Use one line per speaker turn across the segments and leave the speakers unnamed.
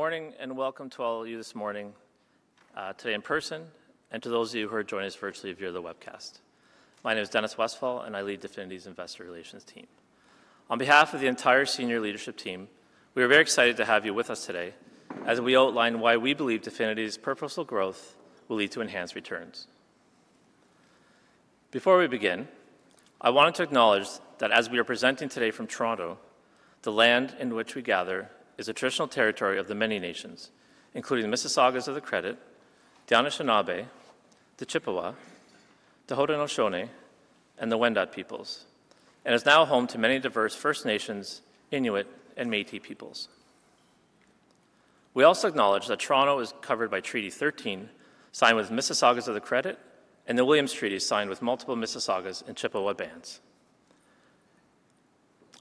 Good morning, and welcome to all of you this morning, today in person, and to those of you who are joining us virtually via the webcast. My name is Dennis Westfall, and I lead Definity's Investor Relations team. On behalf of the entire Senior Leadership Team, we are very excited to have you with us today as we outline why we believe Definity's purposeful growth will lead to enhanced returns. Before we begin, I wanted to acknowledge that as we are presenting today from Toronto, the land in which we gather is the traditional territory of the many nations, including the Mississaugas of the Credit, the Anishinaabe, the Chippewa, the Haudenosaunee, and the Wendat peoples, and is now home to many diverse First Nations, Inuit, and Métis peoples. We also acknowledge that Toronto is covered by Treaty 13, signed with Mississaugas of the Credit, and the Williams Treaties, signed with multiple Mississaugas and Chippewa bands.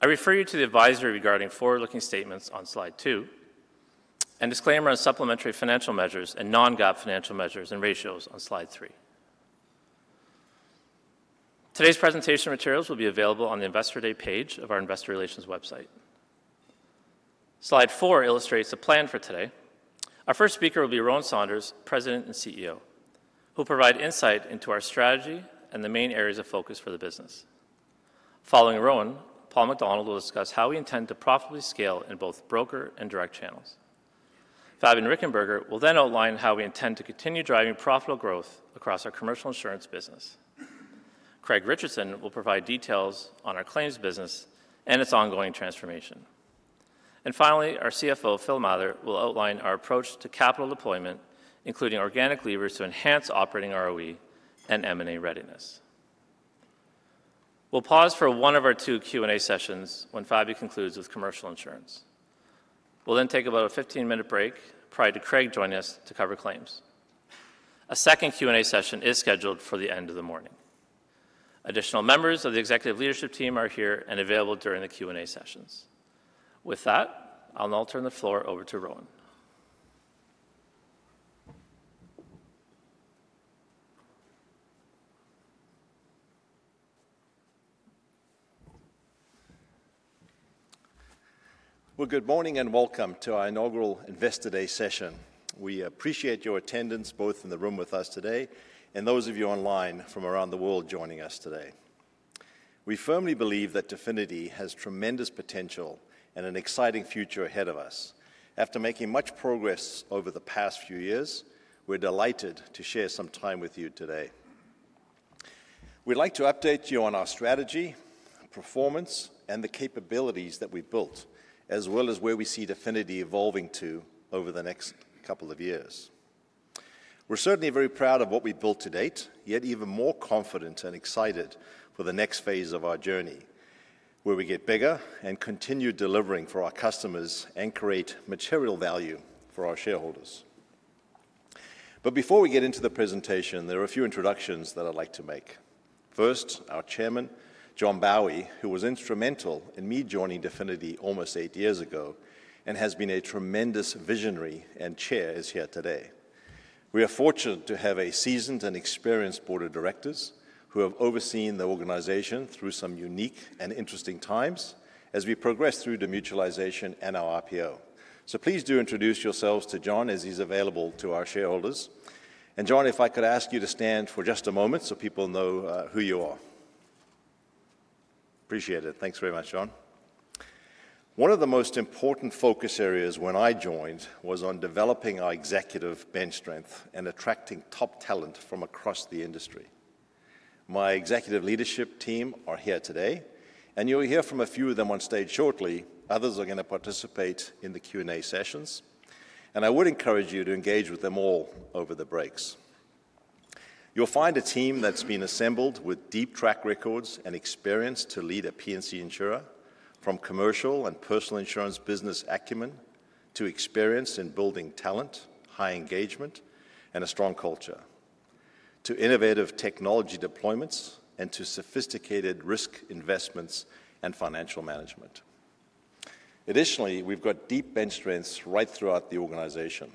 I refer you to the advisory regarding forward-looking statements on slide two and disclaimer on supplementary financial measures and non-GAAP financial measures and ratios on slide three. Today's presentation materials will be available on the Investor Day page of our Investor Relations website. Slide four illustrates the plan for today. Our first speaker will be Rowan Saunders, President and CEO, who'll provide insight into our strategy and the main areas of focus for the business. Following Rowan, Paul MacDonald will discuss how we intend to profitably scale in both broker and direct channels. Fabian Richenberger will then outline how we intend to continue driving profitable growth across our commercial insurance business. Craig Richardson will provide details on our claims business and its ongoing transformation. And finally, our CFO, Phil Mather, will outline our approach to capital deployment, including organic levers to enhance operating ROE and M&A readiness. We'll pause for one of our two Q&A sessions when Fabian concludes with commercial insurance. We'll then take about a 15-minute break prior to Craig joining us to cover claims. A second Q&A session is scheduled for the end of the morning. Additional members of the Executive Leadership Team are here and available during the Q&A sessions. With that, I'll now turn the floor over to Rowan.
Good morning and welcome to our inaugural Investor Day session. We appreciate your attendance, both in the room with us today and those of you online from around the world joining us today. We firmly believe that Definity has tremendous potential and an exciting future ahead of us. After making much progress over the past few years, we're delighted to share some time with you today. We'd like to update you on our strategy, performance, and the capabilities that we've built, as well as where we see Definity evolving to over the next couple of years. We're certainly very proud of what we've built to date, yet even more confident and excited for the next phase of our journey, where we get bigger and continue delivering for our customers and create material value for our shareholders. But before we get into the presentation, there are a few introductions that I'd like to make. First, our Chairman, John Bowey, who was instrumental in me joining Definity almost eight years ago and has been a tremendous visionary and Chair, is here today. We are fortunate to have a seasoned and experienced Board of Directors who have overseen the organization through some unique and interesting times as we progress through demutualization and our IPO. So please do introduce yourselves to John as he's available to our shareholders. And John, if I could ask you to stand for just a moment so people know who you are. Appreciate it. Thanks very much, John. One of the most important focus areas when I joined was on developing our executive bench strength and attracting top talent from across the industry. My Executive Leadership Team are here today, and you'll hear from a few of them on stage shortly. Others are gonna participate in the Q&A sessions, and I would encourage you to engage with them all over the breaks. You'll find a team that's been assembled with deep track records and experience to lead a P&C insurer, from commercial and personal insurance business acumen to experience in building talent, high engagement, and a strong culture, to innovative technology deployments and to sophisticated risk investments and financial management. Additionally, we've got deep bench strengths right throughout the organization.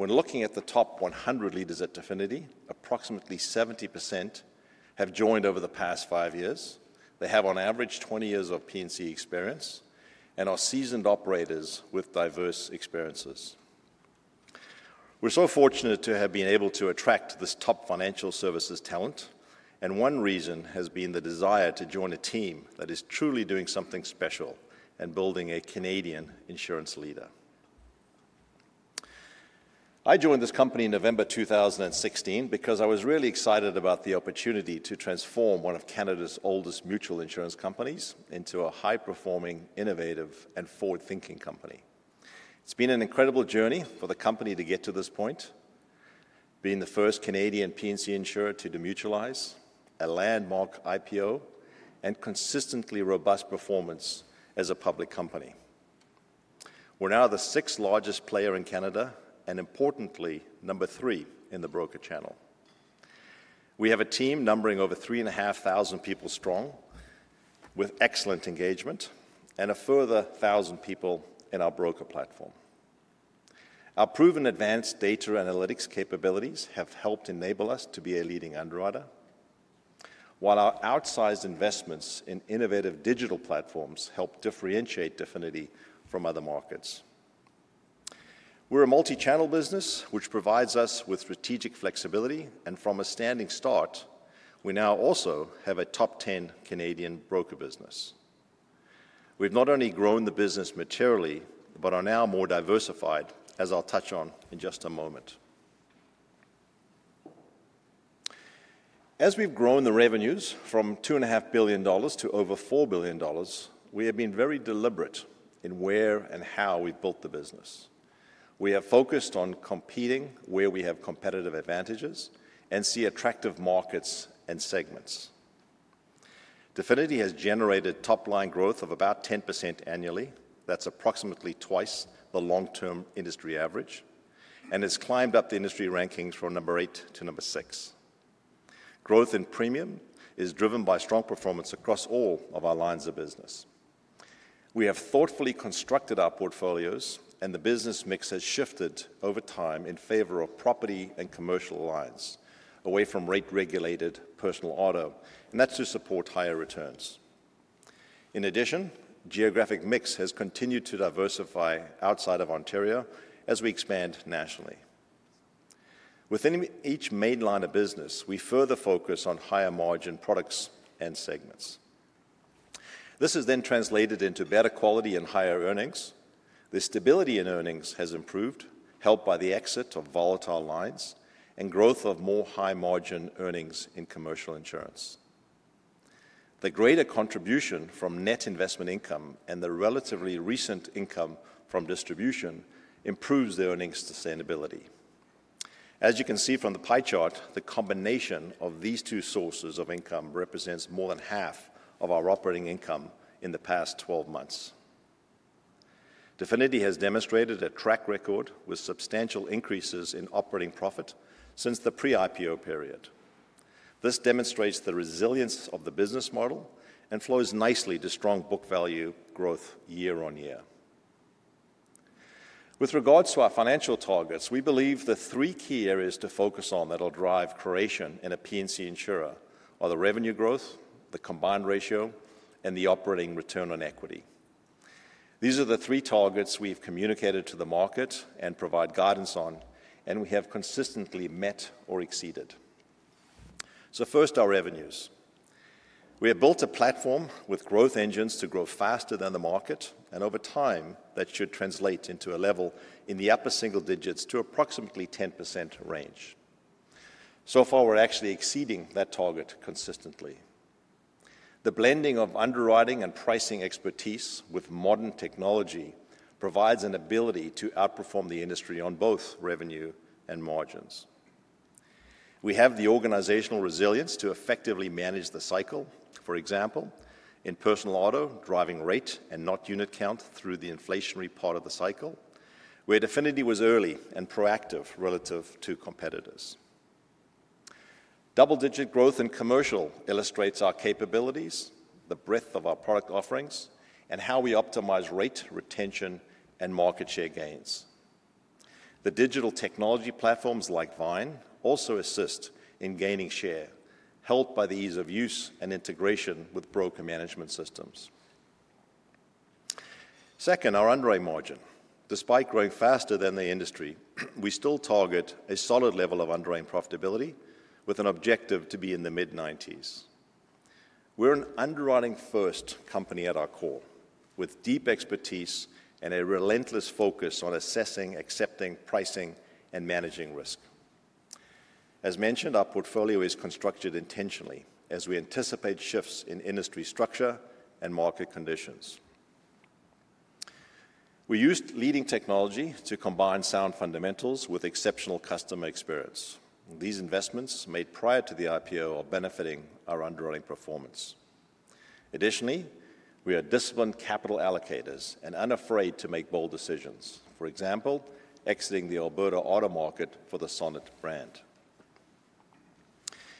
When looking at the top 100 leaders at Definity, approximately 70% have joined over the past five years. They have, on average, 20 years of P&C experience and are seasoned operators with diverse experiences. We're so fortunate to have been able to attract this top financial services talent, and one reason has been the desire to join a team that is truly doing something special and building a Canadian insurance leader. I joined this company in November 2016 because I was really excited about the opportunity to transform one of Canada's oldest mutual insurance companies into a high-performing, innovative, and forward-thinking company. It's been an incredible journey for the company to get to this point, being the first Canadian P&C insurer to demutualize, a landmark IPO, and consistently robust performance as a public company. We're now the sixth-largest player in Canada and, importantly, number three in the broker channel. We have a team numbering over 3,500 people strong, with excellent engagement and a further 1,000 people in our broker platform. Our proven advanced data analytics capabilities have helped enable us to be a leading underwriter, while our outsized investments in innovative digital platforms help differentiate Definity from other markets. We're a multi-channel business, which provides us with strategic flexibility, and from a standing start, we now also have a top 10 Canadian broker business. We've not only grown the business materially, but are now more diversified, as I'll touch on in just a moment. As we've grown the revenues from 2.5 billion dollars to over 4 billion dollars, we have been very deliberate in where and how we've built the business. We have focused on competing where we have competitive advantages and see attractive markets and segments. Definity has generated top-line growth of about 10% annually. That's approximately twice the long-term industry average, and has climbed up the industry rankings from number eight to number six. Growth in premium is driven by strong performance across all of our lines of business. We have thoughtfully constructed our portfolios, and the business mix has shifted over time in favor of property and commercial lines, away from rate-regulated personal auto, and that's to support higher returns. In addition, geographic mix has continued to diversify outside of Ontario as we expand nationally. Within each main line of business, we further focus on higher-margin products and segments. This is then translated into better quality and higher earnings. The stability in earnings has improved, helped by the exit of volatile lines and growth of more high-margin earnings in commercial insurance. The greater contribution from net investment income and the relatively recent income from distribution improves the earnings sustainability. As you can see from the pie chart, the combination of these two sources of income represents more than half of our operating income in the past 12 months. Definity has demonstrated a track record with substantial increases in operating profit since the pre-IPO period. This demonstrates the resilience of the business model and flows nicely to strong book value growth year-on-year. With regards to our financial targets, we believe the three key areas to focus on that will drive creation in a P&C insurer are the revenue growth, the combined ratio, and the operating return on equity. These are the three targets we've communicated to the market and provide guidance on, and we have consistently met or exceeded. So first, our revenues. We have built a platform with growth engines to grow faster than the market, and over time, that should translate into a level in the upper single digits to approximately 10% range. So far, we're actually exceeding that target consistently. The blending of underwriting and pricing expertise with modern technology provides an ability to outperform the industry on both revenue and margins. We have the organizational resilience to effectively manage the cycle. For example, in personal auto, driving rate and not unit count through the inflationary part of the cycle, where Definity was early and proactive relative to competitors. Double-digit growth in commercial illustrates our capabilities, the breadth of our product offerings, and how we optimize rate, retention, and market share gains. The digital technology platforms like Vyne also assist in gaining share, helped by the ease of use and integration with broker management systems. Second, our underwriting margin. Despite growing faster than the industry, we still target a solid level of underwriting profitability with an objective to be in the mid-90s. We're an underwriting-first company at our core, with deep expertise and a relentless focus on assessing, accepting, pricing, and managing risk. As mentioned, our portfolio is constructed intentionally as we anticipate shifts in industry structure and market conditions. We used leading technology to combine sound fundamentals with exceptional customer experience. These investments made prior to the IPO are benefiting our underwriting performance. Additionally, we are disciplined capital allocators and unafraid to make bold decisions. For example, exiting the Alberta auto market for the Sonnet brand.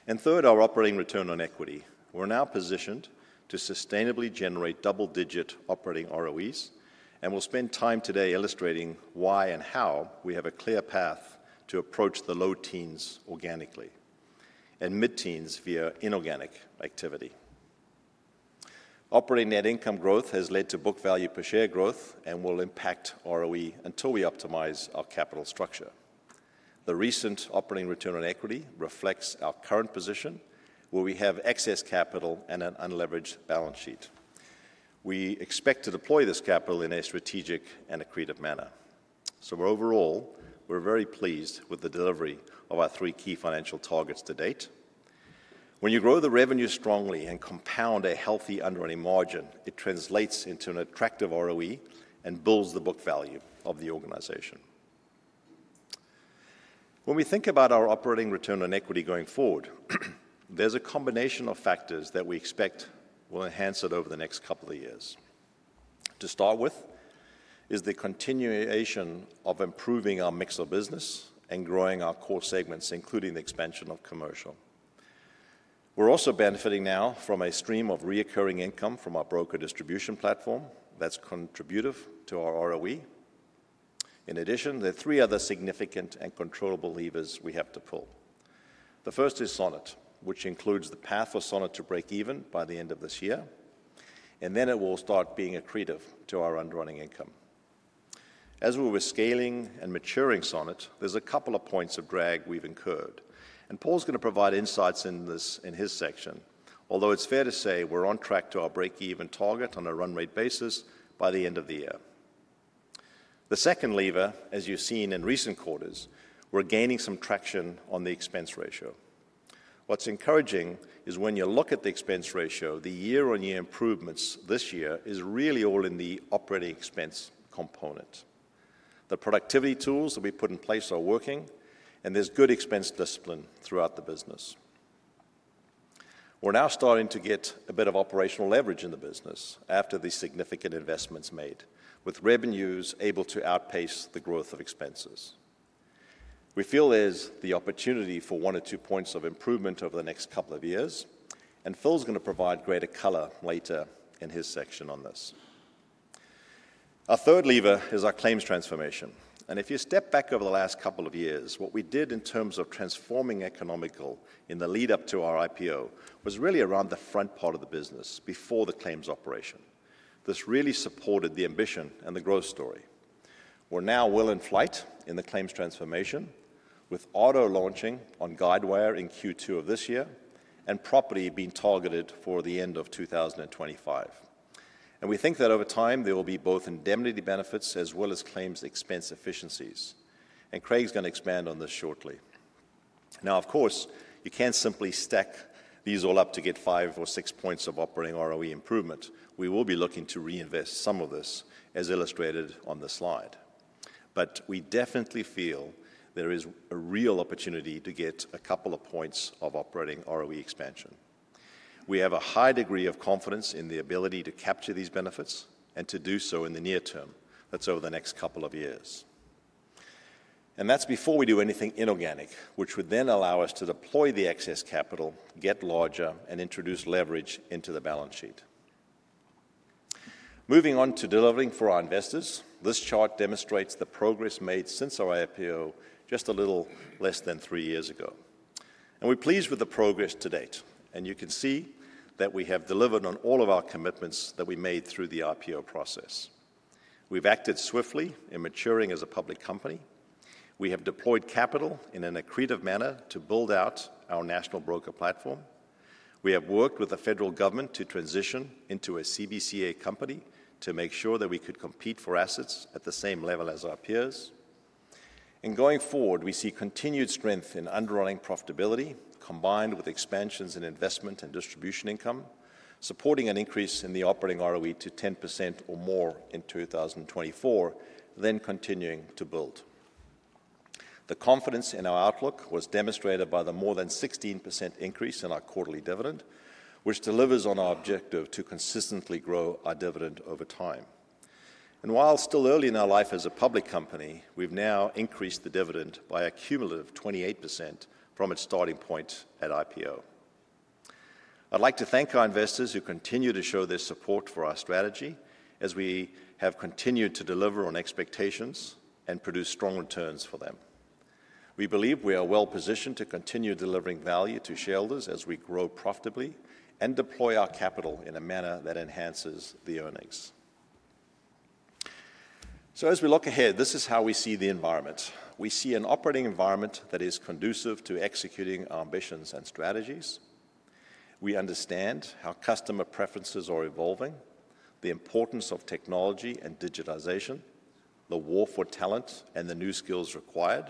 And third, our operating return on equity. We're now positioned to sustainably generate double-digit operating ROEs, and we'll spend time today illustrating why and how we have a clear path to approach the low teens organically and mid-teens via inorganic activity. Operating net income growth has led to book value per share growth and will impact ROE until we optimize our capital structure. The recent operating return on equity reflects our current position, where we have excess capital and an unleveraged balance sheet. We expect to deploy this capital in a strategic and accretive manner. So overall, we're very pleased with the delivery of our three key financial targets to date. When you grow the revenue strongly and compound a healthy underwriting margin, it translates into an attractive ROE and builds the book value of the organization. When we think about our operating return on equity going forward, there's a combination of factors that we expect will enhance it over the next couple of years. To start with, is the continuation of improving our mix of business and growing our core segments, including the expansion of commercial. We're also benefiting now from a stream of recurring income from our broker distribution platform that's contributive to our ROE. In addition, there are three other significant and controllable levers we have to pull. The first is Sonnet, which includes the path for Sonnet to break even by the end of this year, and then it will start being accretive to our underwriting income. As we were scaling and maturing Sonnet, there's a couple of points of drag we've incurred, and Paul's gonna provide insights into this in his section. Although it's fair to say we're on track to our break-even target on a run rate basis by the end of the year. The second lever, as you've seen in recent quarters, we're gaining some traction on the expense ratio. What's encouraging is when you look at the expense ratio, the year-on-year improvements this year is really all in the operating expense component. The productivity tools that we put in place are working, and there's good expense discipline throughout the business. We're now starting to get a bit of operational leverage in the business after the significant investments made, with revenues able to outpace the growth of expenses. We feel there's the opportunity for one or two points of improvement over the next couple of years, and Phil's gonna provide greater color later in his section on this. Our third lever is our claims transformation, and if you step back over the last couple of years, what we did in terms of transforming Economical in the lead up to our IPO was really around the front part of the business before the claims operation. This really supported the ambition and the growth story. We're now well in flight in the claims transformation, with auto launching on Guidewire in Q2 of this year and property being targeted for the end of 2025, and we think that over time there will be both indemnity benefits as well as claims expense efficiencies, and Craig's gonna expand on this shortly. Now, of course, you can't simply stack these all up to get five or six points of operating ROE improvement. We will be looking to reinvest some of this, as illustrated on the slide, but we definitely feel there is a real opportunity to get a couple of points of operating ROE expansion. We have a high degree of confidence in the ability to capture these benefits and to do so in the near term. That's over the next couple of years. That's before we do anything inorganic, which would then allow us to deploy the excess capital, get larger, and introduce leverage into the balance sheet. Moving on to delivering for our investors, this chart demonstrates the progress made since our IPO just a little less than three years ago. We're pleased with the progress to date, and you can see that we have delivered on all of our commitments that we made through the IPO process. We've acted swiftly in maturing as a public company. We have deployed capital in an accretive manner to build out our national broker platform. We have worked with the federal government to transition into a CBCA company to make sure that we could compete for assets at the same level as our peers. Going forward, we see continued strength in underwriting profitability, combined with expansions in investment and distribution income, supporting an increase in the operating ROE to 10% or more in 2024, then continuing to build. The confidence in our outlook was demonstrated by the more than 16% increase in our quarterly dividend, which delivers on our objective to consistently grow our dividend over time. And while still early in our life as a public company, we've now increased the dividend by a cumulative 28% from its starting point at IPO. I'd like to thank our investors who continue to show their support for our strategy as we have continued to deliver on expectations and produce strong returns for them. We believe we are well-positioned to continue delivering value to shareholders as we grow profitably and deploy our capital in a manner that enhances the earnings. So as we look ahead, this is how we see the environment. We see an operating environment that is conducive to executing our ambitions and strategies. We understand how customer preferences are evolving, the importance of technology and digitization, the war for talent, and the new skills required.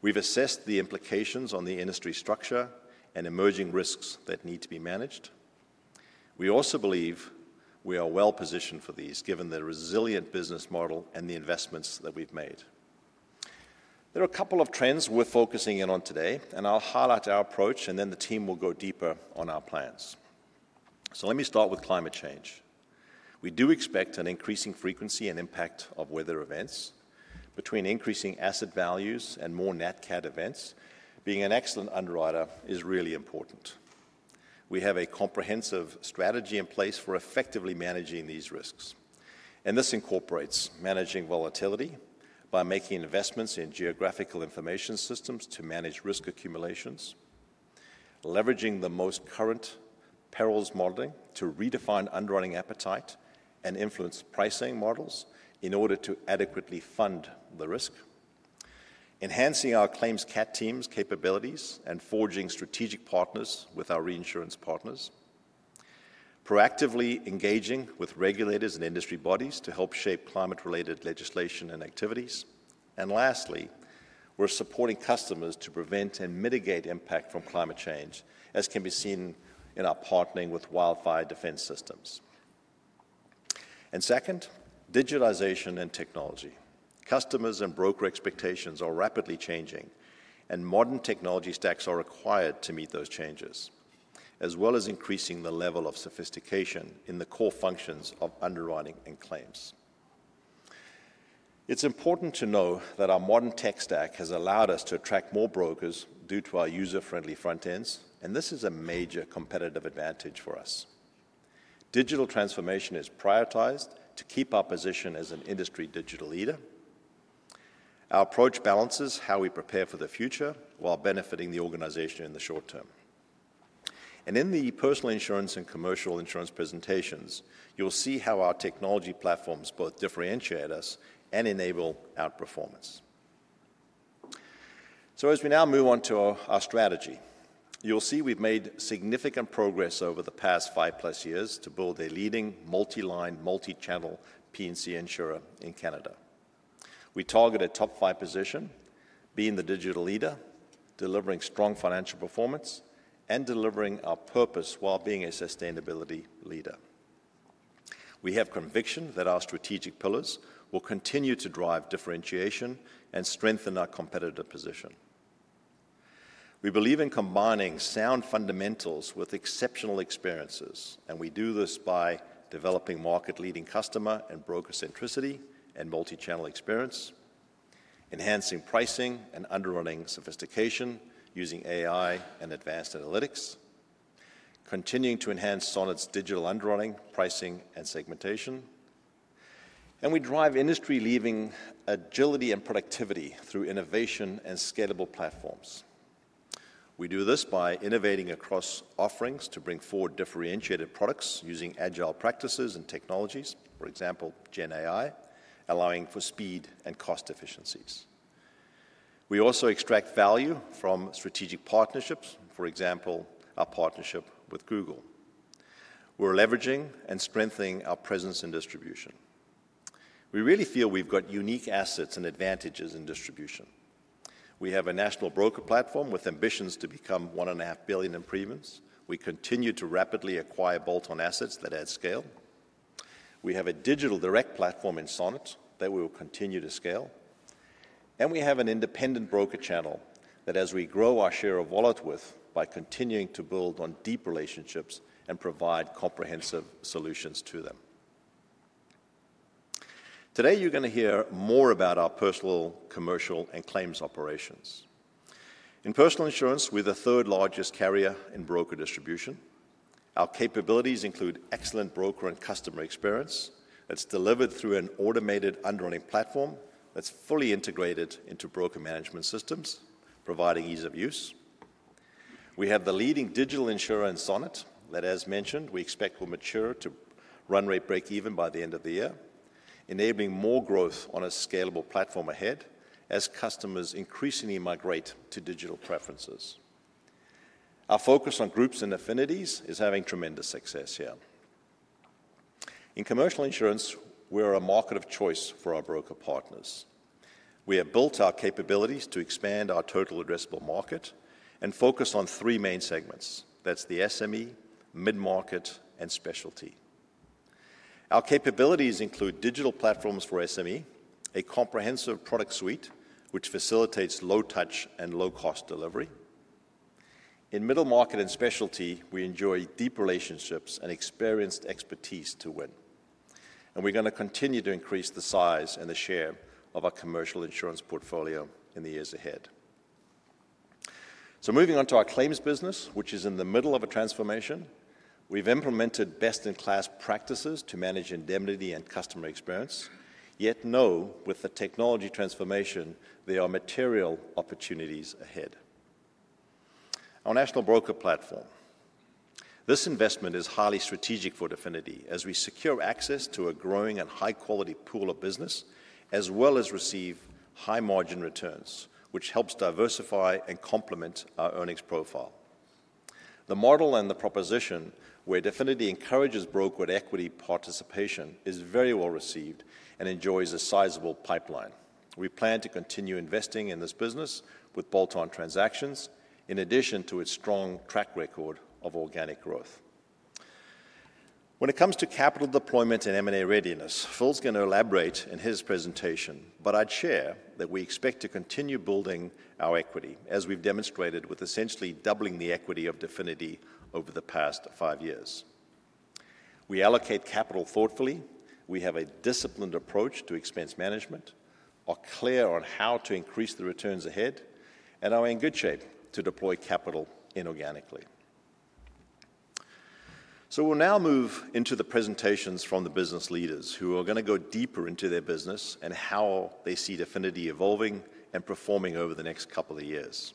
We've assessed the implications on the industry structure and emerging risks that need to be managed. We also believe we are well-positioned for these, given the resilient business model and the investments that we've made. There are a couple of trends we're focusing in on today, and I'll highlight our approach, and then the team will go deeper on our plans. So let me start with climate change. We do expect an increasing frequency and impact of weather events. Between increasing asset values and more NatCat events, being an excellent underwriter is really important. We have a comprehensive strategy in place for effectively managing these risks, and this incorporates managing volatility by making investments in geographic information systems to manage risk accumulations, leveraging the most current perils modeling to redefine underwriting appetite and influence pricing models in order to adequately fund the risk, enhancing our claims Cat teams' capabilities and forging strategic partners with our reinsurance partners, proactively engaging with regulators and industry bodies to help shape climate-related legislation and activities. And lastly, we're supporting customers to prevent and mitigate impact from climate change, as can be seen in our partnering with Wildfire Defense Systems. And second, digitalization and technology. Customers and broker expectations are rapidly changing, and modern technology stacks are required to meet those changes, as well as increasing the level of sophistication in the core functions of underwriting and claims. It's important to know that our modern tech stack has allowed us to attract more brokers due to our user-friendly front ends, and this is a major competitive advantage for us. Digital transformation is prioritized to keep our position as an industry digital leader. Our approach balances how we prepare for the future while benefiting the organization in the short term, and in the personal insurance and commercial insurance presentations, you'll see how our technology platforms both differentiate us and enable outperformance. So as we now move on to our strategy, you'll see we've made significant progress over the past five-plus years to build a leading multi-line, multi-channel P&C insurer in Canada. We target a top five position, being the digital leader, delivering strong financial performance, and delivering our purpose while being a sustainability leader. We have conviction that our strategic pillars will continue to drive differentiation and strengthen our competitive position. We believe in combining sound fundamentals with exceptional experiences, and we do this by developing market-leading customer and broker centricity and multi-channel experience, enhancing pricing and underwriting sophistication using AI and advanced analytics, continuing to enhance Sonnet's digital underwriting, pricing, and segmentation, and we drive industry-leading agility and productivity through innovation and scalable platforms. We do this by innovating across offerings to bring forward differentiated products using agile practices and technologies, for example, Gen AI, allowing for speed and cost efficiencies. We also extract value from strategic partnerships, for example, our partnership with Google. We're leveraging and strengthening our presence and distribution. We really feel we've got unique assets and advantages in distribution. We have a national broker platform with ambitions to become 1.5 billion in premiums. We continue to rapidly acquire bolt-on assets that add scale. We have a digital direct platform in Sonnet that we will continue to scale, and we have an independent broker channel that as we grow our share of wallet with by continuing to build on deep relationships and provide comprehensive solutions to them. Today, you're gonna hear more about our personal, commercial, and claims operations. In personal insurance, we're the third largest carrier in broker distribution. Our capabilities include excellent broker and customer experience that's delivered through an automated underwriting platform that's fully integrated into broker management systems, providing ease of use. We have the leading digital insurer in Sonnet, that, as mentioned, we expect will mature to run rate breakeven by the end of the year, enabling more growth on a scalable platform ahead as customers increasingly migrate to digital preferences. Our focus on groups and affinities is having tremendous success here. In commercial insurance, we're a market of choice for our broker partners. We have built our capabilities to expand our total addressable market and focus on three main segments. That's the SME, mid-market, and specialty. Our capabilities include digital platforms for SME, a comprehensive product suite, which facilitates low-touch and low-cost delivery. In middle market and specialty, we enjoy deep relationships and experienced expertise to win, and we're gonna continue to increase the size and the share of our commercial insurance portfolio in the years ahead. So moving on to our claims business, which is in the middle of a transformation, we've implemented best-in-class practices to manage indemnity and customer experience, yet, now with the technology transformation, there are material opportunities ahead. Our national broker platform. This investment is highly strategic for Definity as we secure access to a growing and high-quality pool of business, as well as receive high-margin returns, which helps diversify and complement our earnings profile. The model and the proposition where Definity encourages broker equity participation is very well-received and enjoys a sizable pipeline. We plan to continue investing in this business with bolt-on transactions, in addition to its strong track record of organic growth. When it comes to capital deployment and M&A readiness, Phil's gonna elaborate in his presentation, but I'd share that we expect to continue building our equity, as we've demonstrated with essentially doubling the equity of Definity over the past five years. We allocate capital thoughtfully. We have a disciplined approach to expense management, are clear on how to increase the returns ahead, and are in good shape to deploy capital inorganically. So we'll now move into the presentations from the business leaders, who are gonna go deeper into their business and how they see Definity evolving and performing over the next couple of years.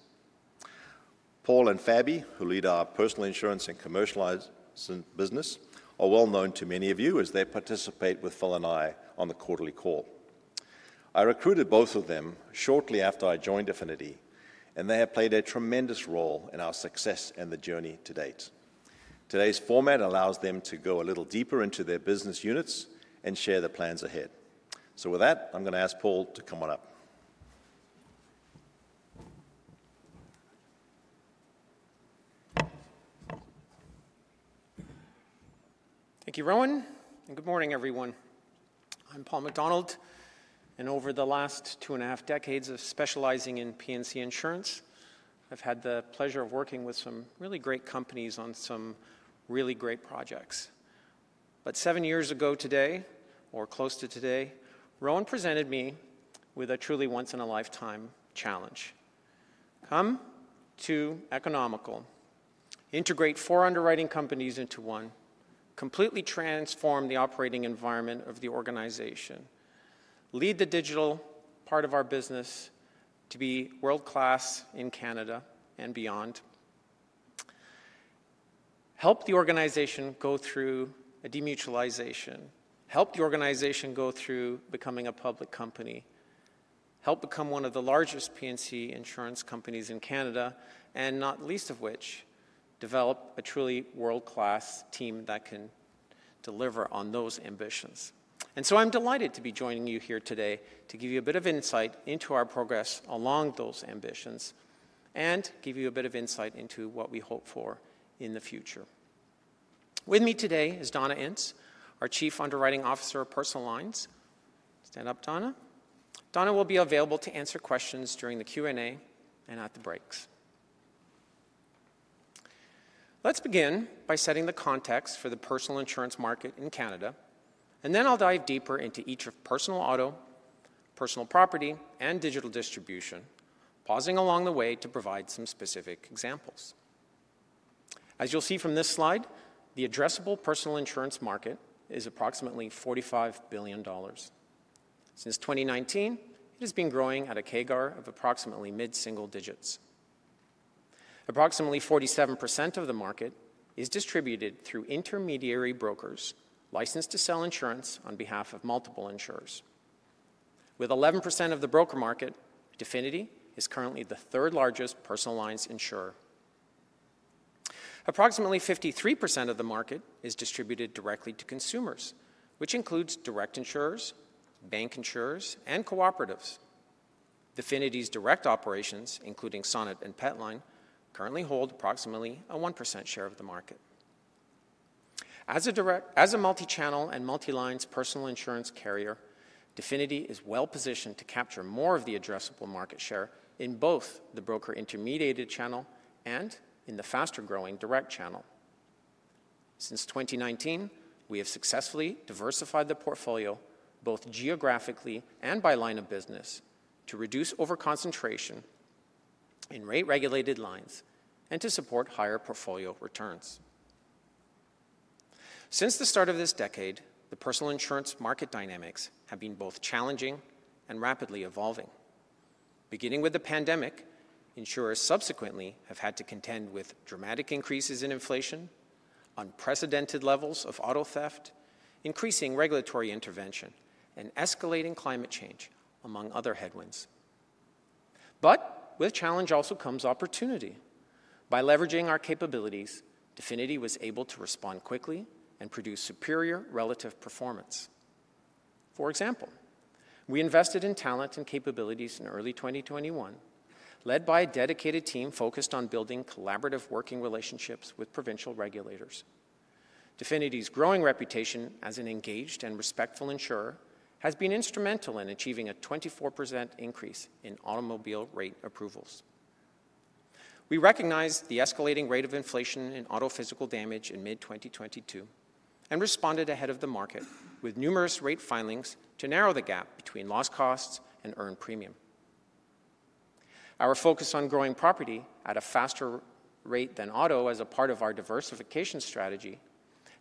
Paul and Fabi, who lead our personal insurance and commercial business, are well known to many of you as they participate with Phil and I on the quarterly call. I recruited both of them shortly after I joined Definity, and they have played a tremendous role in our success and the journey to date. Today's format allows them to go a little deeper into their business units and share the plans ahead. So with that, I'm gonna ask Paul to come on up.
Thank you, Rowan, and good morning, everyone. I'm Paul MacDonald, and over the last two and a half decades of specializing in P&C insurance, I've had the pleasure of working with some really great companies on some really great projects. But seven years ago today, or close to today, Rowan presented me with a truly once-in-a-lifetime challenge. Come to Economical, integrate four underwriting companies into one, completely transform the operating environment of the organization, lead the digital part of our business to be world-class in Canada and beyond, help the organization go through a demutualization, help the organization go through becoming a public company, help become one of the largest P&C insurance companies in Canada, and not least of which, develop a truly world-class team that can deliver on those ambitions. I'm delighted to be joining you here today to give you a bit of insight into our progress along those ambitions and give you a bit of insight into what we hope for in the future. With me today is Donna Ince, our Chief Underwriting Officer of Personal Lines. Stand up, Donna. Donna will be available to answer questions during the Q&A and at the breaks. Let's begin by setting the context for the personal insurance market in Canada, and then I'll dive deeper into each of personal auto, personal property, and digital distribution, pausing along the way to provide some specific examples. As you'll see from this slide, the addressable personal insurance market is approximately 45 billion dollars. Since 2019, it has been growing at a CAGR of approximately mid-single digits. Approximately 47% of the market is distributed through intermediary brokers licensed to sell insurance on behalf of multiple insurers. With 11% of the broker market, Definity is currently the third largest personal lines insurer. Approximately 53% of the market is distributed directly to consumers, which includes direct insurers, bank insurers, and cooperatives. Definity's direct operations, including Sonnet and Petline, currently hold approximately a 1% share of the market. As a multi-channel and multi-lines personal insurance carrier, Definity is well-positioned to capture more of the addressable market share in both the broker-intermediated channel and in the faster-growing direct channel. Since 2019, we have successfully diversified the portfolio, both geographically and by line of business, to reduce over-concentration in rate-regulated lines and to support higher portfolio returns. Since the start of this decade, the personal insurance market dynamics have been both challenging and rapidly evolving. Beginning with the pandemic, insurers subsequently have had to contend with dramatic increases in inflation, unprecedented levels of auto theft, increasing regulatory intervention, and escalating climate change, among other headwinds. But with challenge also comes opportunity. By leveraging our capabilities, Definity was able to respond quickly and produce superior relative performance. For example, we invested in talent and capabilities in early 2021, led by a dedicated team focused on building collaborative working relationships with provincial regulators. Definity's growing reputation as an engaged and respectful insurer has been instrumental in achieving a 24% increase in automobile rate approvals. We recognized the escalating rate of inflation in auto physical damage in mid-2022 and responded ahead of the market with numerous rate filings to narrow the gap between loss costs and earned premium. Our focus on growing property at a faster rate than auto as a part of our diversification strategy,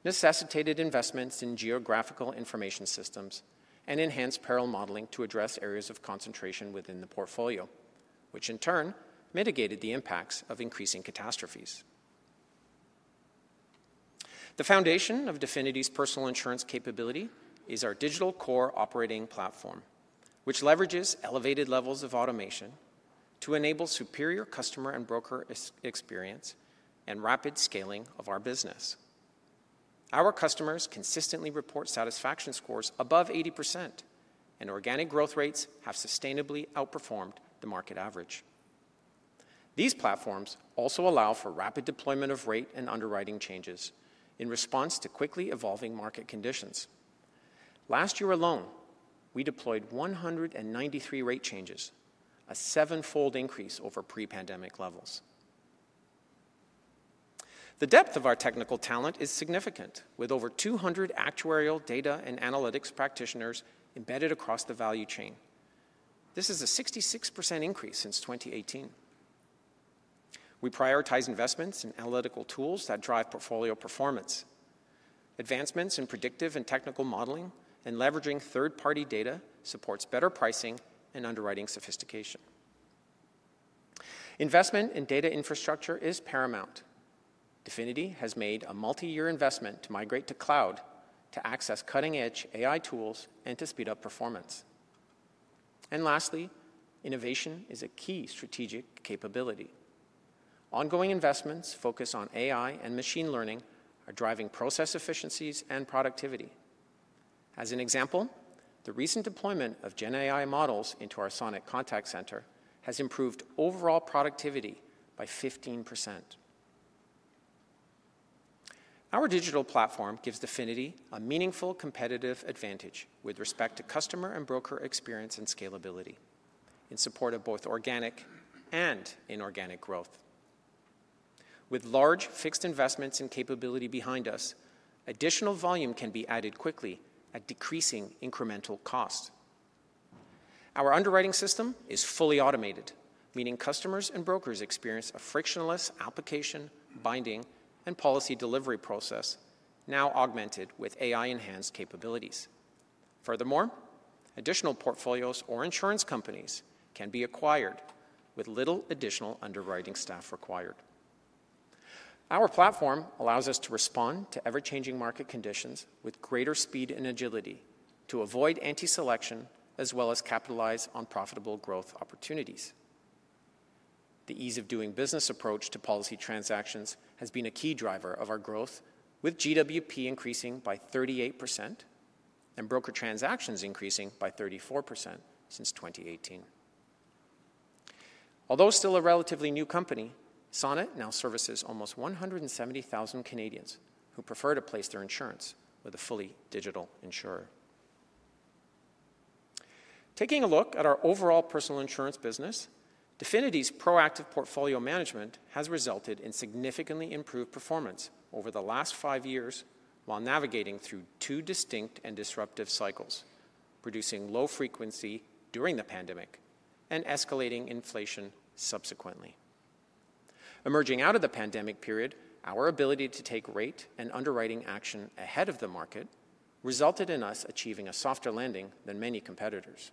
necessitated investments in geographic information systems and enhanced peril modeling to address areas of concentration within the portfolio, which in turn mitigated the impacts of increasing catastrophes. The foundation of Definity's personal insurance capability is our digital core operating platform, which leverages elevated levels of automation to enable superior customer and broker experience and rapid scaling of our business. Our customers consistently report satisfaction scores above 80%, and organic growth rates have sustainably outperformed the market average. These platforms also allow for rapid deployment of rate and underwriting changes in response to quickly evolving market conditions. Last year alone, we deployed 193 rate changes, a seven-fold increase over pre-pandemic levels. The depth of our technical talent is significant, with over 200 actuarial data and analytics practitioners embedded across the value chain. This is a 66% increase since 2018. We prioritize investments in analytical tools that drive portfolio performance. Advancements in predictive and technical modeling and leveraging third-party data supports better pricing and underwriting sophistication. Investment in data infrastructure is paramount. Definity has made a multi-year investment to migrate to cloud, to access cutting-edge AI tools, and to speed up performance. And lastly, innovation is a key strategic capability. Ongoing investments focused on AI and machine learning are driving process efficiencies and productivity. As an example, the recent deployment of Gen AI models into our Sonnet Contact Center has improved overall productivity by 15%. Our digital platform gives Definity a meaningful competitive advantage with respect to customer and broker experience and scalability in support of both organic and inorganic growth, with large fixed investments and capability behind us, additional volume can be added quickly at decreasing incremental cost. Our underwriting system is fully automated, meaning customers and brokers experience a frictionless application, binding, and policy delivery process, now augmented with AI-enhanced capabilities. Furthermore, additional portfolios or insurance companies can be acquired with little additional underwriting staff required. Our platform allows us to respond to ever-changing market conditions with greater speed and agility to avoid anti-selection, as well as capitalize on profitable growth opportunities. The ease of doing business approach to policy transactions has been a key driver of our growth, with GWP increasing by 38% and broker transactions increasing by 34% since 2018. Although still a relatively new company, Sonnet now services almost 170,000 Canadians who prefer to place their insurance with a fully digital insurer. Taking a look at our overall personal insurance business, Definity's proactive portfolio management has resulted in significantly improved performance over the last five years while navigating through two distinct and disruptive cycles, producing low frequency during the pandemic and escalating inflation subsequently. Emerging out of the pandemic period, our ability to take rate and underwriting action ahead of the market resulted in us achieving a softer landing than many competitors.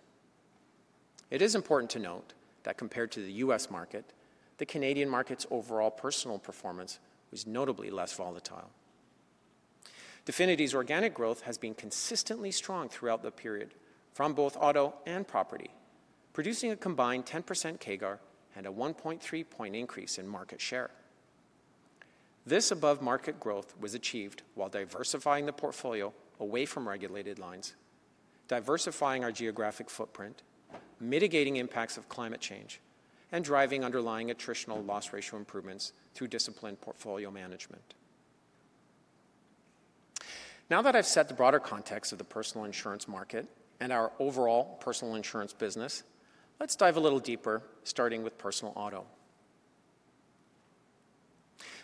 It is important to note that compared to the U.S. market, the Canadian market's overall personal performance was notably less volatile. Definity's organic growth has been consistently strong throughout the period from both auto and property, producing a combined 10% CAGR and a 1.3-point increase in market share. This above-market growth was achieved while diversifying the portfolio away from regulated lines, diversifying our geographic footprint, mitigating impacts of climate change, and driving underlying attritional loss ratio improvements through disciplined portfolio management. Now that I've set the broader context of the personal insurance market and our overall personal insurance business, let's dive a little deeper, starting with personal auto.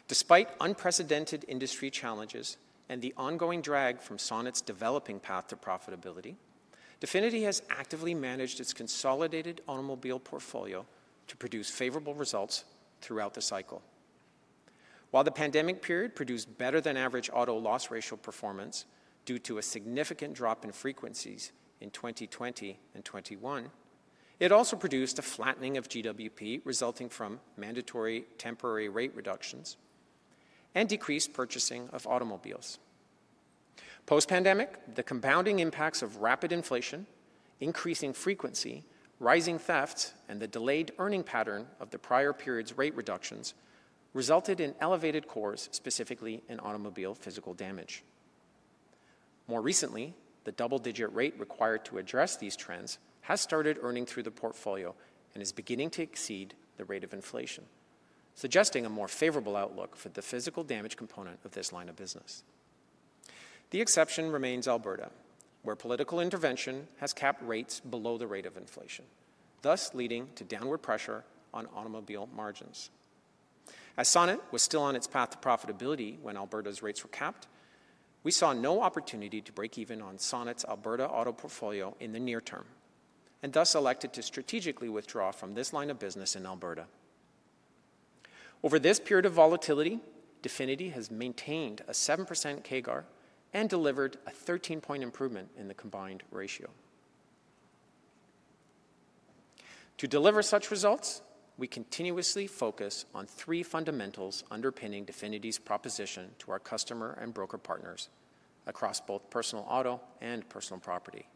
Despite unprecedented industry challenges and the ongoing drag from Sonnet's developing path to profitability, Definity has actively managed its consolidated automobile portfolio to produce favorable results throughout the cycle. While the pandemic period produced better than average auto loss ratio performance due to a significant drop in frequencies in 2020 and 2021, it also produced a flattening of GWP, resulting from mandatory temporary rate reductions and decreased purchasing of automobiles. Post-pandemic, the compounding impacts of rapid inflation, increasing frequency, rising theft, and the delayed earning pattern of the prior period's rate reductions resulted in elevated CORs, specifically in automobile physical damage. More recently, the double-digit rate required to address these trends has started earning through the portfolio and is beginning to exceed the rate of inflation, suggesting a more favorable outlook for the physical damage component of this line of business. The exception remains Alberta, where political intervention has capped rates below the rate of inflation, thus leading to downward pressure on automobile margins. As Sonnet was still on its path to profitability when Alberta's rates were capped, we saw no opportunity to break even on Sonnet's Alberta auto portfolio in the near term and thus elected to strategically withdraw from this line of business in Alberta. Over this period of volatility, Definity has maintained a 7% CAGR and delivered a 13-point improvement in the combined ratio. To deliver such results, we continuously focus on three fundamentals underpinning Definity's proposition to our customer and broker partners across both personal auto and personal property.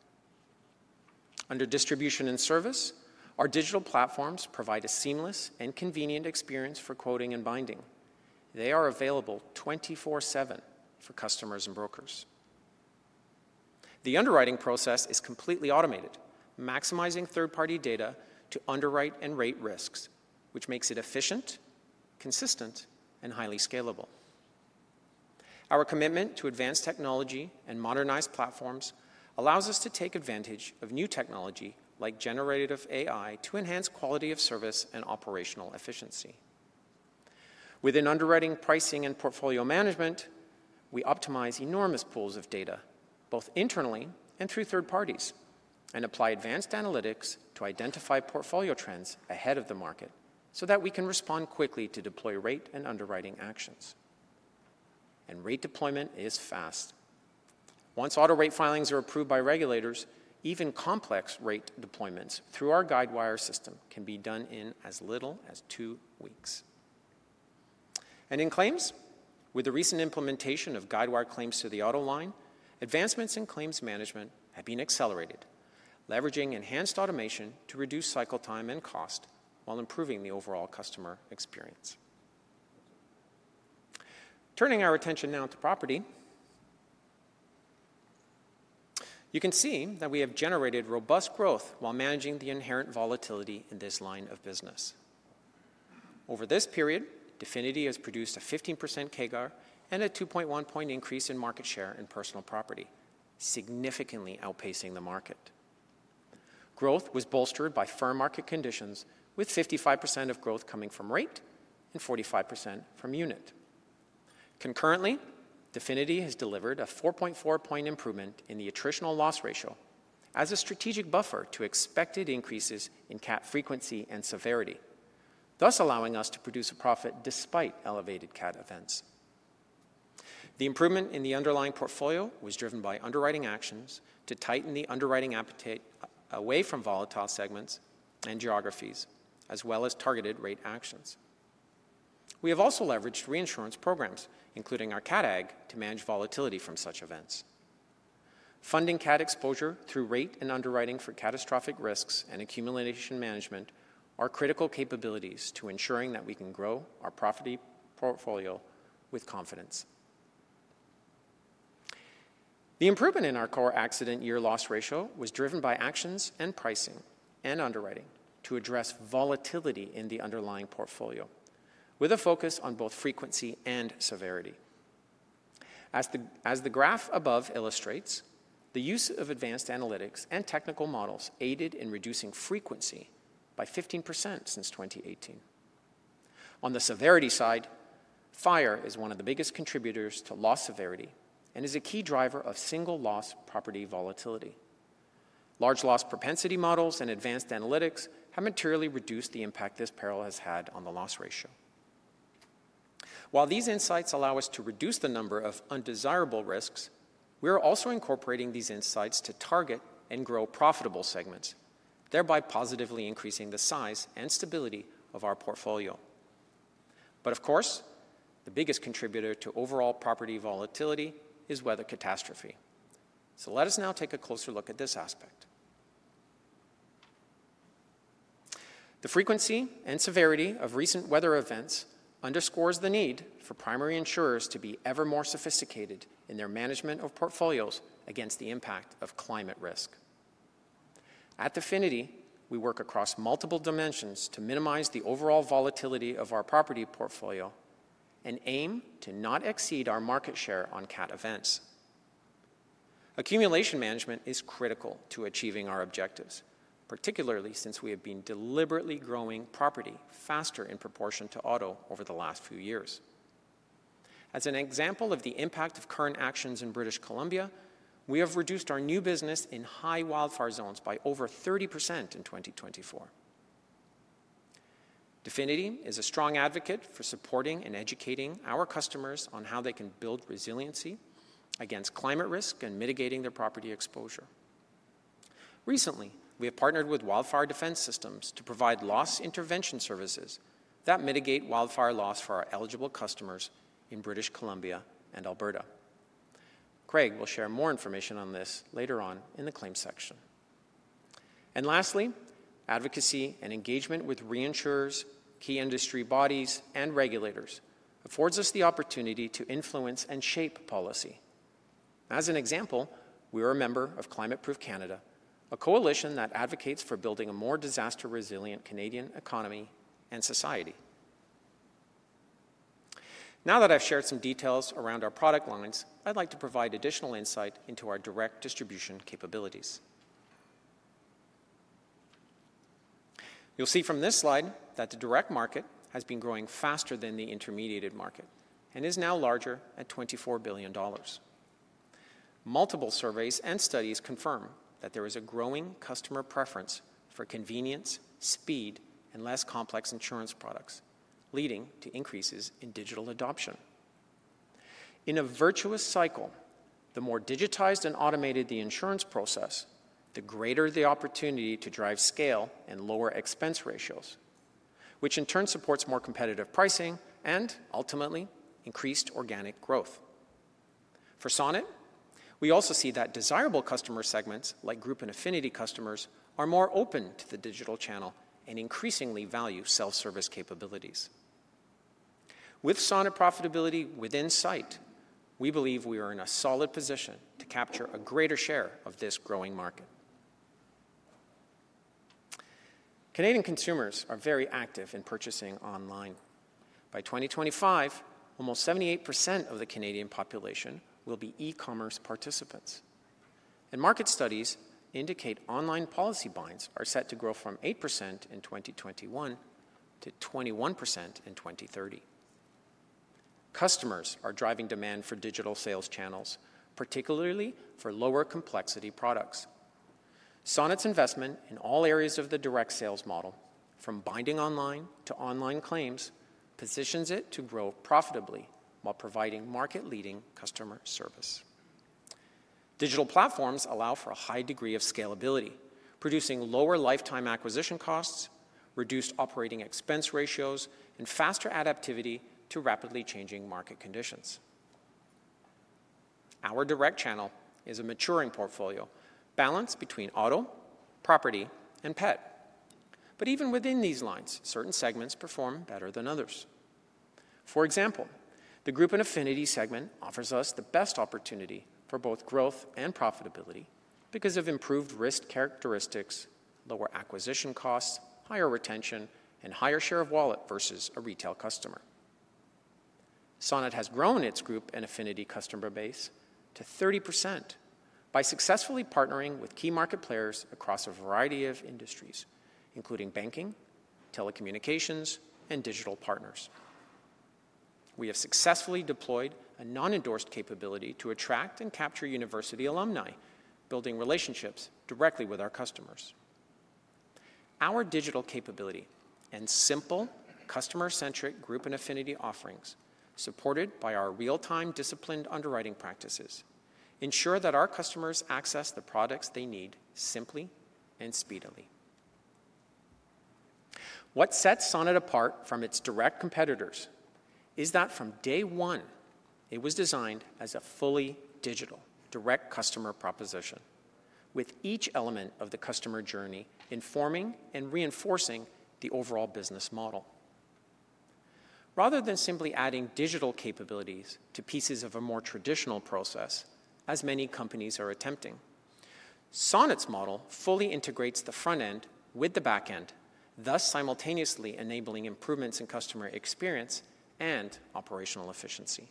Under distribution and service, our digital platforms provide a seamless and convenient experience for quoting and binding. They are available 24/7 for customers and brokers. The underwriting process is completely automated, maximizing third-party data to underwrite and rate risks, which makes it efficient, consistent, and highly scalable. Our commitment to advanced technology and modernized platforms allows us to take advantage of new technology like generative AI to enhance quality of service and operational efficiency. Within underwriting, pricing, and portfolio management, we optimize enormous pools of data, both internally and through third parties, and apply advanced analytics to identify portfolio trends ahead of the market so that we can respond quickly to deploy rate and underwriting actions, and rate deployment is fast. Once auto rate filings are approved by regulators, even complex rate deployments through our Guidewire system can be done in as little as two weeks, and in claims, with the recent implementation of Guidewire claims to the auto line, advancements in claims management have been accelerated, leveraging enhanced automation to reduce cycle time and cost while improving the overall customer experience. Turning our attention now to property, you can see that we have generated robust growth while managing the inherent volatility in this line of business. Over this period, Definity has produced a 15% CAGR and a 2.1-point increase in market share in personal property, significantly outpacing the market. Growth was bolstered by firm market conditions, with 55% of growth coming from rate and 45% from unit. Concurrently, Definity has delivered a 4.4-point improvement in the attritional loss ratio as a strategic buffer to expected increases in Cat frequency and severity, thus allowing us to produce a profit despite elevated Cat events. The improvement in the underlying portfolio was driven by underwriting actions to tighten the underwriting appetite away from volatile segments and geographies, as well as targeted rate actions. We have also leveraged reinsurance programs, including our Cat Agg, to manage volatility from such events. Funding Cat exposure through rate and underwriting for catastrophic risks and accumulation management are critical capabilities to ensuring that we can grow our property portfolio with confidence. The improvement in our core accident year loss ratio was driven by actions and pricing and underwriting to address volatility in the underlying portfolio, with a focus on both frequency and severity. As the graph above illustrates, the use of advanced analytics and technical models aided in reducing frequency by 15% since 2018. On the severity side, fire is one of the biggest contributors to loss severity and is a key driver of single loss property volatility. Large loss propensity models and advanced analytics have materially reduced the impact this peril has had on the loss ratio. While these insights allow us to reduce the number of undesirable risks, we are also incorporating these insights to target and grow profitable segments, thereby positively increasing the size and stability of our portfolio. But of course, the biggest contributor to overall property volatility is weather catastrophe. So let us now take a closer look at this aspect. The frequency and severity of recent weather events underscores the need for primary insurers to be ever more sophisticated in their management of portfolios against the impact of climate risk. At Definity, we work across multiple dimensions to minimize the overall volatility of our property portfolio and aim to not exceed our market share on Cat events. Accumulation management is critical to achieving our objectives, particularly since we have been deliberately growing property faster in proportion to auto over the last few years. As an example of the impact of current actions in British Columbia, we have reduced our new business in high wildfire zones by over 30% in 2024. Definity is a strong advocate for supporting and educating our customers on how they can build resiliency against climate risk and mitigating their property exposure. Recently, we have partnered with Wildfire Defense Systems to provide loss intervention services that mitigate wildfire loss for our eligible customers in British Columbia and Alberta. Craig will share more information on this later on in the claims section. And lastly, advocacy and engagement with reinsurers, key industry bodies, and regulators affords us the opportunity to influence and shape policy. As an example, we are a member of Climate Proof Canada, a coalition that advocates for building a more disaster-resilient Canadian economy and society. Now that I've shared some details around our product lines, I'd like to provide additional insight into our direct distribution capabilities. You'll see from this slide that the direct market has been growing faster than the intermediated market and is now larger at 24 billion dollars. Multiple surveys and studies confirm that there is a growing customer preference for convenience, speed, and less complex insurance products, leading to increases in digital adoption. In a virtuous cycle, the more digitized and automated the insurance process, the greater the opportunity to drive scale and lower expense ratios, which in turn supports more competitive pricing and, ultimately, increased organic growth. For Sonnet, we also see that desirable customer segments, like group and affinity customers, are more open to the digital channel and increasingly value self-service capabilities. With Sonnet profitability within sight, we believe we are in a solid position to capture a greater share of this growing market. Canadian consumers are very active in purchasing online. By 2025, almost 78% of the Canadian population will be e-commerce participants, and market studies indicate online policy binds are set to grow from 8% in 2021 to 21% in 2030. Customers are driving demand for digital sales channels, particularly for lower complexity products. Sonnet's investment in all areas of the direct sales model, from binding online to online claims, positions it to grow profitably while providing market-leading customer service. Digital platforms allow for a high degree of scalability, producing lower lifetime acquisition costs, reduced operating expense ratios, and faster adaptivity to rapidly changing market conditions. Our direct channel is a maturing portfolio, balanced between auto, property, and pet. But even within these lines, certain segments perform better than others. For example, the group and affinity segment offers us the best opportunity for both growth and profitability because of improved risk characteristics, lower acquisition costs, higher retention, and higher share of wallet versus a retail customer. Sonnet has grown its group and affinity customer base to 30% by successfully partnering with key market players across a variety of industries, including banking, telecommunications, and digital partners. We have successfully deployed a non-endorsed capability to attract and capture university alumni, building relationships directly with our customers. Our digital capability and simple, customer-centric group and affinity offerings, supported by our real-time disciplined underwriting practices, ensure that our customers access the products they need simply and speedily. What sets Sonnet apart from its direct competitors is that from day one, it was designed as a fully digital, direct customer proposition, with each element of the customer journey informing and reinforcing the overall business model. Rather than simply adding digital capabilities to pieces of a more traditional process, as many companies are attempting, Sonnet's model fully integrates the front end with the back end, thus simultaneously enabling improvements in customer experience and operational efficiency.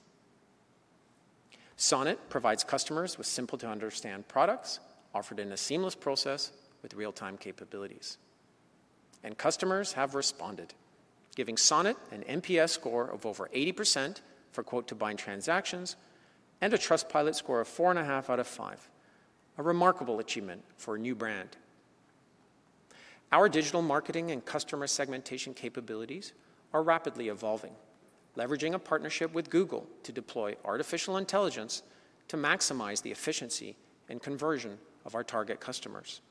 Sonnet provides customers with simple-to-understand products, offered in a seamless process with real-time capabilities. And customers have responded, giving Sonnet an NPS score of over 80% for quote-to-bind transactions and a Trustpilot score of 4.5 out of 5, a remarkable achievement for a new brand. Our digital marketing and customer segmentation capabilities are rapidly evolving, leveraging a partnership with Google to deploy artificial intelligence to maximize the efficiency and conversion of our target customers,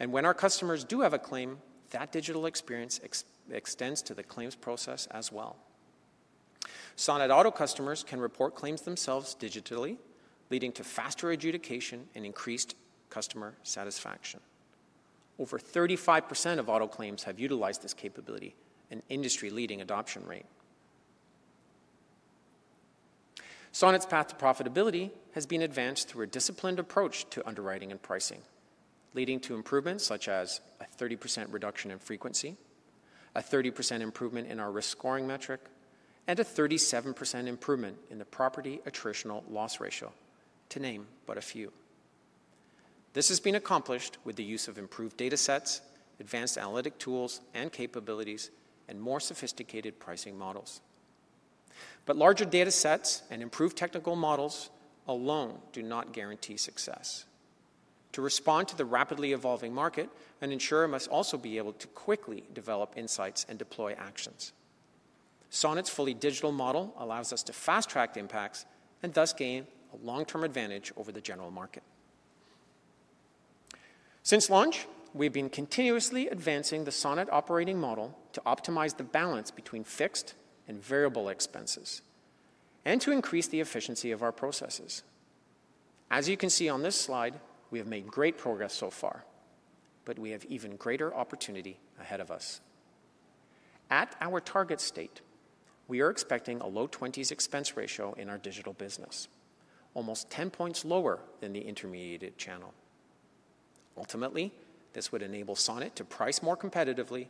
and when our customers do have a claim, that digital experience extends to the claims process as well. Sonnet auto customers can report claims themselves digitally, leading to faster adjudication and increased customer satisfaction. Over 35% of auto claims have utilized this capability, an industry-leading adoption rate. Sonnet's path to profitability has been advanced through a disciplined approach to underwriting and pricing, leading to improvements such as a 30% reduction in frequency, a 30% improvement in our risk scoring metric, and a 37% improvement in the property attritional loss ratio, to name but a few. This has been accomplished with the use of improved data sets, advanced analytic tools and capabilities, and more sophisticated pricing models. But larger data sets and improved technical models alone do not guarantee success. To respond to the rapidly evolving market, an insurer must also be able to quickly develop insights and deploy actions. Sonnet's fully digital model allows us to fast-track the impacts and thus gain a long-term advantage over the general market. Since launch, we've been continuously advancing the Sonnet operating model to optimize the balance between fixed and variable expenses and to increase the efficiency of our processes. As you can see on this slide, we have made great progress so far, but we have even greater opportunity ahead of us. At our target state, we are expecting a low 20s expense ratio in our digital business, almost 10 points lower than the intermediated channel. Ultimately, this would enable Sonnet to price more competitively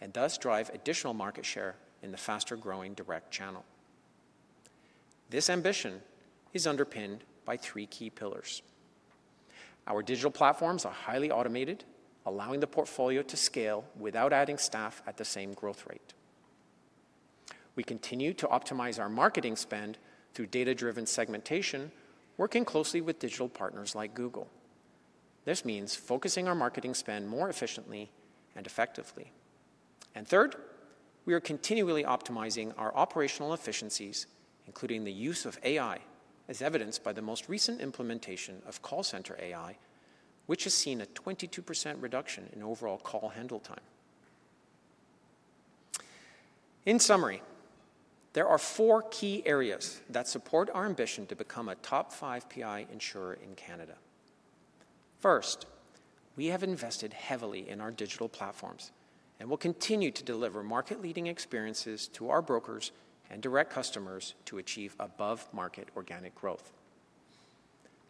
and thus drive additional market share in the faster-growing direct channel. This ambition is underpinned by three key pillars. Our digital platforms are highly automated, allowing the portfolio to scale without adding staff at the same growth rate. We continue to optimize our marketing spend through data-driven segmentation, working closely with digital partners like Google. This means focusing our marketing spend more efficiently and effectively, and third, we are continually optimizing our operational efficiencies, including the use of AI, as evidenced by the most recent implementation of call center AI, which has seen a 22% reduction in overall call handle time. In summary, there are four key areas that support our ambition to become a top five PI insurer in Canada. First, we have invested heavily in our digital platforms and will continue to deliver market-leading experiences to our brokers and direct customers to achieve above-market organic growth.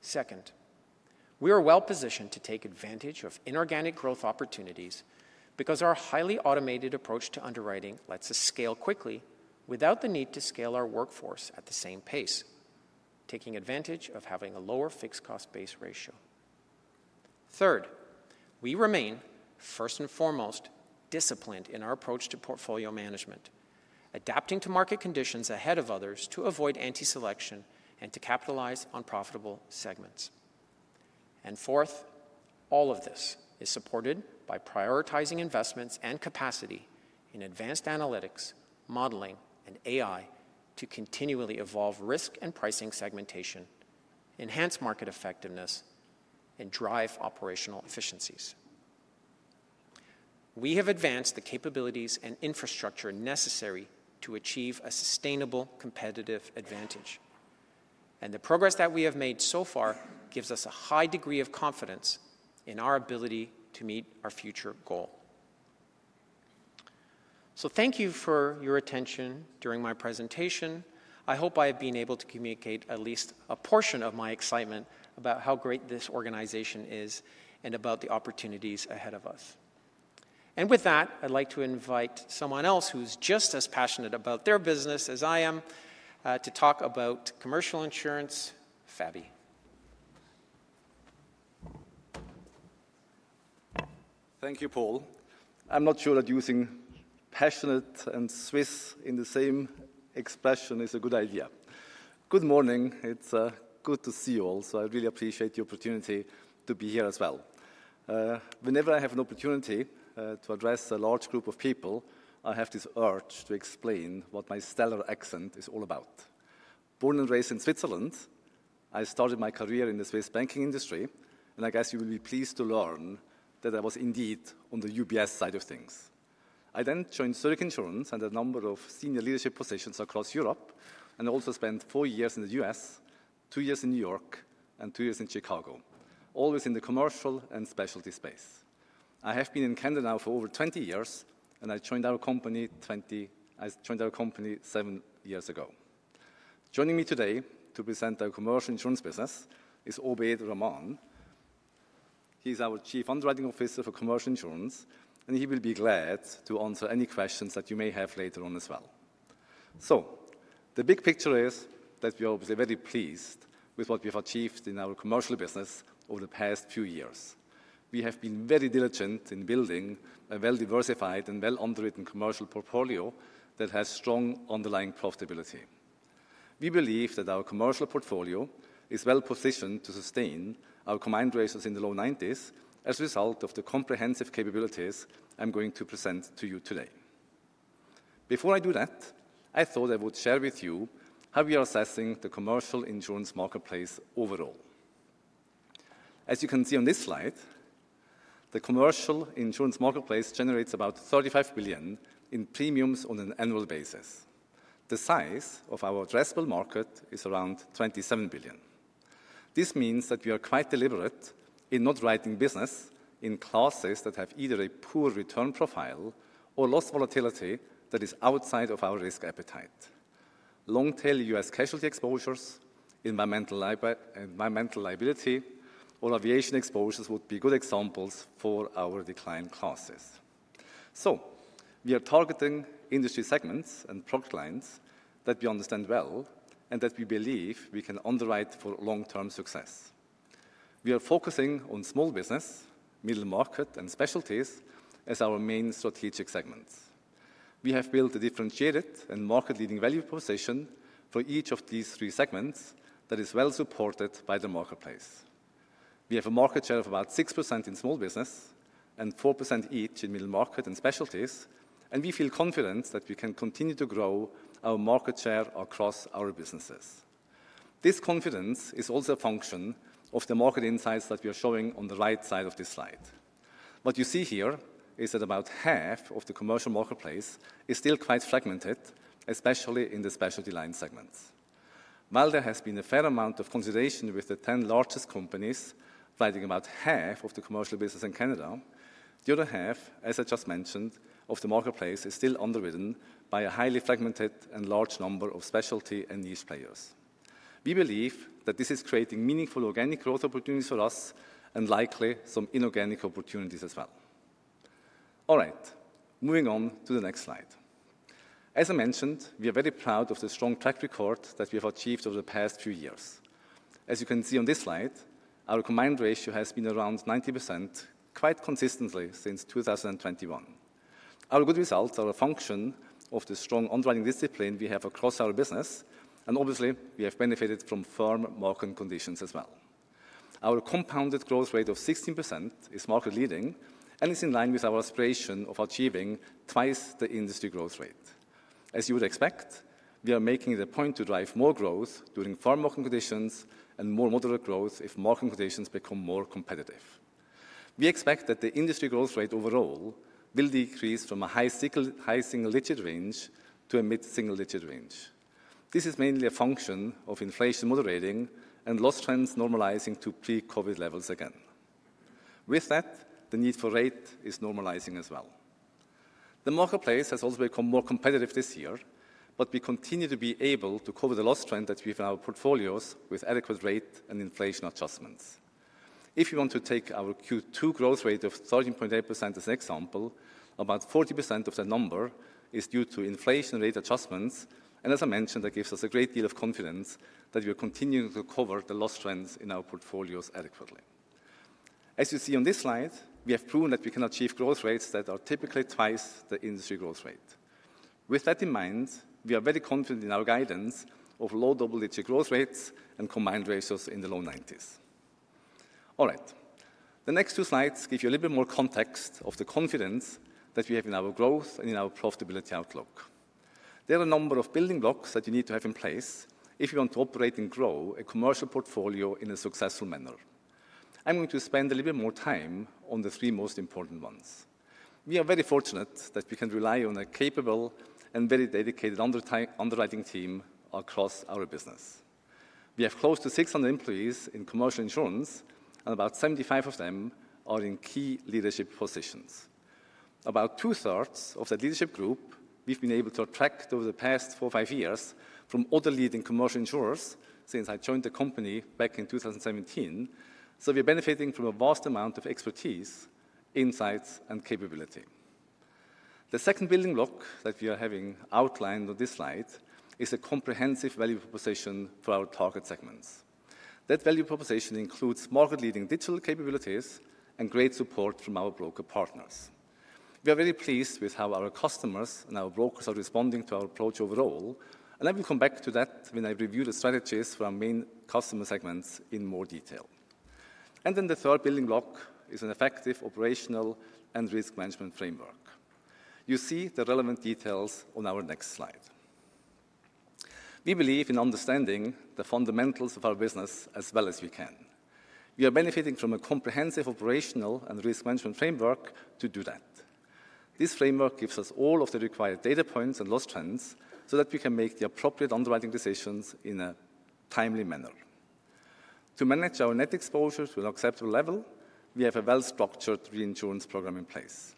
Second, we are well-positioned to take advantage of inorganic growth opportunities because our highly automated approach to underwriting lets us scale quickly without the need to scale our workforce at the same pace, taking advantage of having a lower fixed cost base ratio. Third, we remain, first and foremost, disciplined in our approach to portfolio management, adapting to market conditions ahead of others to avoid anti-selection and to capitalize on profitable segments, and fourth, all of this is supported by prioritizing investments and capacity in advanced analytics, modeling, and AI to continually evolve risk and pricing segmentation, enhance market effectiveness, and drive operational efficiencies. We have advanced the capabilities and infrastructure necessary to achieve a sustainable competitive advantage, and the progress that we have made so far gives us a high degree of confidence in our ability to meet our future goal. So thank you for your attention during my presentation. I hope I have been able to communicate at least a portion of my excitement about how great this organization is and about the opportunities ahead of us. And with that, I'd like to invite someone else who's just as passionate about their business as I am, to talk about commercial insurance, Fabi.
Thank you, Paul. I'm not sure that using passionate and Swiss in the same expression is a good idea. Good morning. It's good to see you all, so I really appreciate the opportunity to be here as well. Whenever I have an opportunity to address a large group of people, I have this urge to explain what my stellar accent is all about. Born and raised in Switzerland, I started my career in the Swiss banking industry, and I guess you will be pleased to learn that I was indeed on the UBS side of things. I then joined Zurich Insurance and a number of senior leadership positions across Europe, and also spent four years in the U.S., two years in New York and two years in Chicago, always in the commercial and specialty space. I have been in Canada now for over 20 years, and I joined our company seven years ago. Joining me today to present our commercial insurance business is Obaid Rahman. He's our Chief Underwriting Officer for Commercial Insurance, and he will be glad to answer any questions that you may have later on as well. So the big picture is that we are obviously very pleased with what we have achieved in our commercial business over the past few years. We have been very diligent in building a well-diversified and well-underwritten commercial portfolio that has strong underlying profitability. We believe that our commercial portfolio is well-positioned to sustain our combined ratios in the low 90s as a result of the comprehensive capabilities I'm going to present to you today. Before I do that, I thought I would share with you how we are assessing the commercial insurance marketplace overall. As you can see on this slide, the commercial insurance marketplace generates about 35 billion in premiums on an annual basis. The size of our addressable market is around 27 billion. This means that we are quite deliberate in not writing business in classes that have either a poor return profile or loss volatility that is outside of our risk appetite. Long-tail U.S. casualty exposures, environmental liability, or aviation exposures would be good examples for our decline classes. So we are targeting industry segments and product lines that we understand well and that we believe we can underwrite for long-term success. We are focusing on small business, middle market, and specialties as our main strategic segments. We have built a differentiated and market-leading value proposition for each of these three segments that is well supported by the marketplace. We have a market share of about 6% in small business and 4% each in middle market and specialties, and we feel confident that we can continue to grow our market share across our businesses. This confidence is also a function of the market insights that we are showing on the right side of this slide. What you see here is that about half of the commercial marketplace is still quite fragmented, especially in the specialty line segments. While there has been a fair amount of consolidation with the 10 largest companies, writing about half of the commercial business in Canada, the other half, as I just mentioned, of the marketplace, is still underwritten by a highly fragmented and large number of specialty and niche players. We believe that this is creating meaningful organic growth opportunities for us and likely some inorganic opportunities as well. All right, moving on to the next slide. As I mentioned, we are very proud of the strong track record that we have achieved over the past few years. As you can see on this slide, our combined ratio has been around 90% quite consistently since 2021. Our good results are a function of the strong underwriting discipline we have across our business, and obviously, we have benefited from firm market conditions as well. Our compounded growth rate of 16% is market leading and is in line with our aspiration of achieving twice the industry growth rate. As you would expect, we are making it a point to drive more growth during firm market conditions and more moderate growth if market conditions become more competitive. We expect that the industry growth rate overall will decrease from a high single, high single-digit range to a mid-single-digit range. This is mainly a function of inflation moderating and loss trends normalizing to pre-COVID levels again. With that, the need for rate is normalizing as well. The marketplace has also become more competitive this year, but we continue to be able to cover the loss trend that we have in our portfolios with adequate rate and inflation adjustments. If you want to take our Q2 growth rate of 13.8% as an example, about 40% of that number is due to inflation rate adjustments, and as I mentioned, that gives us a great deal of confidence that we are continuing to cover the loss trends in our portfolios adequately. As you see on this slide, we have proven that we can achieve growth rates that are typically twice the industry growth rate. With that in mind, we are very confident in our guidance of low double-digit growth rates and combined ratios in the low 90s. All right. The next two slides give you a little bit more context of the confidence that we have in our growth and in our profitability outlook. There are a number of building blocks that you need to have in place if you want to operate and grow a commercial portfolio in a successful manner. I'm going to spend a little bit more time on the three most important ones. We are very fortunate that we can rely on a capable and very dedicated underwriting team across our business. We have close to 600 employees in commercial insurance, and about 75 of them are in key leadership positions. About 2/3 of that leadership group, we've been able to attract over the past four, five years from other leading commercial insurers since I joined the company back in 2017. So we're benefiting from a vast amount of expertise, insights, and capability. The second building block that we are having outlined on this slide is a comprehensive value proposition for our target segments. That value proposition includes market-leading digital capabilities and great support from our broker partners. We are very pleased with how our customers and our brokers are responding to our approach overall, and I will come back to that when I review the strategies for our main customer segments in more detail. And then the third building block is an effective operational and risk management framework. You see the relevant details on our next slide. We believe in understanding the fundamentals of our business as well as we can. We are benefiting from a comprehensive operational and risk management framework to do that. This framework gives us all of the required data points and loss trends so that we can make the appropriate underwriting decisions in a timely manner. To manage our net exposures to an acceptable level, we have a well-structured reinsurance program in place.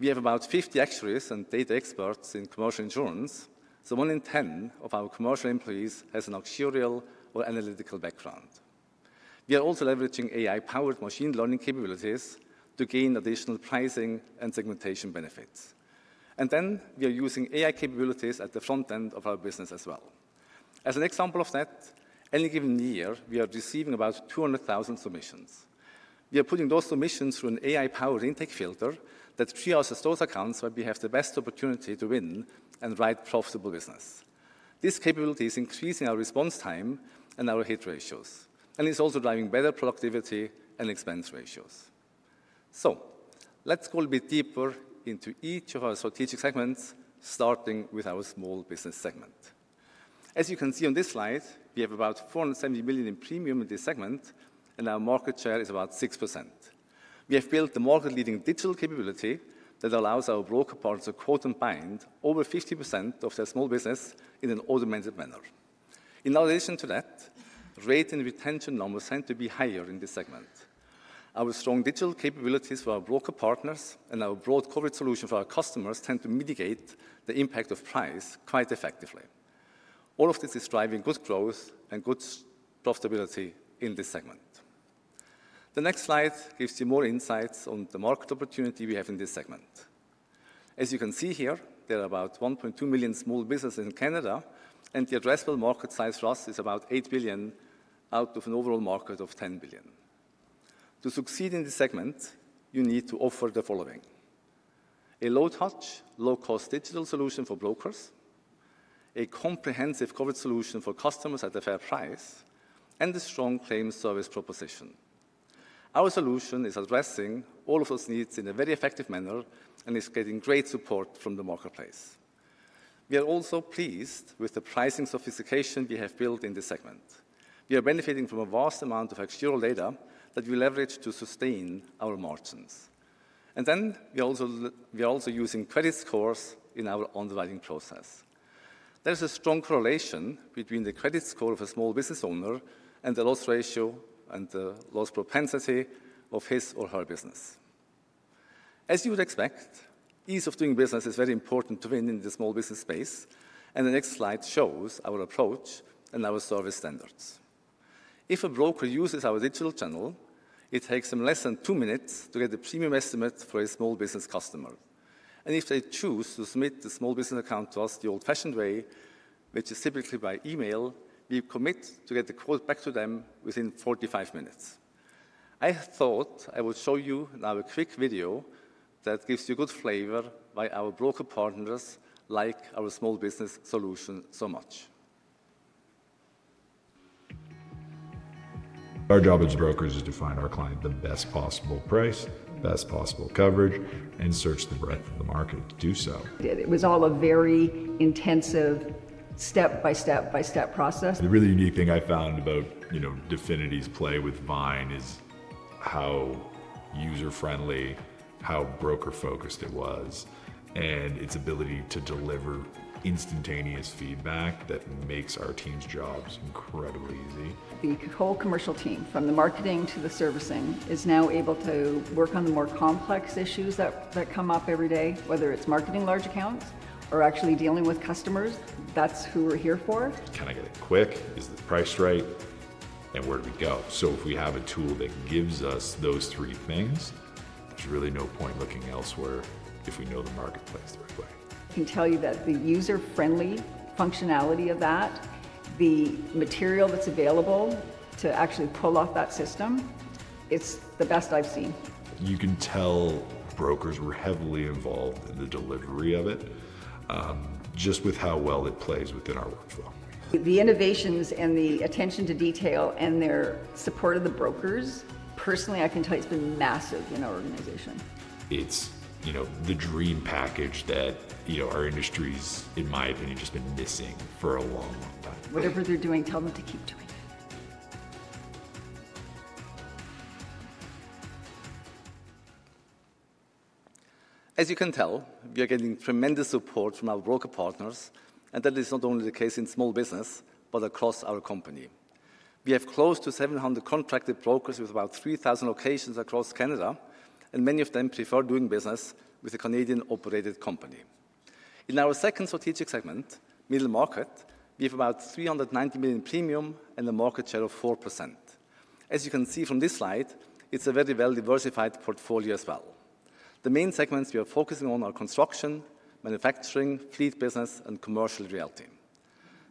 We have about 50 actuaries and data experts in commercial insurance, so one in 10 of our commercial employees has an actuarial or analytical background. We are also leveraging AI-powered machine learning capabilities to gain additional pricing and segmentation benefits. And then we are using AI capabilities at the front end of our business as well. As an example of that, any given year, we are receiving about 200,000 submissions. We are putting those submissions through an AI-powered intake filter that triages those accounts where we have the best opportunity to win and write profitable business. This capability is increasing our response time and our hit ratios, and it's also driving better productivity and expense ratios. So let's go a bit deeper into each of our strategic segments, starting with our small business segment. As you can see on this slide, we have about 470 million in premium in this segment, and our market share is about 6%. We have built the market-leading digital capability that allows our broker partners to quote and bind over 50% of their small business in an automated manner. In addition to that, rate and retention numbers tend to be higher in this segment. Our strong digital capabilities for our broker partners and our broad coverage solution for our customers tend to mitigate the impact of price quite effectively. All of this is driving good growth and good profitability in this segment. The next slide gives you more insights on the market opportunity we have in this segment. As you can see here, there are about 1.2 million small businesses in Canada, and the addressable market size for us is about 8 billion out of an overall market of 10 billion. To succeed in this segment, you need to offer the following: a low-touch, low-cost digital solution for brokers, a comprehensive coverage solution for customers at a fair price, and a strong claim service proposition. Our solution is addressing all of those needs in a very effective manner and is getting great support from the marketplace. We are also pleased with the pricing sophistication we have built in this segment. We are benefiting from a vast amount of actuarial data that we leverage to sustain our margins. And then we are also using credit scores in our underwriting process. There's a strong correlation between the credit score of a small business owner and the loss ratio and the loss propensity of his or her business. As you would expect, ease of doing business is very important to win in the small business space, and the next slide shows our approach and our service standards. If a broker uses our digital channel, it takes them less than two minutes to get a premium estimate for a small business customer. And if they choose to submit the small business account to us the old-fashioned way, which is typically by email, we commit to get the quote back to them within 45 minutes. I thought I would show you now a quick video that gives you good flavor why our broker partners like our small business solution so much. Our job as brokers is to find our client the best possible price, best possible coverage, and search the breadth of the market to do so. It was all a very intensive step-by-step process. The really unique thing I found about, you know, Definity's play with Vyne is how user-friendly, how broker-focused it was, and its ability to deliver instantaneous feedback that makes our team's jobs incredibly easy. The whole commercial team, from the marketing to the servicing, is now able to work on the more complex issues that come up every day, whether it's marketing large accounts or actually dealing with customers. That's who we're here for. Can I get it quick? Is the price right? And where do we go? So if we have a tool that gives us those three things, there's really no point looking elsewhere if we know the marketplace the right way. I can tell you that the user-friendly functionality of that, the material that's available to actually pull off that system, it's the best I've seen. You can tell brokers were heavily involved in the delivery of it, just with how well it plays within our workflow. The innovations and the attention to detail and their support of the brokers, personally, I can tell you it's been massive in our organization. It's, you know, the dream package that, you know, our industry's, in my opinion, just been missing for a long, long time. Whatever they're doing, tell them to keep doing it. As you can tell, we are getting tremendous support from our broker partners, and that is not only the case in small business, but across our company. We have close to 700 contracted brokers with about 3,000 locations across Canada, and many of them prefer doing business with a Canadian-operated company. In our second strategic segment, middle market, we have about 390 million premium and a market share of 4%. As you can see from this slide, it's a very well-diversified portfolio as well. The main segments we are focusing on are construction, manufacturing, fleet business, and commercial realty.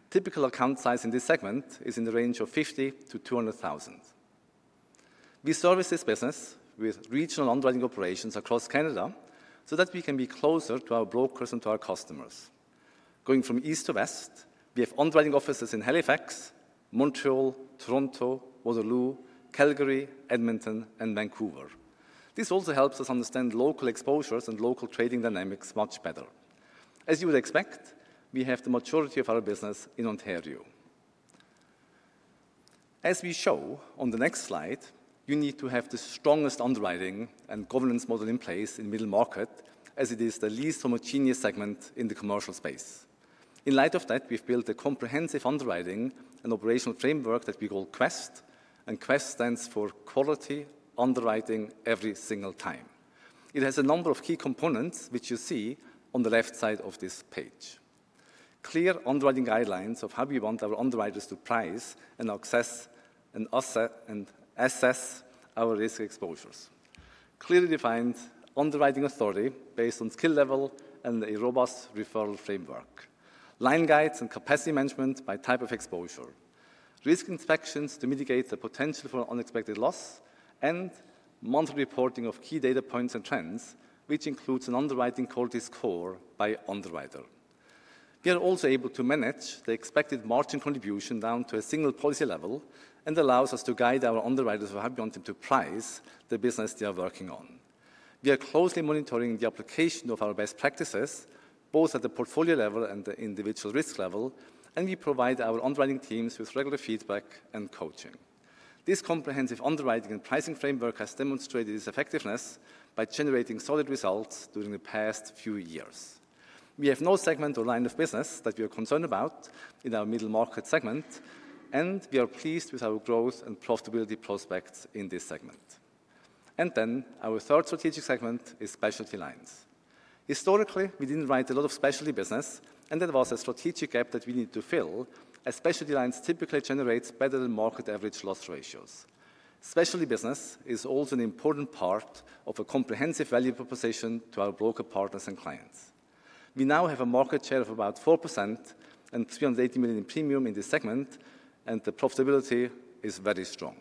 Typical account size in this segment is in the range of 50,000-200,000. We service this business with regional underwriting operations across Canada so that we can be closer to our brokers and to our customers. Going from east to west, we have underwriting offices in Halifax, Montreal, Toronto, Waterloo, Calgary, Edmonton, and Vancouver. This also helps us understand local exposures and local trading dynamics much better. As you would expect, we have the majority of our business in Ontario. As we show on the next slide, you need to have the strongest underwriting and governance model in place in middle market, as it is the least homogeneous segment in the commercial space. In light of that, we've built a comprehensive underwriting and operational framework that we call QUEST, and QUEST stands for Quality Underwriting Every Single Time. It has a number of key components, which you see on the left side of this page. Clear underwriting guidelines of how we want our underwriters to price and assess an asset, and assess our risk exposures. Clearly defined underwriting authority based on skill level and a robust referral framework. Line guides and capacity management by type of exposure. Risk inspections to mitigate the potential for unexpected loss, and monthly reporting of key data points and trends, which includes an underwriting quality score by underwriter. We are also able to manage the expected margin contribution down to a single policy level and allows us to guide our underwriters on how we want them to price the business they are working on. We are closely monitoring the application of our best practices, both at the portfolio level and the individual risk level, and we provide our underwriting teams with regular feedback and coaching. This comprehensive underwriting and pricing framework has demonstrated its effectiveness by generating solid results during the past few years. We have no segment or line of business that we are concerned about in our middle market segment, and we are pleased with our growth and profitability prospects in this segment, and then our third strategic segment is specialty lines. Historically, we didn't write a lot of specialty business, and that was a strategic gap that we needed to fill, as specialty lines typically generates better-than-market average loss ratios. Specialty business is also an important part of a comprehensive value proposition to our broker partners and clients. We now have a market share of about 4% and 380 million in premium in this segment, and the profitability is very strong.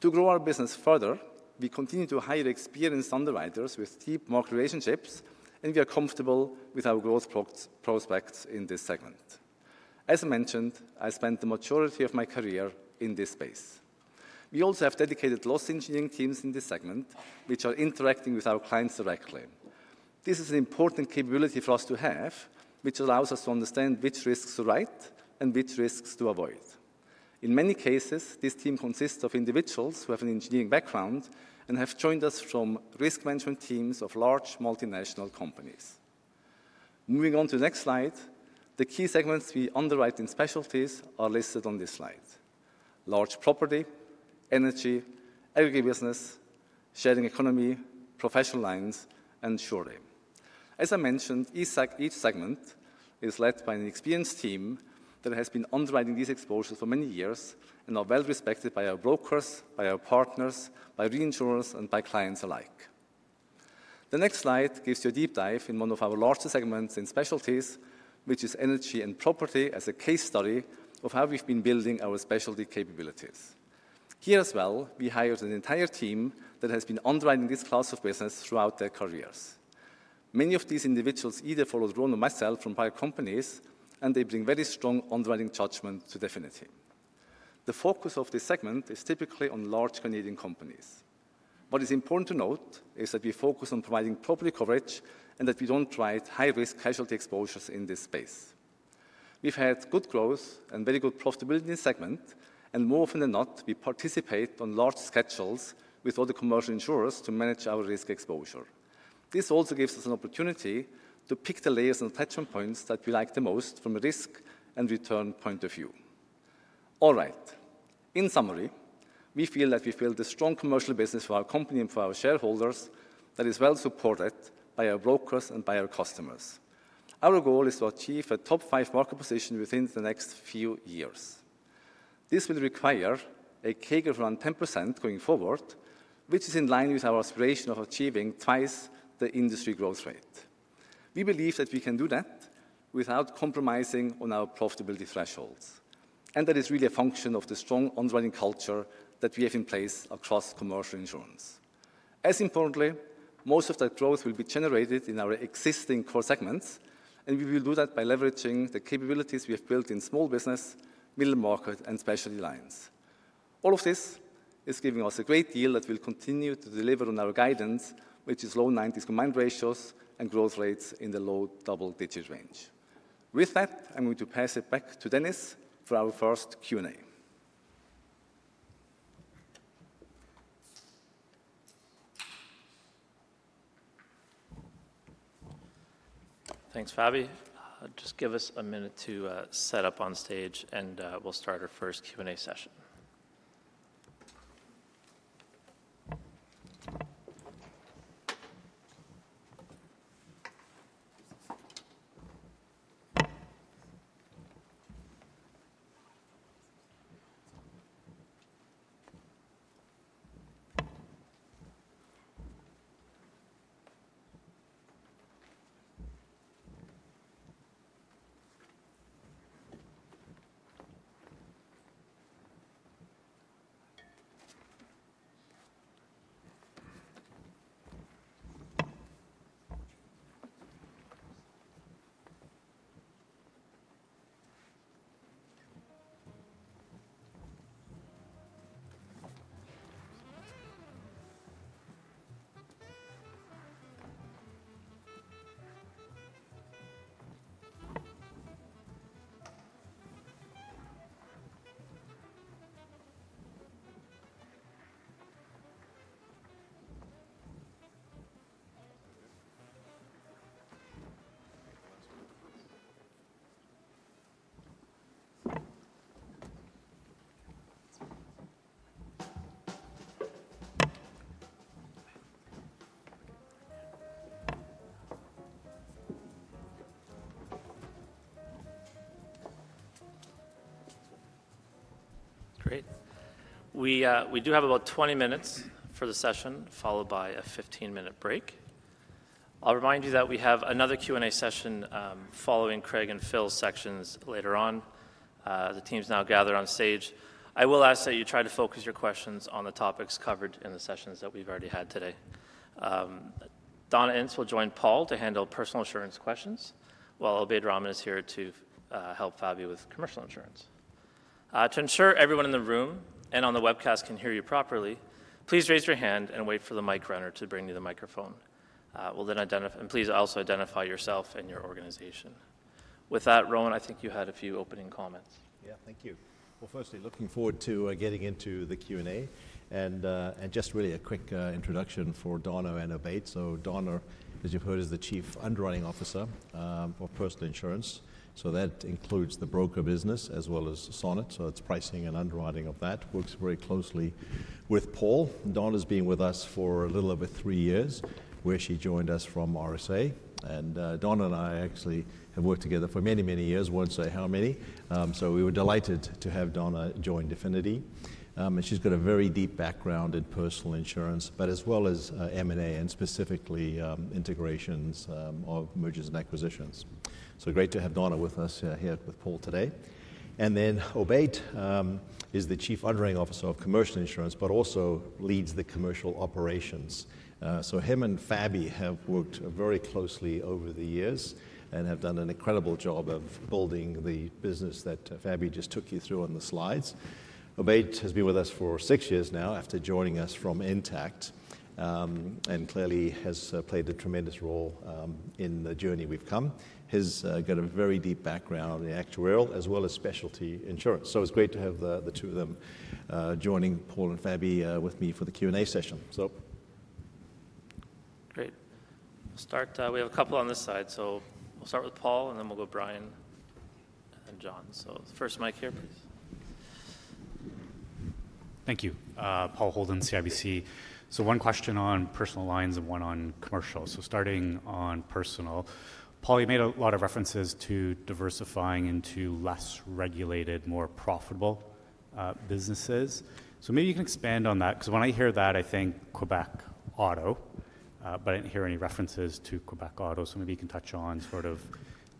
To grow our business further, we continue to hire experienced underwriters with deep market relationships, and we are comfortable with our growth prospects in this segment. As I mentioned, I spent the majority of my career in this space. We also have dedicated loss engineering teams in this segment, which are interacting with our clients directly. This is an important capability for us to have, which allows us to understand which risks to write and which risks to avoid. In many cases, this team consists of individuals who have an engineering background and have joined us from risk management teams of large multinational companies. Moving on to the next slide, the key segments we underwrite in specialties are listed on this slide: large property, energy, aggregate business, sharing economy, professional lines, and surety. As I mentioned, each segment is led by an experienced team that has been underwriting these exposures for many years and are well-respected by our brokers, by our partners, by reinsurers, and by clients alike. The next slide gives you a deep dive in one of our larger segments in specialties, which is energy and property, as a case study of how we've been building our specialty capabilities. Here as well, we hired an entire team that has been underwriting this class of business throughout their careers. Many of these individuals either followed Rowan or myself from prior companies, and they bring very strong underwriting judgment to Definity. The focus of this segment is typically on large Canadian companies. What is important to note is that we focus on providing property coverage and that we don't write high-risk casualty exposures in this space. We've had good growth and very good profitability in this segment, and more often than not, we participate on large schedules with other commercial insurers to manage our risk exposure. This also gives us an opportunity to pick the layers and attachment points that we like the most from a risk and return point of view. All right. In summary, we feel that we built a strong commercial business for our company and for our shareholders that is well-supported by our brokers and by our customers. Our goal is to achieve a top five market position within the next few years. This will require a CAGR of around 10% going forward, which is in line with our aspiration of achieving twice the industry growth rate. We believe that we can do that without compromising on our profitability thresholds, and that is really a function of the strong underwriting culture that we have in place across commercial insurance. As importantly, most of that growth will be generated in our existing core segments, and we will do that by leveraging the capabilities we have built in small business, middle market, and specialty lines. All of this is giving us a great deal that we'll continue to deliver on our guidance, which is low 90s combined ratios and growth rates in the low double-digit range. With that, I'm going to pass it back to Dennis for our first Q&A.
Thanks, Fabi. Just give us a minute to set up on stage, and we'll start our first Q&A session. Great! We do have about 20 minutes for the session, followed by a 15-minute break. I'll remind you that we have another Q&A session following Craig and Phil's sections later on. The team's now gathered on stage. I will ask that you try to focus your questions on the topics covered in the sessions that we've already had today. Donna Ince will join Paul to handle personal insurance questions, while Obaid Rahman is here to help Fabi with commercial insurance. To ensure everyone in the room and on the webcast can hear you properly, please raise your hand and wait for the mic runner to bring you the microphone. We'll then identify you, and please also identify yourself and your organization. With that, Rowan, I think you had a few opening comments.
Yeah. Thank you. Firstly, looking forward to getting into the Q&A and just really a quick introduction for Donna and Obaid. Donna, as you've heard, is the Chief Underwriting Officer for Personal Insurance, so that includes the broker business as well as Sonnet, so it's pricing and underwriting of that. Works very closely with Paul. Donna's been with us for a little over three years, where she joined us from RSA, and Donna and I actually have worked together for many, many years, won't say how many, so we were delighted to have Donna join Definity, and she's got a very deep background in personal insurance, but as well as M&A, and specifically, integrations of mergers and acquisitions, so great to have Donna with us here with Paul today. And then Obaid is the Chief Underwriting Officer of Commercial Insurance, but also leads the commercial operations. So him and Fabi have worked very closely over the years and have done an incredible job of building the business that Fabi just took you through on the slides. Obaid has been with us for six years now, after joining us from Intact, and clearly has played a tremendous role in the journey we've come. He's got a very deep background in actuarial as well as specialty insurance, so it's great to have the two of them joining Paul and Fabi with me for the Q&A session. So.
Great. Start, we have a couple on this side, so we'll start with Paul, and then we'll go Brian and John. So the first mic here, please.
Thank you. Paul Holden, CIBC. So one question on personal lines and one on commercial. So starting on personal, Paul, you made a lot of references to diversifying into less regulated, more profitable, businesses. So maybe you can expand on that, because when I hear that, I think Quebec auto, but I didn't hear any references to Quebec auto. So maybe you can touch on sort of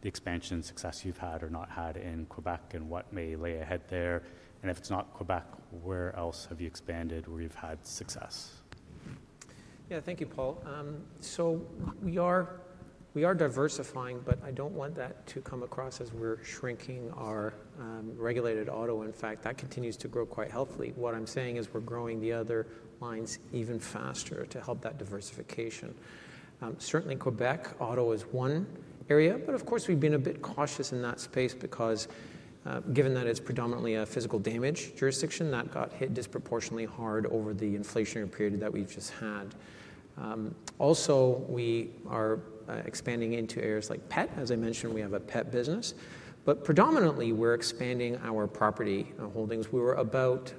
the expansion success you've had or not had in Quebec and what may lay ahead there. And if it's not Quebec, where else have you expanded where you've had success?
Yeah. Thank you, Paul. So we are diversifying, but I don't want that to come across as we're shrinking our regulated auto. In fact, that continues to grow quite healthily. What I'm saying is we're growing the other lines even faster to help that diversification. Certainly Quebec auto is one area, but of course, we've been a bit cautious in that space because given that it's predominantly a physical damage jurisdiction, that got hit disproportionately hard over the inflationary period that we've just had. Also, we are expanding into areas like pet. As I mentioned, we have a pet business. But predominantly, we're expanding our property holdings. We were about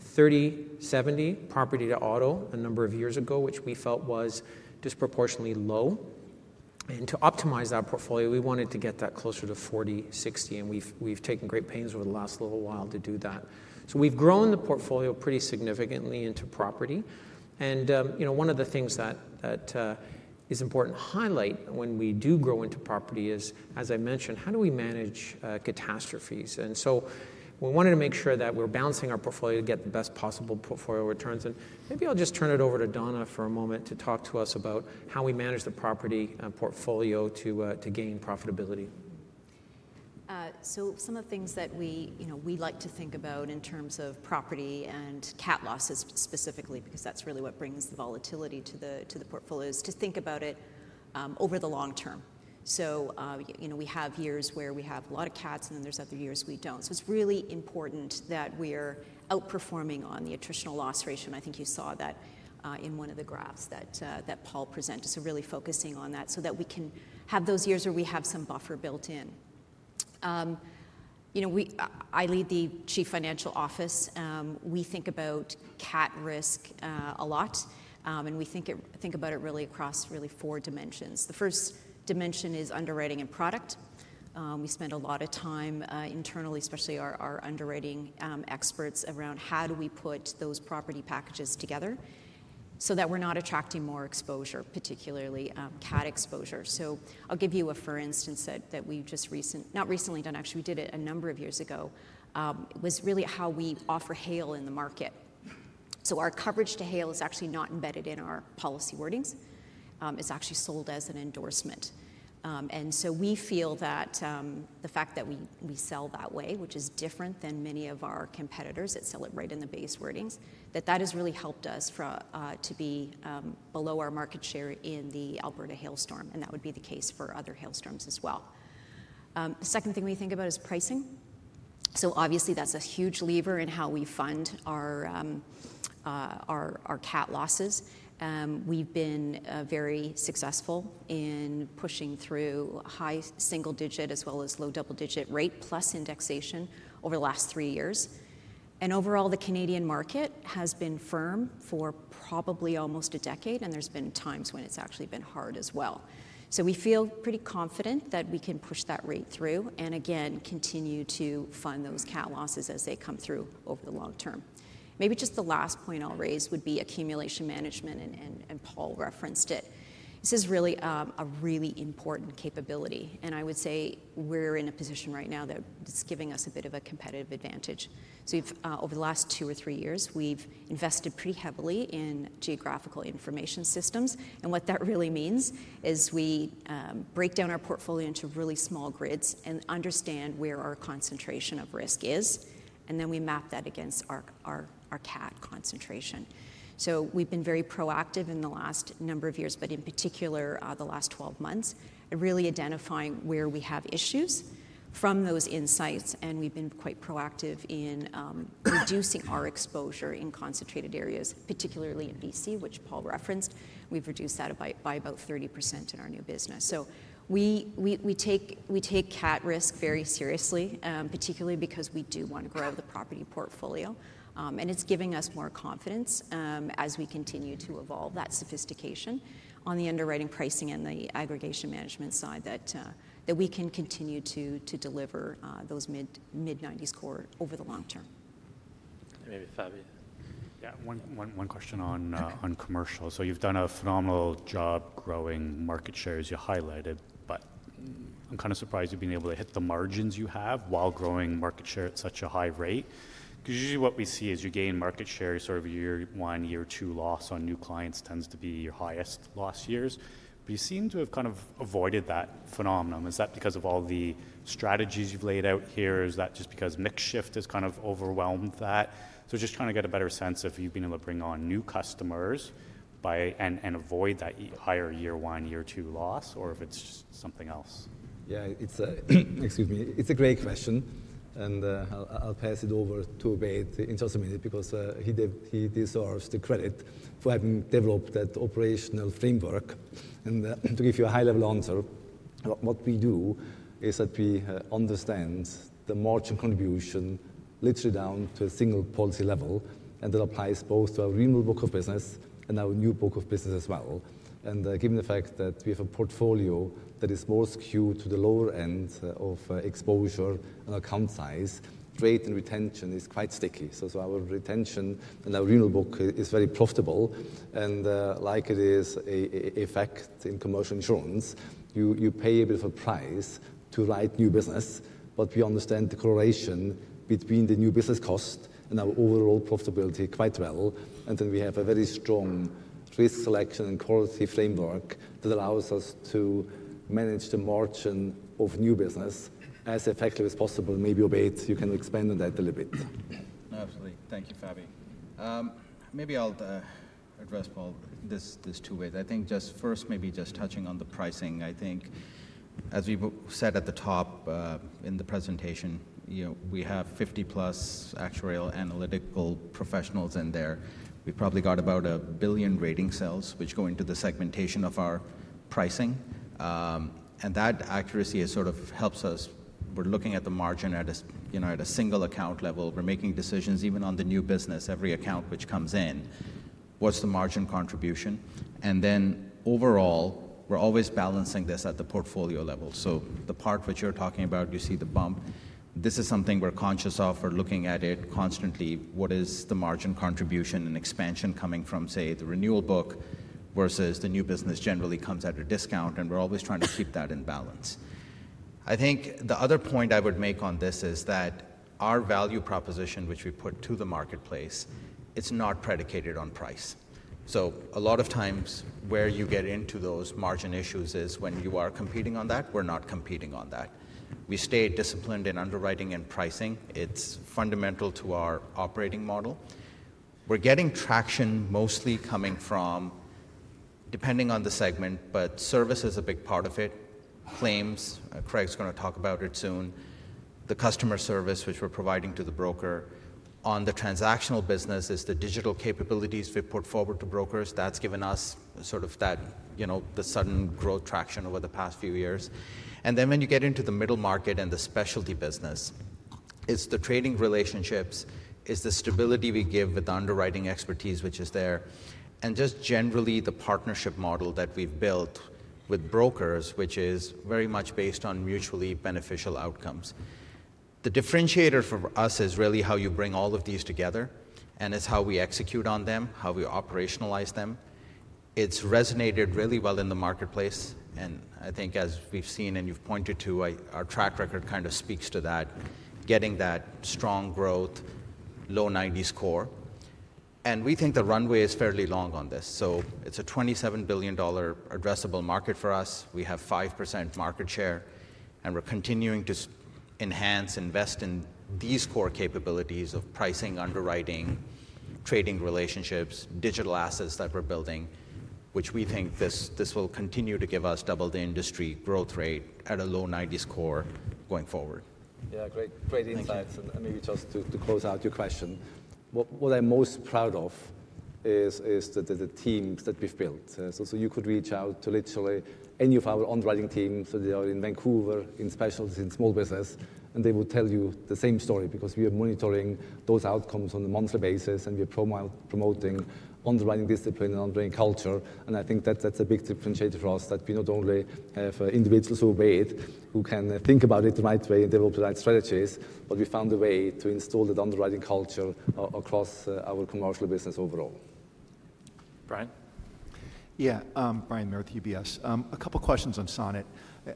30, 70, property to auto a number of years ago, which we felt was disproportionately low, and to optimize that portfolio, we wanted to get that closer to 40, 60, and we've taken great pains over the last little while to do that. So we've grown the portfolio pretty significantly into property and, you know, one of the things that is important to highlight when we do grow into property is, as I mentioned, how do we manage catastrophes? And so we wanted to make sure that we're balancing our portfolio to get the best possible portfolio returns. And maybe I'll just turn it over to Donna for a moment to talk to us about how we manage the property portfolio to gain profitability.
So some of the things that we, you know, we like to think about in terms of property and Cat losses specifically, because that's really what brings the volatility to the portfolio, is to think about it over the long term. So, you know, we have years where we have a lot of Cats, and then there's other years we don't. So it's really important that we're outperforming on the attritional loss ratio, and I think you saw that in one of the graphs that Paul presented. So really focusing on that so that we can have those years where we have some buffer built in. You know, I lead the Chief Financial Office, we think about Cat risk a lot, and we think about it really across four dimensions. The first dimension is underwriting and product. We spend a lot of time internally, especially our underwriting experts, around how do we put those property packages together so that we're not attracting more exposure, particularly Cat exposure. So I'll give you a for instance that we've just not recently done, actually, we did it a number of years ago, was really how we offer hail in the market. So our coverage to hail is actually not embedded in our policy wordings, it's actually sold as an endorsement. And so we feel that the fact that we sell that way, which is different than many of our competitors that sell it right in the base wordings, that that has really helped us to be below our market share in the Alberta hailstorm, and that would be the case for other hailstorms as well. The second thing we think about is pricing. So obviously, that's a huge lever in how we fund our Cat losses. We've been very successful in pushing through high single digit as well as low double digit rate plus indexation over the last three years. And overall, the Canadian market has been firm for probably almost a decade, and there's been times when it's actually been hard as well. So we feel pretty confident that we can push that rate through and again, continue to fund those Cat losses as they come through over the long term. Maybe just the last point I'll raise would be accumulation management, and Paul referenced it. This is really a really important capability, and I would say we're in a position right now that it's giving us a bit of a competitive advantage. So we've over the last two or three years, we've invested pretty heavily in geographic information systems, and what that really means is we break down our portfolio into really small grids and understand where our concentration of risk is, and then we map that against our Cat concentration. So we've been very proactive in the last number of years, but in particular, the last 12 months, in really identifying where we have issues from those insights, and we've been quite proactive in reducing our exposure in concentrated areas, particularly in BC, which Paul referenced. We've reduced that by about 30% in our new business. So we take Cat risk very seriously, particularly because we do want to grow the property portfolio. And it's giving us more confidence as we continue to evolve that sophistication on the underwriting, pricing and the aggregation management side, that we can continue to deliver those mid-90s core over the long term.
Maybe Fabi?
Yeah. One question on commercial. So you've done a phenomenal job growing market share, as you highlighted, but I'm kind of surprised you've been able to hit the margins you have while growing market share at such a high rate. 'Cause usually what we see as you gain market share is sort of a year one, year two loss on new clients tends to be your highest loss years, but you seem to have kind of avoided that phenomenon. Is that because of all the strategies you've laid out here, or is that just because mix shift has kind of overwhelmed that? So just trying to get a better sense if you've been able to bring on new customers by and avoid that higher year one, year two loss, or if it's just something else.
Yeah, it's a, excuse me. It's a great question, and I'll pass it over to Obaid in just a minute because he deserves the credit for having developed that operational framework. And to give you a high-level answer, what we do is that we understand the margin contribution literally down to a single policy level, and that applies both to our renewal book of business and our new book of business as well. And given the fact that we have a portfolio that is more skewed to the lower end of exposure and account size, rate and retention is quite sticky. Our retention in our renewal book is very profitable, and like it is an effect in commercial insurance, you pay a bit of a price to write new business, but we understand the correlation between the new business cost and our overall profitability quite well. We have a very strong risk selection and quality framework that allows us to manage the margin of new business as effectively as possible. Maybe, Obaid, you can expand on that a little bit?
Absolutely. Thank you, Fabi. Maybe I'll address Paul this two ways. I think just first, maybe just touching on the pricing. I think as we've said at the top in the presentation, you know, we have 50+ actuarial analytical professionals in there. We've probably got about a billion rating cells, which go into the segmentation of our pricing. And that accuracy is sort of helps us. We're looking at the margin at a, you know, at a single account level. We're making decisions even on the new business, every account which comes in, what's the margin contribution? And then overall, we're always balancing this at the portfolio level. So the part which you're talking about, you see the bump, this is something we're conscious of. We're looking at it constantly. What is the margin contribution and expansion coming from, say, the renewal book versus the new business generally comes at a discount, and we're always trying to keep that in balance. I think the other point I would make on this is that our value proposition, which we put to the marketplace, it's not predicated on price. So a lot of times, where you get into those margin issues is when you are competing on that. We're not competing on that. We stay disciplined in underwriting and pricing. It's fundamental to our operating model. We're getting traction mostly coming from, depending on the segment, but service is a big part of it. Claims, Craig's going to talk about it soon. The customer service which we're providing to the broker on the transactional business is the digital capabilities we've put forward to brokers. That's given us sort of that, you know, the sudden growth traction over the past few years, and then when you get into the middle market and the specialty business, it's the trading relationships, it's the stability we give with the underwriting expertise which is there, and just generally the partnership model that we've built with brokers, which is very much based on mutually beneficial outcomes. The differentiator for us is really how you bring all of these together, and it's how we execute on them, how we operationalize them. It's resonated really well in the marketplace, and I think as we've seen and you've pointed to, I, our track record kind of speaks to that, getting that strong growth, low 90s core. We think the runway is fairly long on this, so it's a 27 billion dollar addressable market for us. We have 5% market share, and we're continuing to enhance, invest in these core capabilities of pricing, underwriting, trading relationships, digital assets that we're building, which we think this will continue to give us double the industry growth rate at a low 90s core going forward.
Yeah, great, great insights.
Thank you.
And maybe just to close out your question, what I'm most proud of is the teams that we've built. So you could reach out to literally any of our underwriting teams. They are in Vancouver, in specialty, in small business, and they will tell you the same story, because we are monitoring those outcomes on a monthly basis, and we're promoting underwriting discipline and underwriting culture. And I think that's a big differentiator for us, that we not only have individuals who can think about it the right way and develop the right strategies, but we found a way to instill the underwriting culture across our commercial business overall.
Brian?
Yeah, Brian Meredith, UBS. A couple questions on Sonnet.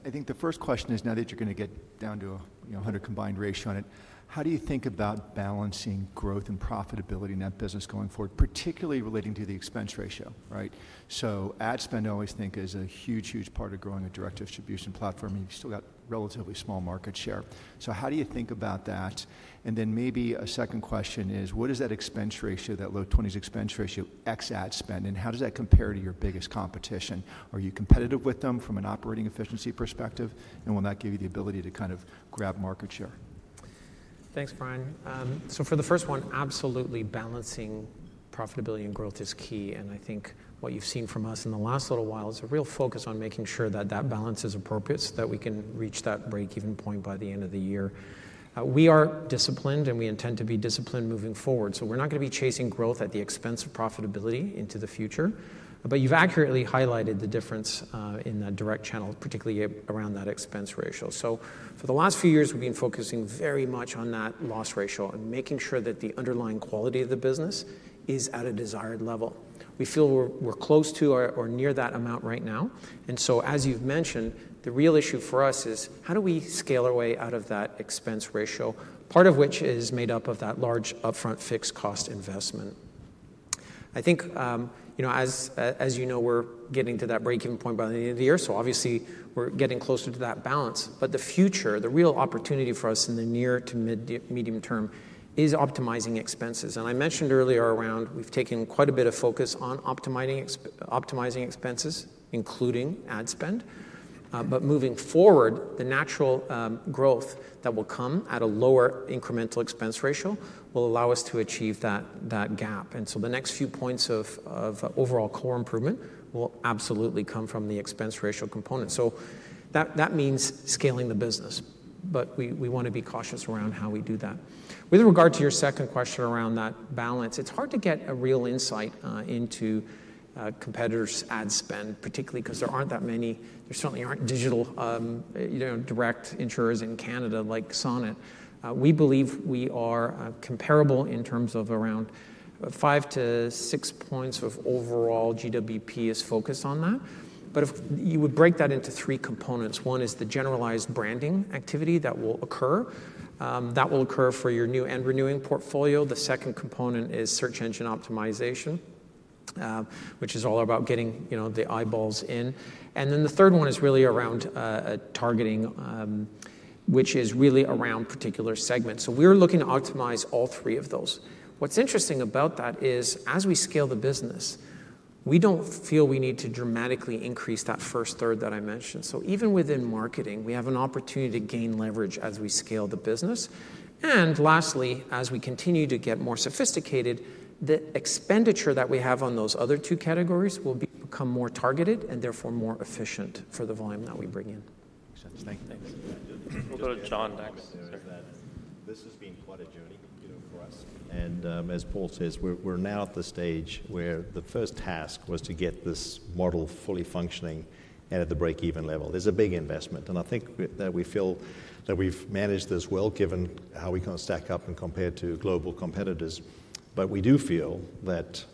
I think the first question is, now that you're gonna get down to a, you know, a hundred combined ratio on it, how do you think about balancing growth and profitability in that business going forward, particularly relating to the expense ratio, right? So ad spend, I always think, is a huge, huge part of growing a direct distribution platform, and you've still got relatively small market share. So how do you think about that? And then maybe a second question is, what is that expense ratio, that low 20s expense ratio, ex ad spend, and how does that compare to your biggest competition? Are you competitive with them from an operating efficiency perspective, and will that give you the ability to kind of grab market share?
Thanks, Brian. So for the first one, absolutely, balancing profitability and growth is key, and I think what you've seen from us in the last little while is a real focus on making sure that that balance is appropriate so that we can reach that break-even point by the end of the year. We are disciplined, and we intend to be disciplined moving forward, so we're not gonna be chasing growth at the expense of profitability into the future. But you've accurately highlighted the difference in that direct channel, particularly around that expense ratio. So for the last few years, we've been focusing very much on that loss ratio and making sure that the underlying quality of the business is at a desired level. We feel we're close to or near that amount right now, and so, as you've mentioned, the real issue for us is: how do we scale our way out of that expense ratio? Part of which is made up of that large upfront fixed cost investment. I think, you know, as you know, we're getting to that break-even point by the end of the year, so obviously we're getting closer to that balance. But the future, the real opportunity for us in the near to mid, medium term, is optimizing expenses. And I mentioned earlier around, we've taken quite a bit of focus on optimizing optimizing expenses, including ad spend. But moving forward, the natural, growth that will come at a lower incremental expense ratio will allow us to achieve that, that gap. And so the next few points of overall core improvement will absolutely come from the expense ratio component. So that means scaling the business, but we want to be cautious around how we do that. With regard to your second question around that balance, it's hard to get a real insight into competitors' ad spend, particularly 'cause there aren't that many. There certainly aren't digital, you know, direct insurers in Canada like Sonnet. We believe we are comparable in terms of around five to six points of overall GWP is focused on that. But if you would break that into three components, one is the generalized branding activity that will occur for your new and renewing portfolio. The second component is search engine optimization, which is all about getting, you know, the eyeballs in. And then the third one is really around targeting, which is really around particular segments. So we're looking to optimize all three of those. What's interesting about that is, as we scale the business, we don't feel we need to dramatically increase that first third that I mentioned. So even within marketing, we have an opportunity to gain leverage as we scale the business. And lastly, as we continue to get more sophisticated, the expenditure that we have on those other two categories will become more targeted and therefore more efficient for the volume that we bring in.
Thanks.
We'll go to John next.
This has been quite a journey, you know, for us. As Paul says, we're now at the stage where the first task was to get this model fully functioning and at the break-even level. There's a big investment, and I think that we feel that we've managed this well, given how we kind of stack up and compare to global competitors. But we do feel that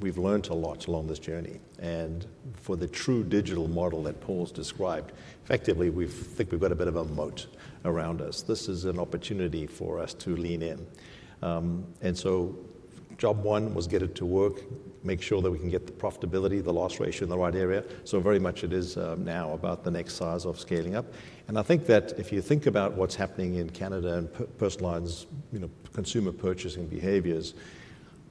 we've learned a lot along this journey, and for the true digital model that Paul's described, effectively, we think we've got a bit of a moat around us. This is an opportunity for us to lean in. So job one was get it to work, make sure that we can get the profitability, the loss ratio in the right area. So very much it is now about the next size of scaling up. I think that if you think about what's happening in Canada and personal lines, you know, consumer purchasing behaviors.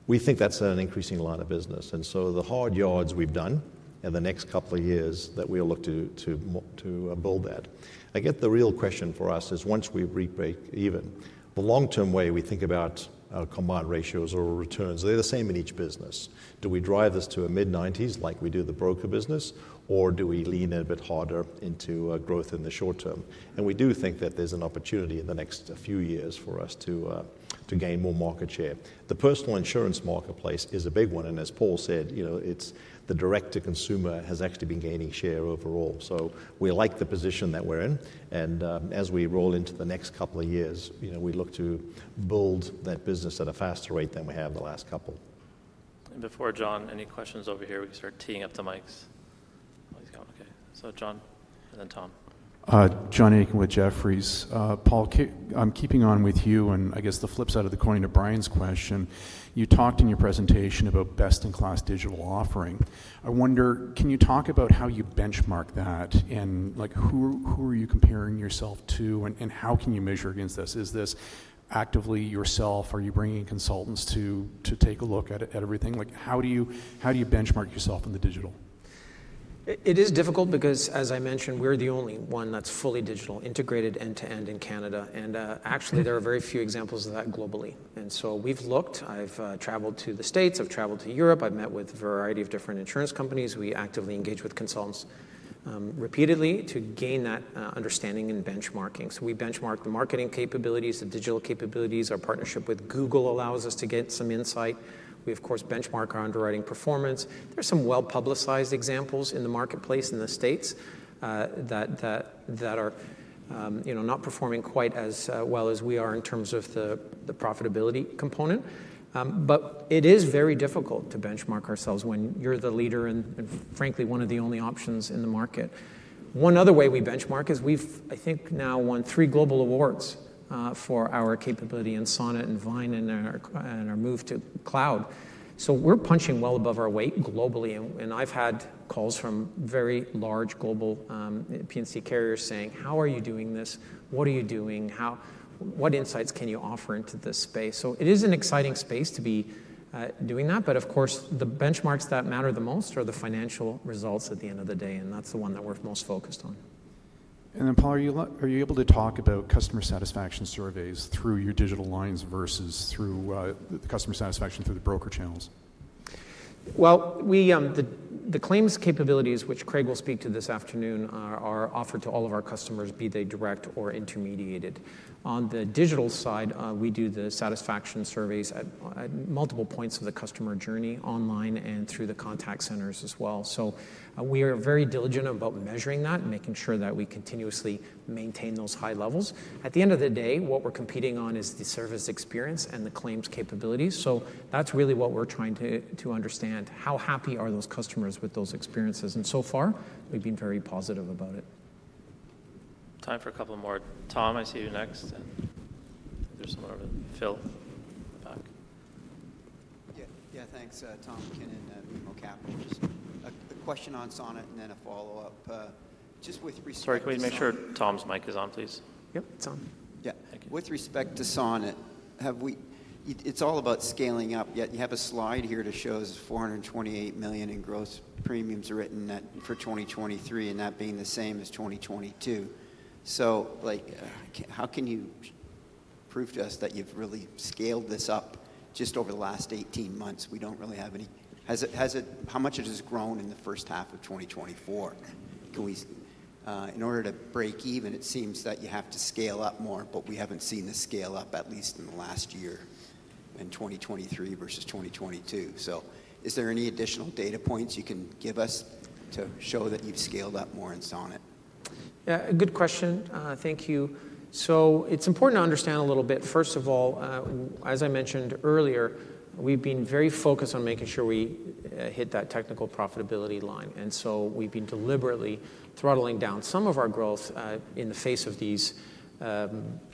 We think that's an increasing line of business, and so the hard yards we've done in the next couple of years that we'll look to to build that. I get the real question for us is once we break even, the long-term way we think about our combined ratios or returns, they're the same in each business. Do we drive this to a mid-90s like we do the broker business, or do we lean a bit harder into growth in the short term? And we do think that there's an opportunity in the next few years for us to gain more market share. The personal insurance marketplace is a big one, and as Paul said, you know, it's the direct to consumer has actually been gaining share overall. So we like the position that we're in, and as we roll into the next couple of years, you know, we look to build that business at a faster rate than we have the last couple.
Before John, any questions over here? We can start teeing up the mics. Oh, he's gone. Okay, so John and then Tom.
John Aiken with Jefferies. Paul, keeping on with you, and I guess the flip side of the coin to Brian's question, you talked in your presentation about best-in-class digital offering. I wonder, can you talk about how you benchmark that, and like, who are you comparing yourself to, and how can you measure against this? Is this actively yourself, or are you bringing consultants to take a look at everything? Like, how do you benchmark yourself in the digital?
It is difficult because, as I mentioned, we're the only one that's fully digital integrated end-to-end in Canada, and actually, there are very few examples of that globally. And so we've looked, I've traveled to the States, I've traveled to Europe, I've met with a variety of different insurance companies. We actively engage with consultants repeatedly to gain that understanding and benchmarking. So we benchmark the marketing capabilities, the digital capabilities. Our partnership with Google allows us to get some insight. We, of course, benchmark our underwriting performance. There are some well-publicized examples in the marketplace in the States that are, you know, not performing quite as well as we are in terms of the profitability component. But it is very difficult to benchmark ourselves when you're the leader and frankly, one of the only options in the market. One other way we benchmark is we've, I think, now won three global awards for our capability in Sonnet and Vyne and our move to cloud. So we're punching well above our weight globally, and I've had calls from very large global P&C carriers saying: "How are you doing this? What are you doing? How—what insights can you offer into this space?" So it is an exciting space to be doing that. But of course, the benchmarks that matter the most are the financial results at the end of the day, and that's the one that we're most focused on.
And then, Paul, are you able to talk about customer satisfaction surveys through your digital lines versus through the customer satisfaction through the broker channels?
Well, the claims capabilities, which Craig will speak to this afternoon, are offered to all of our customers, be they direct or intermediated. On the digital side, we do the satisfaction surveys at multiple points of the customer journey, online and through the contact centers as well. So we are very diligent about measuring that and making sure that we continuously maintain those high levels. At the end of the day, what we're competing on is the service experience and the claims capabilities. So that's really what we're trying to understand, how happy are those customers with those experiences? And so far, we've been very positive about it.
Time for a couple of more. Tom, I see you next. And there's someone over, Phil, in the back.
Yeah. Yeah, thanks. Tom MacKinnon, BMO Capital Markets. Just a question on Sonnet and then a follow-up. Just with respect to Sonnet.
Sorry, can we make sure Tom's mic is on, please?
Yep, it's on. Yeah.
Thank you.
With respect to Sonnet, it’s all about scaling up, yet you have a slide here that shows 428 million in gross written premiums net for 2023, and that being the same as 2022. So, like, how can you prove to us that you’ve really scaled this up just over the last 18 months? We don’t really have any. How much has it grown in the first half of 2024? In order to break even, it seems that you have to scale up more, but we haven’t seen the scale up, at least in the last year, in 2023 versus 2022. So is there any additional data points you can give us to show that you’ve scaled up more in Sonnet?
Yeah, a good question. Thank you. It's important to understand a little bit. First of all, as I mentioned earlier, we've been very focused on making sure we hit that technical profitability line, and so we've been deliberately throttling down some of our growth in the face of these,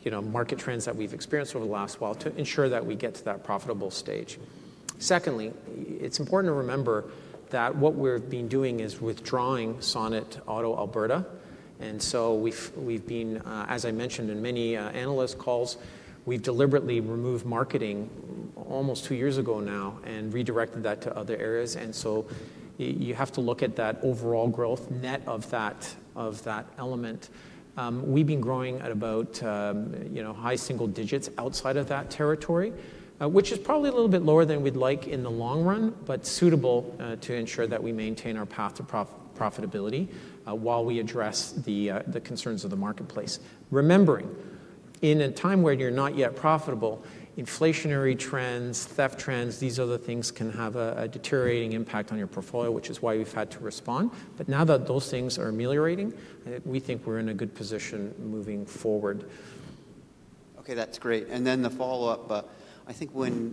you know, market trends that we've experienced over the last while to ensure that we get to that profitable stage. Secondly, it's important to remember that what we've been doing is withdrawing Sonnet auto Alberta, and so we've been, as I mentioned in many analyst calls, we've deliberately removed marketing almost two years ago now and redirected that to other areas, and so you have to look at that overall growth net of that element. We've been growing at about, you know, high single digits outside of that territory, which is probably a little bit lower than we'd like in the long run, but suitable, to ensure that we maintain our path to profitability, while we address the concerns of the marketplace. Remembering, in a time where you're not yet profitable, inflationary trends, theft trends, these other things can have a deteriorating impact on your portfolio, which is why we've had to respond. But now that those things are ameliorating, we think we're in a good position moving forward.
Okay, that's great. And then the follow-up, I think when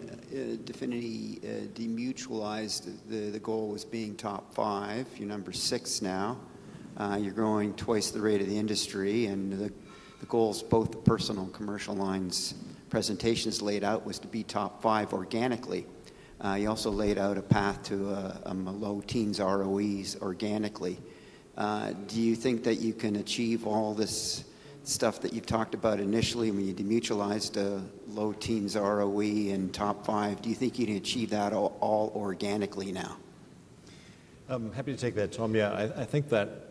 Definity demutualized, the goal was being top five. You're number six now. You're growing twice the rate of the industry, and the goals, both the personal and commercial lines presentations laid out, was to be top five organically. You also laid out a path to low teens ROEs organically. Do you think that you can achieve all this stuff that you talked about initially when you demutualized, low teens ROE and top five? Do you think you can achieve that all, all organically now?
I'm happy to take that, Tom. Yeah, I think that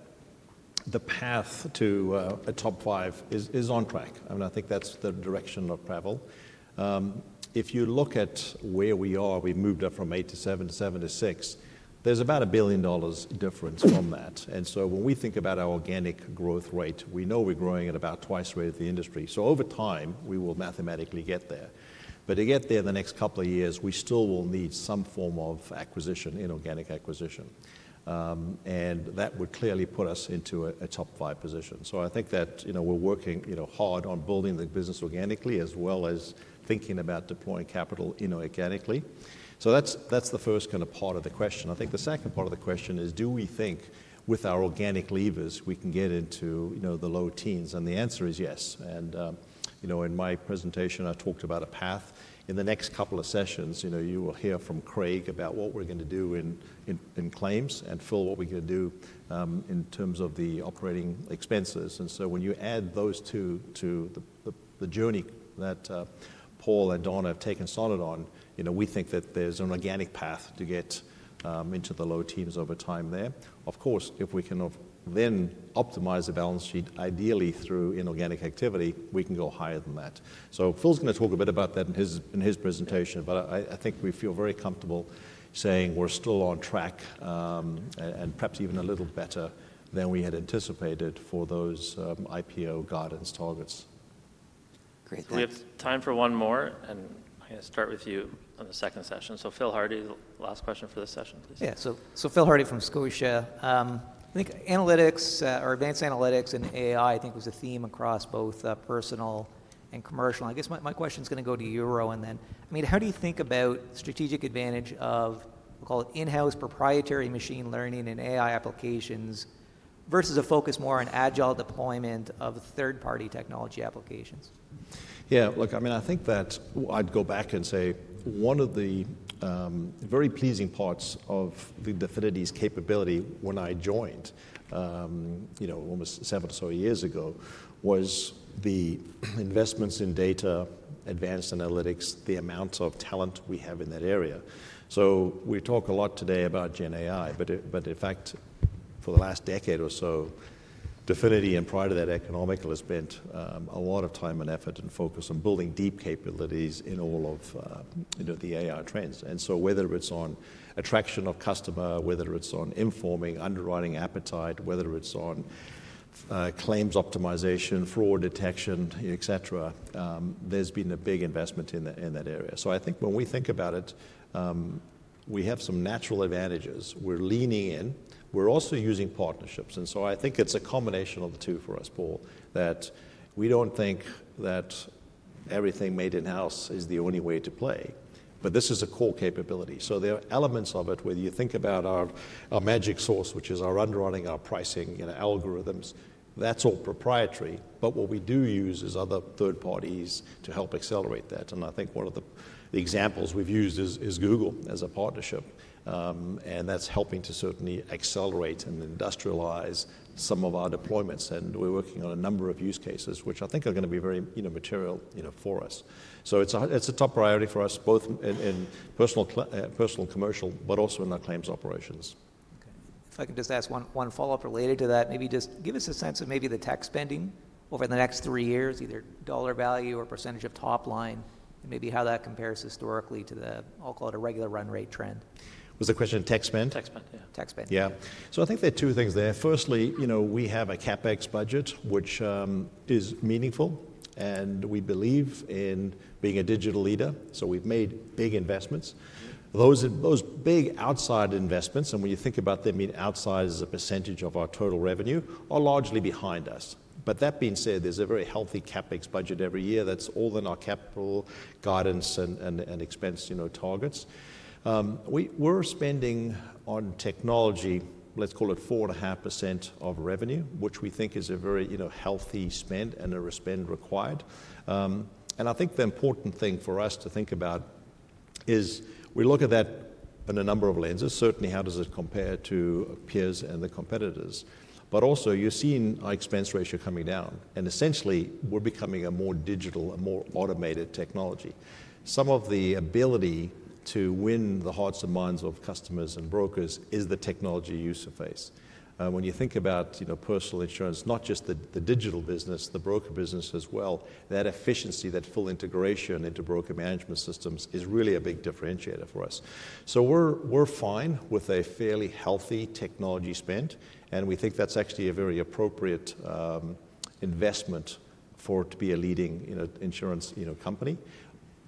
the path to a top five is on track, and I think that's the direction of travel. If you look at where we are, we've moved up from eight to seven, seven to six. There's about 1 billion dollars difference from that. And so when we think about our organic growth rate, we know we're growing at about twice the rate of the industry. So over time, we will mathematically get there. But to get there in the next couple of years, we still will need some form of acquisition, inorganic acquisition. And that would clearly put us into a top five position. So I think that, you know, we're working, you know, hard on building the business organically as well as thinking about deploying capital inorganically. So that's the first kind of part of the question. I think the second part of the question is, do we think with our organic levers we can get into, you know, the low teens? And the answer is yes, and you know, in my presentation, I talked about a path. In the next couple of sessions, you know, you will hear from Craig about what we're gonna do in claims, and Phil, what we're gonna do in terms of the operating expenses. And so when you add those two to the journey that Paul and Donna have taken Sonnet on, you know, we think that there's an organic path to get into the low teens over time there. Of course, if we can then optimize the balance sheet, ideally through inorganic activity, we can go higher than that. Phil's gonna talk a bit about that in his presentation, but I think we feel very comfortable saying we're still on track, and perhaps even a little better than we had anticipated for those IPO guidance targets.
Great, thanks.
We have time for one more, and I'm gonna start with you on the second session. So Phil Hardie, the last question for this session, please.
Yeah, so, so Phil Hardie from Scotia. I think analytics, or advanced analytics and AI, I think, was a theme across both, personal and commercial. I guess my question's gonna go to you Rowan and then. I mean, how do you think about strategic advantage of, we'll call it, in-house proprietary machine learning and AI applications versus a focus more on agile deployment of third-party technology applications?
Yeah, look, I mean, I think that I'd go back and say one of the very pleasing parts of the Definity's capability when I joined, you know, almost seven or so years ago, was the investments in data, advanced analytics, the amount of talent we have in that area. So we talk a lot today about Gen AI, but it, but in fact, for the last decade or so, Definity, and prior to that, Economical, has spent a lot of time and effort and focus on building deep capabilities in all of, you know, the AI trends. And so whether it's on attraction of customer, whether it's on informing, underwriting appetite, whether it's on claims optimization, fraud detection, et cetera, there's been a big investment in that, in that area. So I think when we think about it, we have some natural advantages. We're leaning in. We're also using partnerships, and so I think it's a combination of the two for us, Paul, that we don't think that everything made in-house is the only way to play, but this is a core capability. So there are elements of it, whether you think about our magic sauce, which is our underwriting, our pricing, you know, algorithms, that's all proprietary, but what we do use is other third parties to help accelerate that. And I think one of the examples we've used is Google as a partnership, and that's helping to certainly accelerate and industrialize some of our deployments. And we're working on a number of use cases, which I think are gonna be very, you know, material, you know, for us. So it's a top priority for us, both in personal and commercial, but also in our claims operations.
Okay. If I could just ask one follow-up related to that, maybe just give us a sense of maybe the tech spending over the next three years, either dollar value or percentage of top line, and maybe how that compares historically to the, I'll call it, a regular run rate trend?
Was the question tech spend?
Tech spend, yeah. Tech spend.
Yeah. So I think there are two things there. Firstly, you know, we have a CapEx budget, which is meaningful, and we believe in being a digital leader, so we've made big investments. Those, those big outside investments, and when you think about them being outside as a percentage of our total revenue, are largely behind us. But that being said, there's a very healthy CapEx budget every year that's all in our capital guidance and expense, you know, targets. We're spending on technology, let's call it 4.5% of revenue, which we think is a very, you know, healthy spend and a spend required. And I think the important thing for us to think about is we look at that in a number of lenses. Certainly, how does it compare to peers and the competitors? But also, you're seeing our expense ratio coming down, and essentially, we're becoming a more digital, a more automated technology. Some of the ability to win the hearts and minds of customers and brokers is the technology user interface. When you think about, you know, personal insurance, not just the digital business, the broker business as well, that efficiency, that full integration into broker management systems is really a big differentiator for us. So we're fine with a fairly healthy technology spend, and we think that's actually a very appropriate investment for it to be a leading, you know, insurance, you know, company.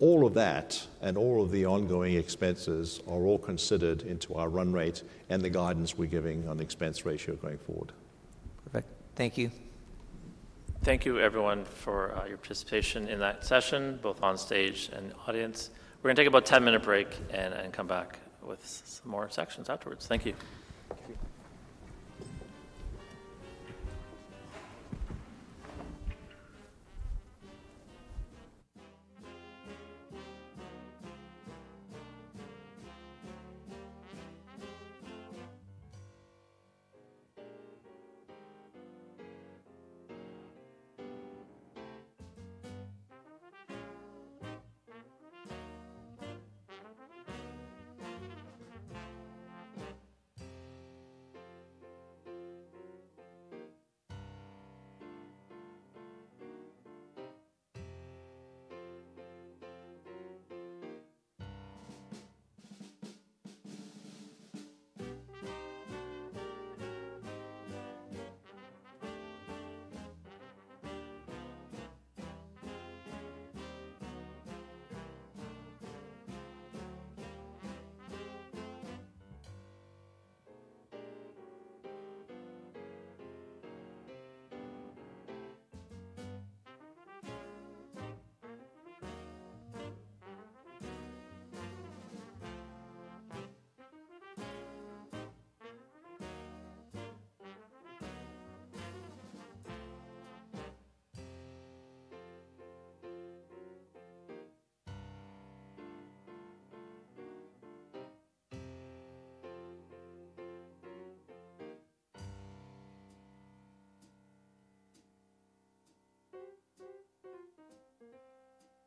All of that and all of the ongoing expenses are all considered into our run rate and the guidance we're giving on the expense ratio going forward.
Perfect. Thank you.
Thank you, everyone, for your participation in that session, both on stage and audience. We're gonna take about a 10-minute break and come back with some more sessions afterwards. Thank you.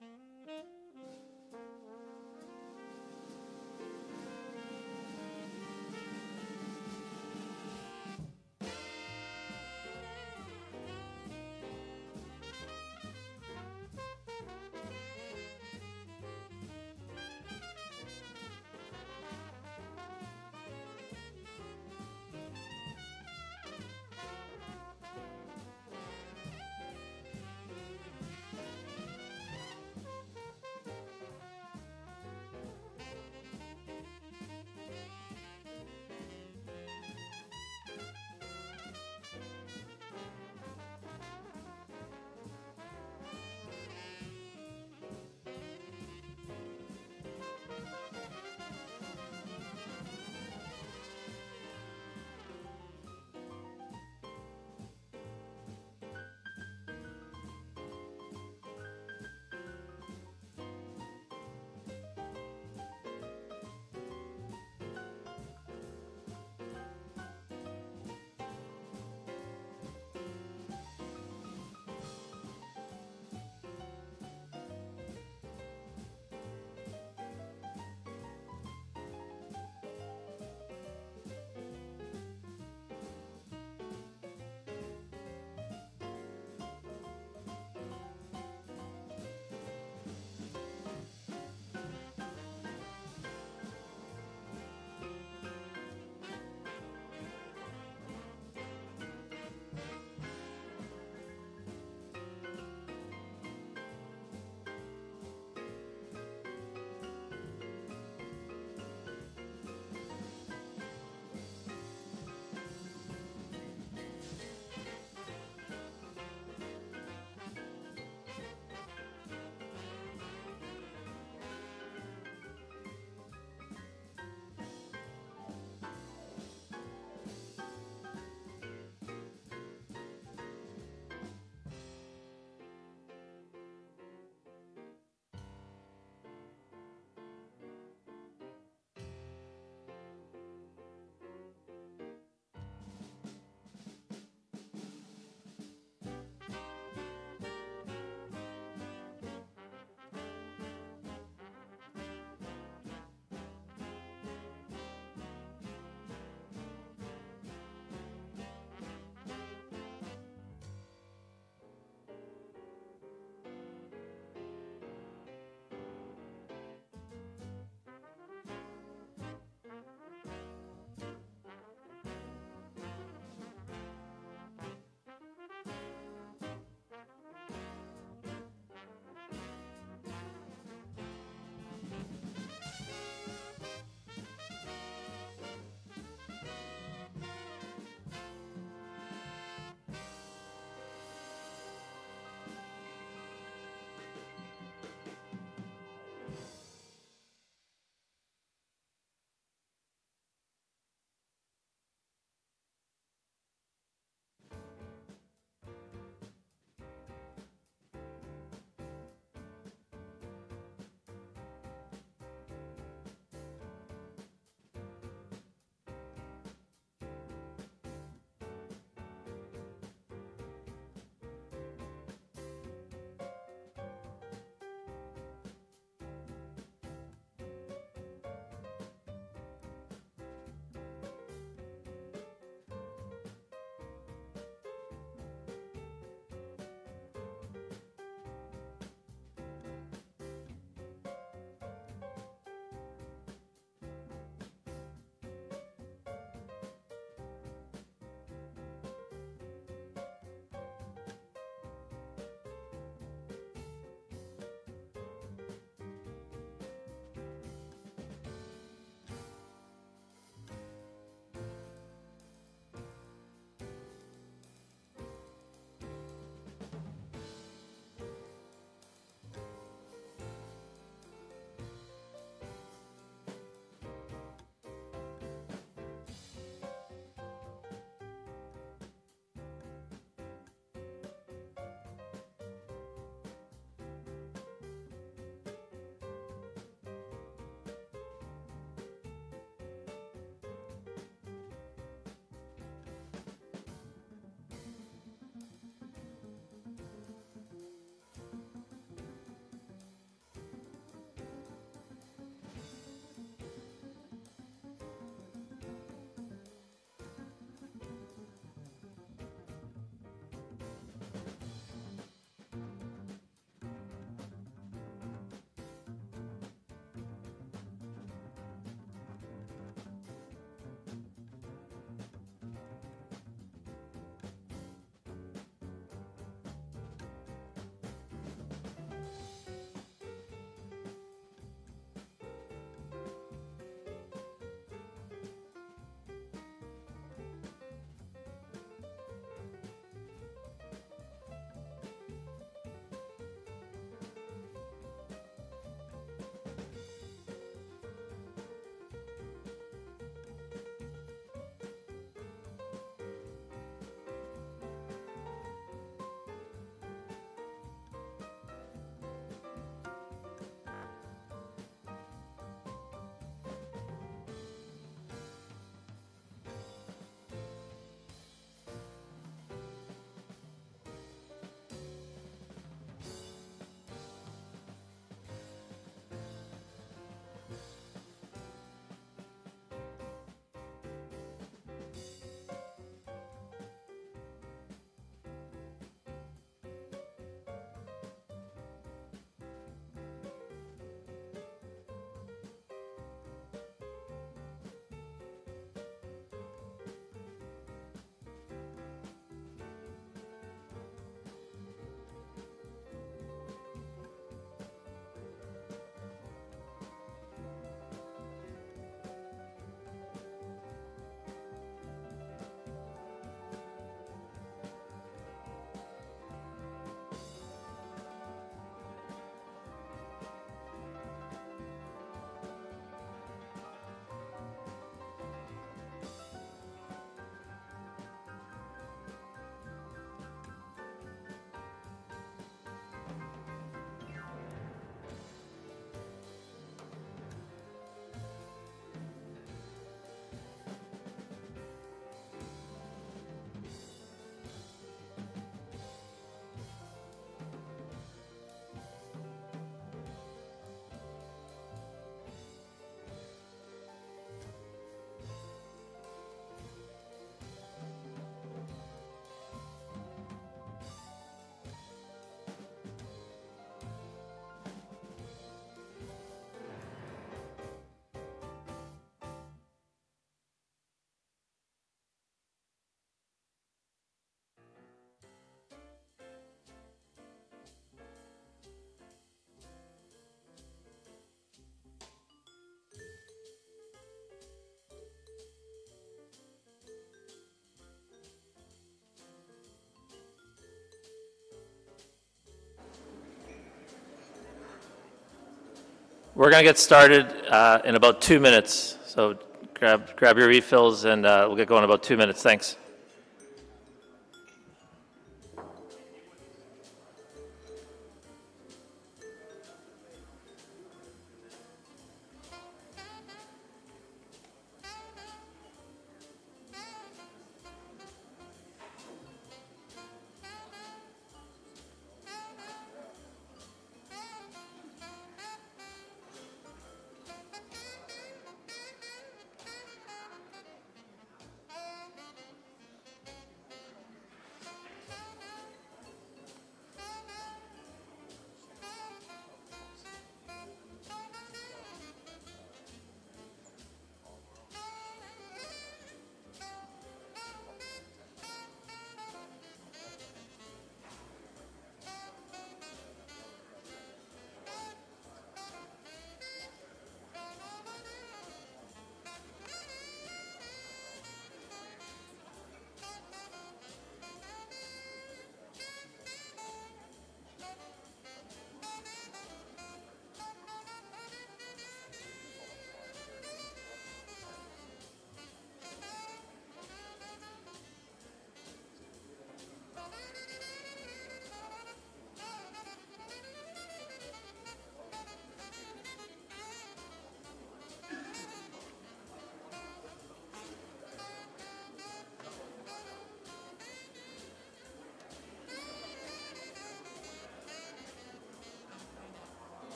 Thank you.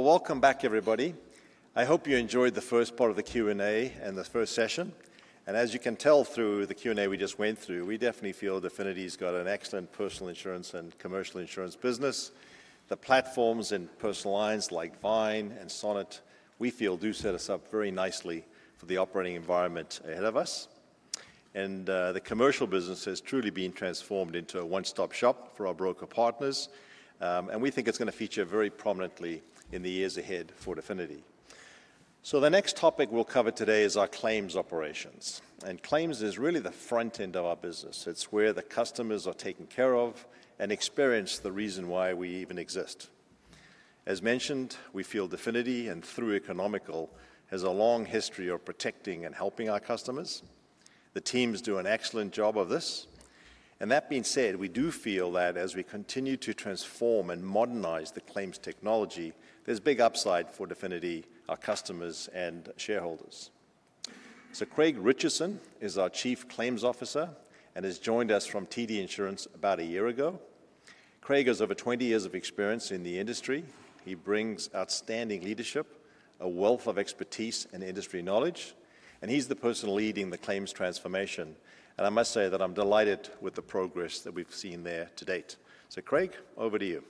Well, welcome back, everybody. I hope you enjoyed the first part of the Q&A and the first session. And as you can tell through the Q&A we just went through, we definitely feel Definity's got an excellent personal insurance and commercial insurance business. The platforms in personal lines like Vyne and Sonnet, we feel do set us up very nicely for the operating environment ahead of us. And, the commercial business has truly been transformed into a one-stop shop for our broker partners, and we think it's gonna feature very prominently in the years ahead for Definity. So the next topic we'll cover today is our claims operations, and claims is really the front end of our business. It's where the customers are taken care of and experience the reason why we even exist. As mentioned, we feel Definity, and through Economical, has a long history of protecting and helping our customers. The teams do an excellent job of this, and that being said, we do feel that as we continue to transform and modernize the claims technology, there's big upside for Definity, our customers, and shareholders. So Craig Richardson is our Chief Claims Officer and has joined us from TD Insurance about a year ago. Craig has over 20 years of experience in the industry. He brings outstanding leadership, a wealth of expertise and industry knowledge, and he's the person leading the claims transformation, and I must say that I'm delighted with the progress that we've seen there to date, so Craig, over to you.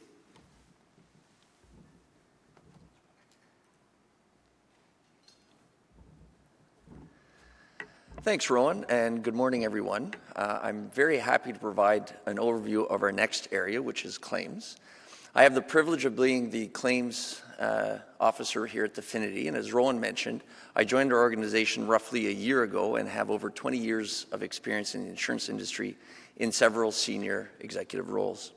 Thanks, Rowan, and good morning, everyone. I'm very happy to provide an overview of our next area, which is claims. I have the privilege of being the Chief Claims Officer here at Definity, and as Rowan mentioned, I joined our organization roughly a year ago and have over 20 years of experience in the insurance industry in several senior executive roles.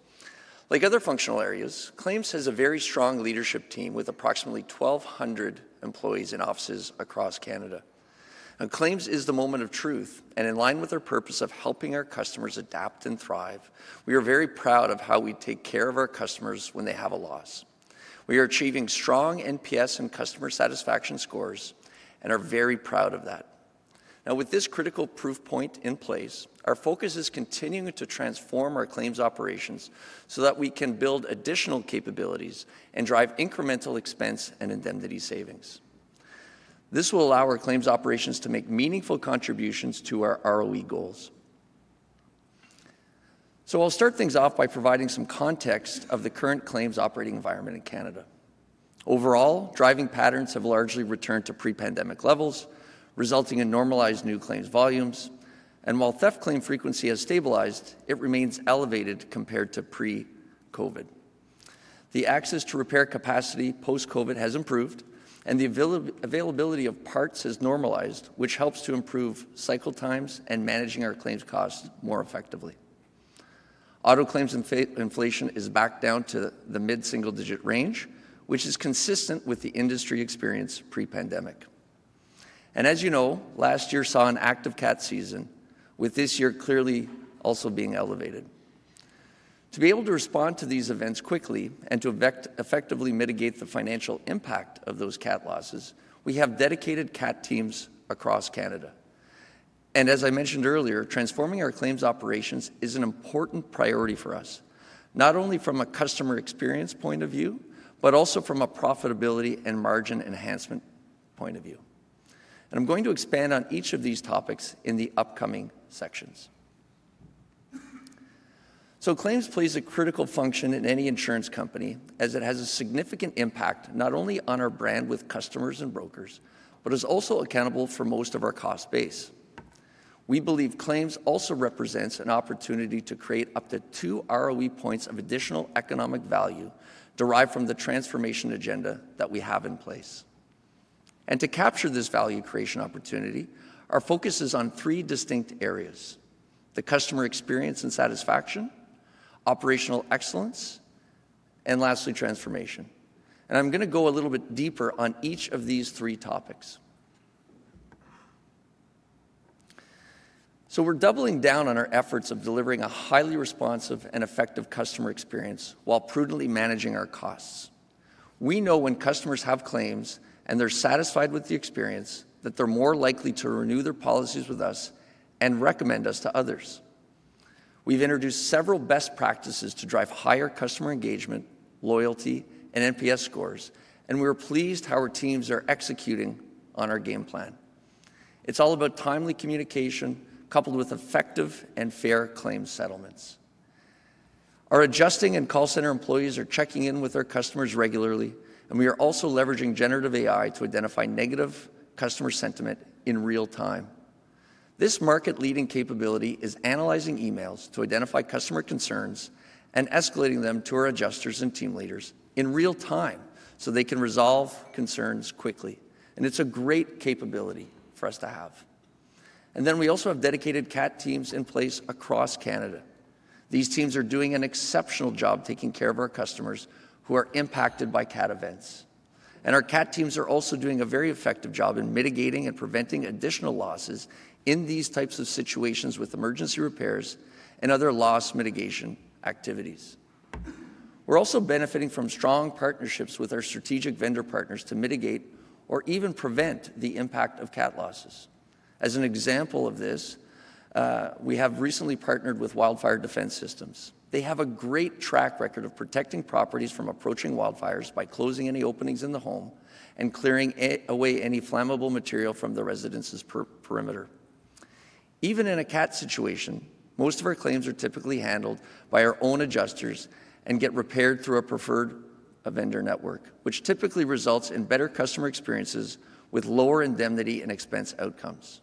Like other functional areas, claims has a very strong leadership team with approximately 1,200 employees in offices across Canada. Claims is the moment of truth, and in line with our purpose of helping our customers adapt and thrive, we are very proud of how we take care of our customers when they have a loss. We are achieving strong NPS and customer satisfaction scores and are very proud of that. Now, with this critical proof point in place, our focus is continuing to transform our claims operations so that we can build additional capabilities and drive incremental expense and indemnity savings. This will allow our claims operations to make meaningful contributions to our ROE goals. So I'll start things off by providing some context of the current claims operating environment in Canada. Overall, driving patterns have largely returned to pre-pandemic levels, resulting in normalized new claims volumes, and while theft claim frequency has stabilized, it remains elevated compared to pre-COVID. The access to repair capacity post-COVID has improved, and the availability of parts has normalized, which helps to improve cycle times and managing our claims costs more effectively. Auto claims inflation is back down to the mid-single-digit range, which is consistent with the industry experience pre-pandemic. As you know, last year saw an active Cat season, with this year clearly also being elevated. To be able to respond to these events quickly and to effectively mitigate the financial impact of those Cat losses, we have dedicated Cat teams across Canada. As I mentioned earlier, transforming our claims operations is an important priority for us, not only from a customer experience point of view, but also from a profitability and margin enhancement point of view. I'm going to expand on each of these topics in the upcoming sections. Claims plays a critical function in any insurance company, as it has a significant impact not only on our brand with customers and brokers, but is also accountable for most of our cost base. We believe claims also represents an opportunity to create up to two ROE points of additional economic value derived from the transformation agenda that we have in place. And to capture this value creation opportunity, our focus is on three distinct areas: the customer experience and satisfaction, operational excellence, and lastly, transformation. And I'm gonna go a little bit deeper on each of these three topics. So we're doubling down on our efforts of delivering a highly responsive and effective customer experience while prudently managing our costs. We know when customers have claims, and they're satisfied with the experience, that they're more likely to renew their policies with us and recommend us to others. We've introduced several best practices to drive higher customer engagement, loyalty, and NPS scores, and we are pleased how our teams are executing on our game plan. It's all about timely communication coupled with effective and fair claims settlements. Our adjusting and call center employees are checking in with our customers regularly, and we are also leveraging generative AI to identify negative customer sentiment in real time. This market-leading capability is analyzing emails to identify customer concerns and escalating them to our adjusters and team leaders in real time, so they can resolve concerns quickly, and it's a great capability for us to have. And then we also have dedicated Cat teams in place across Canada. These teams are doing an exceptional job taking care of our customers who are impacted by Cat events. And our Cat teams are also doing a very effective job in mitigating and preventing additional losses in these types of situations with emergency repairs and other loss mitigation activities. We're also benefiting from strong partnerships with our strategic vendor partners to mitigate or even prevent the impact of Cat losses. As an example of this, we have recently partnered with Wildfire Defense Systems. They have a great track record of protecting properties from approaching wildfires by closing any openings in the home and clearing away any flammable material from the residence's perimeter. Even in a Cat situation, most of our claims are typically handled by our own adjusters and get repaired through a preferred vendor network, which typically results in better customer experiences with lower indemnity and expense outcomes.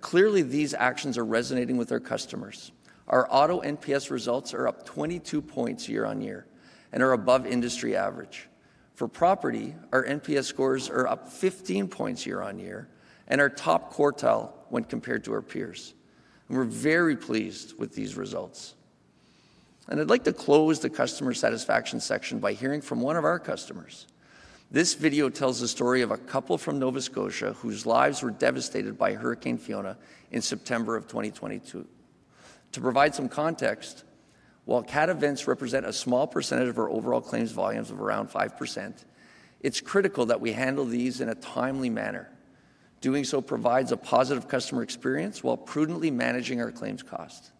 Clearly, these actions are resonating with our customers. Our auto NPS results are up 22 points year-on-year and are above industry average. For property, our NPS scores are up 15 points year-on-year and are top quartile when compared to our peers. We're very pleased with these results. And I'd like to close the customer satisfaction section by hearing from one of our customers. This video tells the story of a couple from Nova Scotia whose lives were devastated by Hurricane Fiona in September of 2022. To provide some context, while Cat events represent a small percentage of our overall claims volumes of around 5%, it's critical that we handle these in a timely manner. Doing so provides a positive customer experience while prudently managing our claims cost.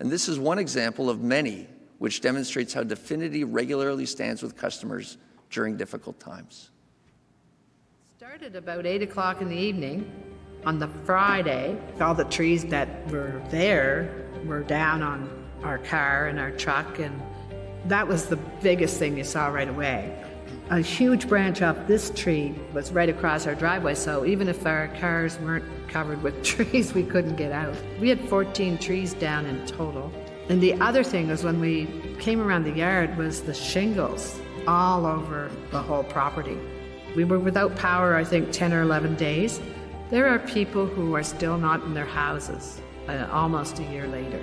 And this is one example of many, which demonstrates how Definity regularly stands with customers during difficult times. It started about 8:00 P.M. on the Friday. All the trees that were there were down on our car and our truck, and that was the biggest thing you saw right away. A huge branch off this tree was right across our driveway, so even if our cars weren't covered with trees, we couldn't get out. We had 14 trees down in total. And the other thing was, when we came around the yard, was the shingles all over the whole property. We were without power, I think, 10 or 11 days. There are people who are still not in their houses, almost a year later.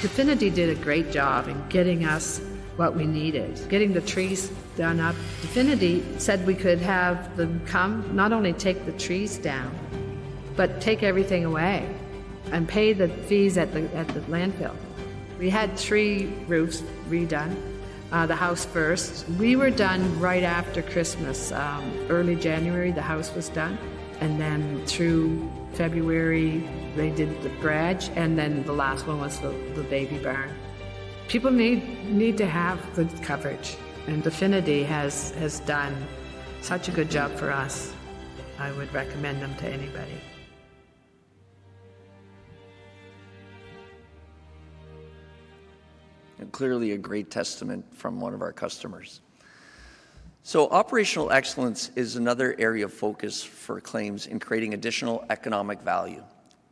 Definity did a great job in getting us what we needed, getting the trees done up. Definity said we could have them come, not only take the trees down, but take everything away and pay the fees at the landfill. We had three roofs redone, the house first. We were done right after Christmas. Early January, the house was done, and then through February, they did the garage, and then the last one was the baby barn. People need to have good coverage, and Definity has done such a good job for us. I would recommend them to anybody. And clearly a great testament from one of our customers. So operational excellence is another area of focus for claims in creating additional economic value.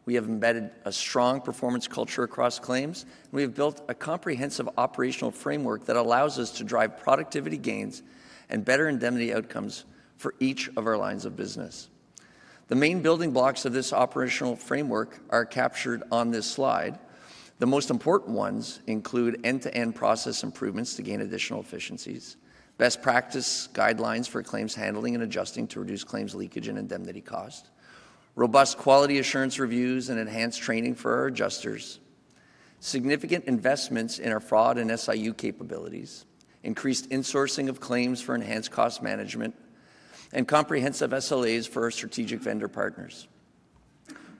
We have embedded a strong performance culture across claims, and we have built a comprehensive operational framework that allows us to drive productivity gains and better indemnity outcomes for each of our lines of business. The main building blocks of this operational framework are captured on this slide. The most important ones include end-to-end process improvements to gain additional efficiencies, best practice guidelines for claims handling and adjusting to reduce claims leakage and indemnity cost, robust quality assurance reviews and enhanced training for our adjusters, significant investments in our fraud and SIU capabilities, increased insourcing of claims for enhanced cost management, and comprehensive SLAs for our strategic vendor partners.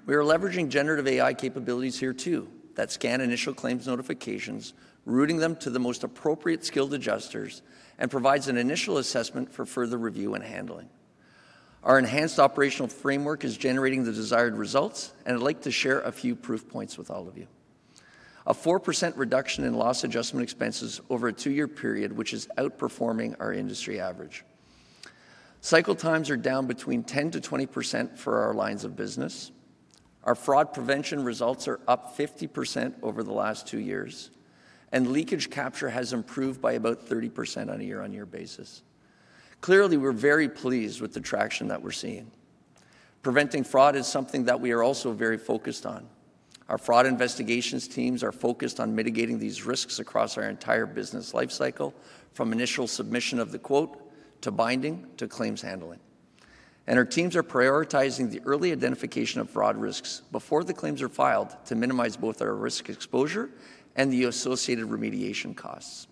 We are leveraging generative AI capabilities here, too, that scan initial claims notifications, routing them to the most appropriate skilled adjusters, and provides an initial assessment for further review and handling. Our enhanced operational framework is generating the desired results, and I'd like to share a few proof points with all of you. A 4% reduction in loss adjustment expenses over a two-year period, which is outperforming our industry average. Cycle times are down between 10%-20% for our lines of business. Our fraud prevention results are up 50% over the last two years, and leakage capture has improved by about 30% on a year-on-year basis. Clearly, we're very pleased with the traction that we're seeing. Preventing fraud is something that we are also very focused on. Our fraud investigations teams are focused on mitigating these risks across our entire business life cycle, from initial submission of the quote, to binding, to claims handling, and our teams are prioritizing the early identification of fraud risks before the claims are filed, to minimize both our risk exposure and the associated remediation costs.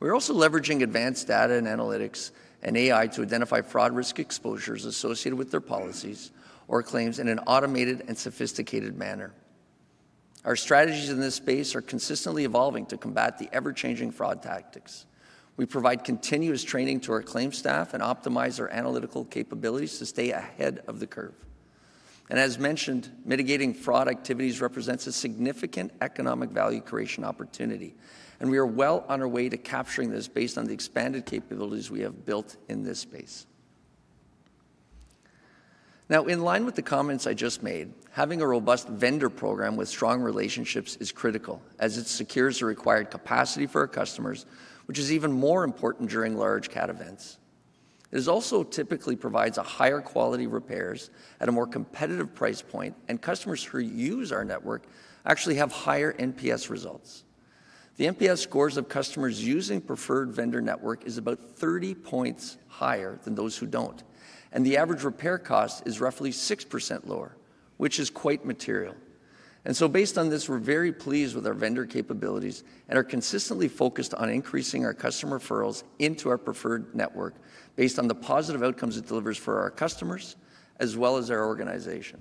We're also leveraging advanced data and analytics and AI to identify fraud risk exposures associated with their policies or claims in an automated and sophisticated manner. Our strategies in this space are consistently evolving to combat the ever-changing fraud tactics. We provide continuous training to our claims staff and optimize our analytical capabilities to stay ahead of the curve, and as mentioned, mitigating fraud activities represents a significant economic value creation opportunity, and we are well on our way to capturing this based on the expanded capabilities we have built in this space. Now, in line with the comments I just made, having a robust vendor program with strong relationships is critical, as it secures the required capacity for our customers, which is even more important during large Cat events. It also typically provides higher-quality repairs at a more competitive price point, and customers who use our network actually have higher NPS results. The NPS scores of customers using Preferred Vendor Network is about 30 points higher than those who don't, and the average repair cost is roughly 6% lower, which is quite material. And so based on this, we're very pleased with our vendor capabilities and are consistently focused on increasing our customer referrals into our preferred network based on the positive outcomes it delivers for our customers as well as our organization.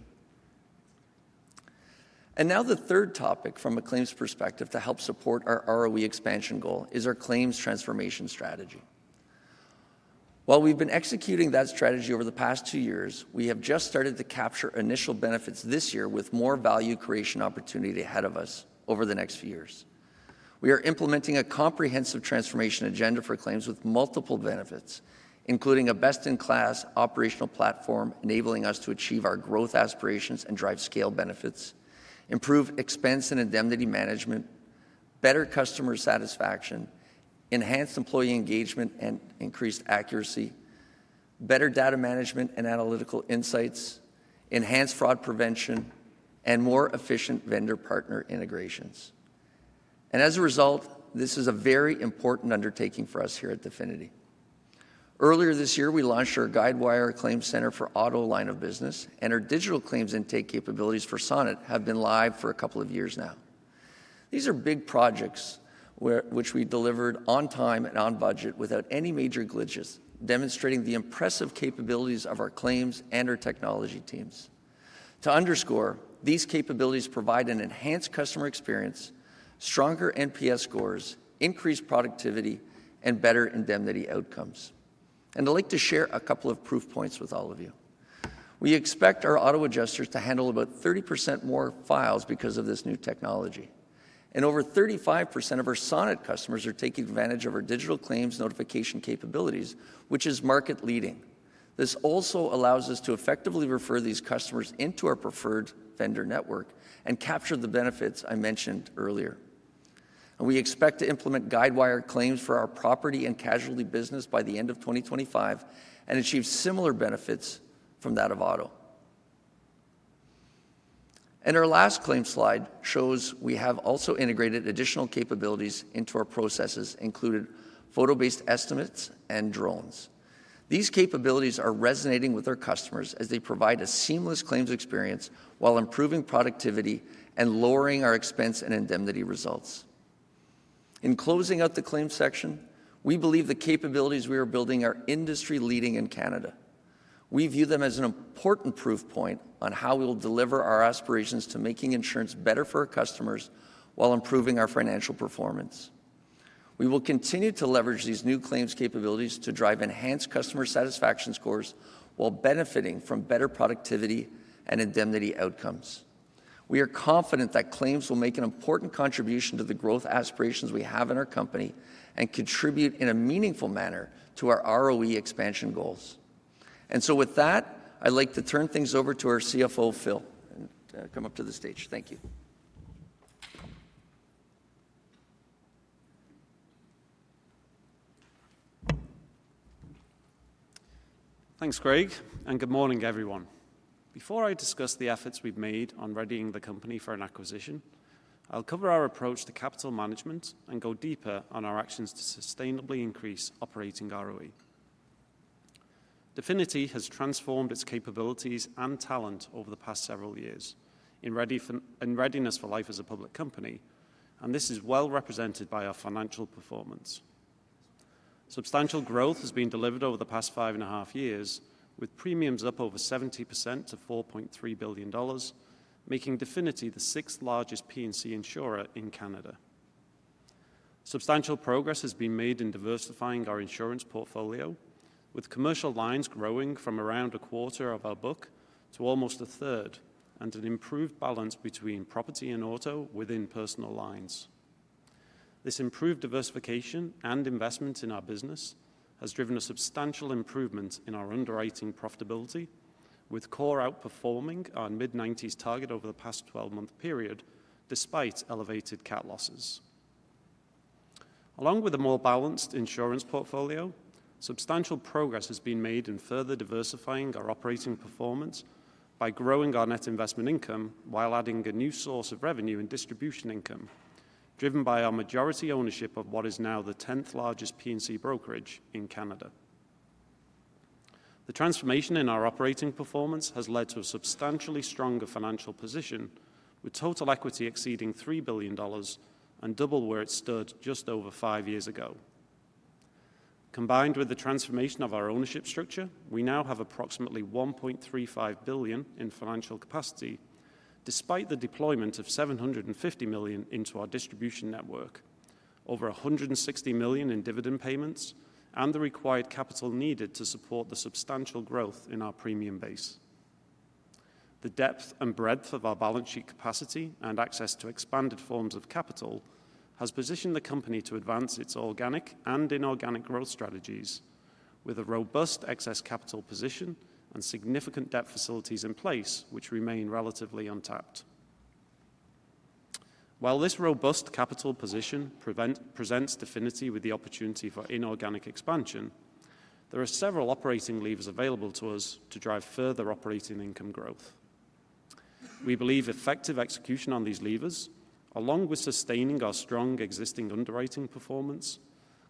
And now, the third topic from a claims perspective to help support our ROE expansion goal is our claims transformation strategy. While we've been executing that strategy over the past two years, we have just started to capture initial benefits this year with more value creation opportunity ahead of us over the next few years. We are implementing a comprehensive transformation agenda for claims with multiple benefits, including a best-in-class operational platform, enabling us to achieve our growth aspirations and drive scale benefits, improve expense and indemnity management, better customer satisfaction, enhanced employee engagement and increased accuracy, better data management and analytical insights, enhanced fraud prevention, and more efficient vendor partner integrations. And as a result, this is a very important undertaking for us here at Definity. Earlier this year, we launched our Guidewire ClaimCenter for auto line of business, and our digital claims intake capabilities for Sonnet have been live for a couple of years now. These are big projects which we delivered on time and on budget without any major glitches, demonstrating the impressive capabilities of our claims and our technology teams. To underscore, these capabilities provide an enhanced customer experience, stronger NPS scores, increased productivity, and better indemnity outcomes, and I'd like to share a couple of proof points with all of you. We expect our auto adjusters to handle about 30% more files because of this new technology, and over 35% of our Sonnet customers are taking advantage of our digital claims notification capabilities, which is market-leading. This also allows us to effectively refer these customers into our preferred vendor network and capture the benefits I mentioned earlier. We expect to implement Guidewire claims for our property and casualty business by the end of 2025 and achieve similar benefits from that of auto. Our last claim slide shows we have also integrated additional capabilities into our processes, including photo-based estimates and drones. These capabilities are resonating with our customers as they provide a seamless claims experience while improving productivity and lowering our expense and indemnity results. In closing out the claims section, we believe the capabilities we are building are industry-leading in Canada. We view them as an important proof point on how we will deliver our aspirations to making insurance better for our customers while improving our financial performance. We will continue to leverage these new claims capabilities to drive enhanced customer satisfaction scores while benefiting from better productivity and indemnity outcomes. We are confident that claims will make an important contribution to the growth aspirations we have in our company and contribute in a meaningful manner to our ROE expansion goals. And so with that, I'd like to turn things over to our CFO, Phil, and come up to the stage. Thank you.
Thanks, Craig, and good morning, everyone. Before I discuss the efforts we've made on readying the company for an acquisition, I'll cover our approach to capital management and go deeper on our actions to sustainably increase operating ROE. Definity has transformed its capabilities and talent over the past several years in readiness for life as a public company, and this is well represented by our financial performance. Substantial growth has been delivered over the past five and a half years, with premiums up over 70% to 4.3 billion dollars, making Definity the sixth largest P&C insurer in Canada. Substantial progress has been made in diversifying our insurance portfolio, with commercial lines growing from around a quarter of our book to almost a third and an improved balance between property and auto within personal lines. This improved diversification and investment in our business has driven a substantial improvement in our underwriting profitability, with core outperforming our mid-90s target over the past 12-month period, despite elevated Cat losses. Along with a more balanced insurance portfolio, substantial progress has been made in further diversifying our operating performance by growing our net investment income while adding a new source of revenue and distribution income, driven by our majority ownership of what is now the 10th largest P&C brokerage in Canada. The transformation in our operating performance has led to a substantially stronger financial position, with total equity exceeding 3 billion dollars and double where it stood just over five years ago. Combined with the transformation of our ownership structure, we now have approximately 1.35 billion in financial capacity, despite the deployment of 750 million into our distribution network, over 160 million in dividend payments, and the required capital needed to support the substantial growth in our premium base. The depth and breadth of our balance sheet capacity and access to expanded forms of capital has positioned the company to advance its organic and inorganic growth strategies with a robust excess capital position and significant debt facilities in place, which remain relatively untapped. While this robust capital position presents Definity with the opportunity for inorganic expansion, there are several operating levers available to us to drive further operating income growth. We believe effective execution on these levers, along with sustaining our strong existing underwriting performance,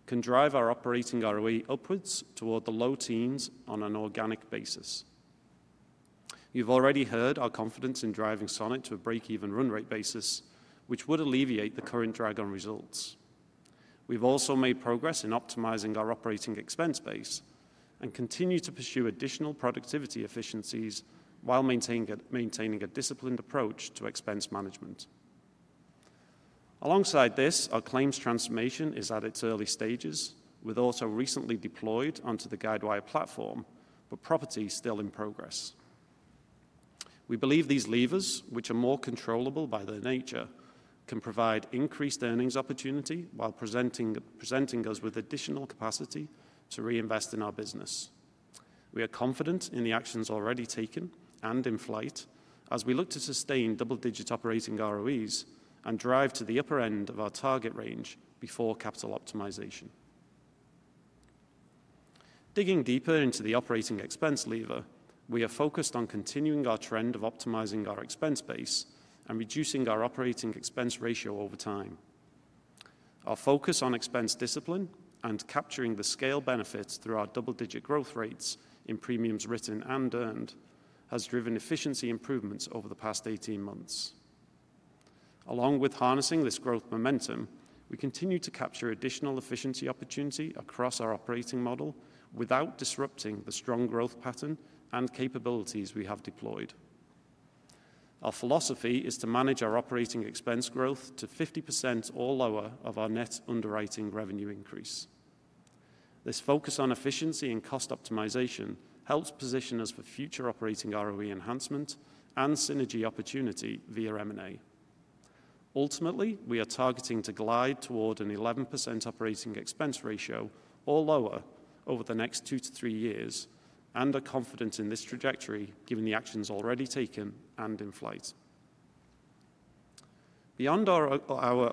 can drive our operating ROE upwards toward the low teens on an organic basis. You've already heard our confidence in driving Sonnet to a breakeven run rate basis, which would alleviate the current drag on results. We've also made progress in optimizing our operating expense base and continue to pursue additional productivity efficiencies while maintaining a disciplined approach to expense management. Alongside this, our claims transformation is at its early stages, with auto recently deployed onto the Guidewire platform, but property is still in progress. We believe these levers, which are more controllable by their nature, can provide increased earnings opportunity while presenting us with additional capacity to reinvest in our business. We are confident in the actions already taken and in flight as we look to sustain double-digit operating ROEs and drive to the upper end of our target range before capital optimization. Digging deeper into the operating expense lever, we are focused on continuing our trend of optimizing our expense base and reducing our operating expense ratio over time. Our focus on expense discipline and capturing the scale benefits through our double-digit growth rates in premiums written and earned has driven efficiency improvements over the past 18 months. Along with harnessing this growth momentum, we continue to capture additional efficiency opportunity across our operating model without disrupting the strong growth pattern and capabilities we have deployed. Our philosophy is to manage our operating expense growth to 50% or lower of our net underwriting revenue increase. This focus on efficiency and cost optimization helps position us for future operating ROE enhancement and synergy opportunity via M&A. Ultimately, we are targeting to glide toward an 11% operating expense ratio or lower over the next two to three years and are confident in this trajectory, given the actions already taken and in flight. Beyond our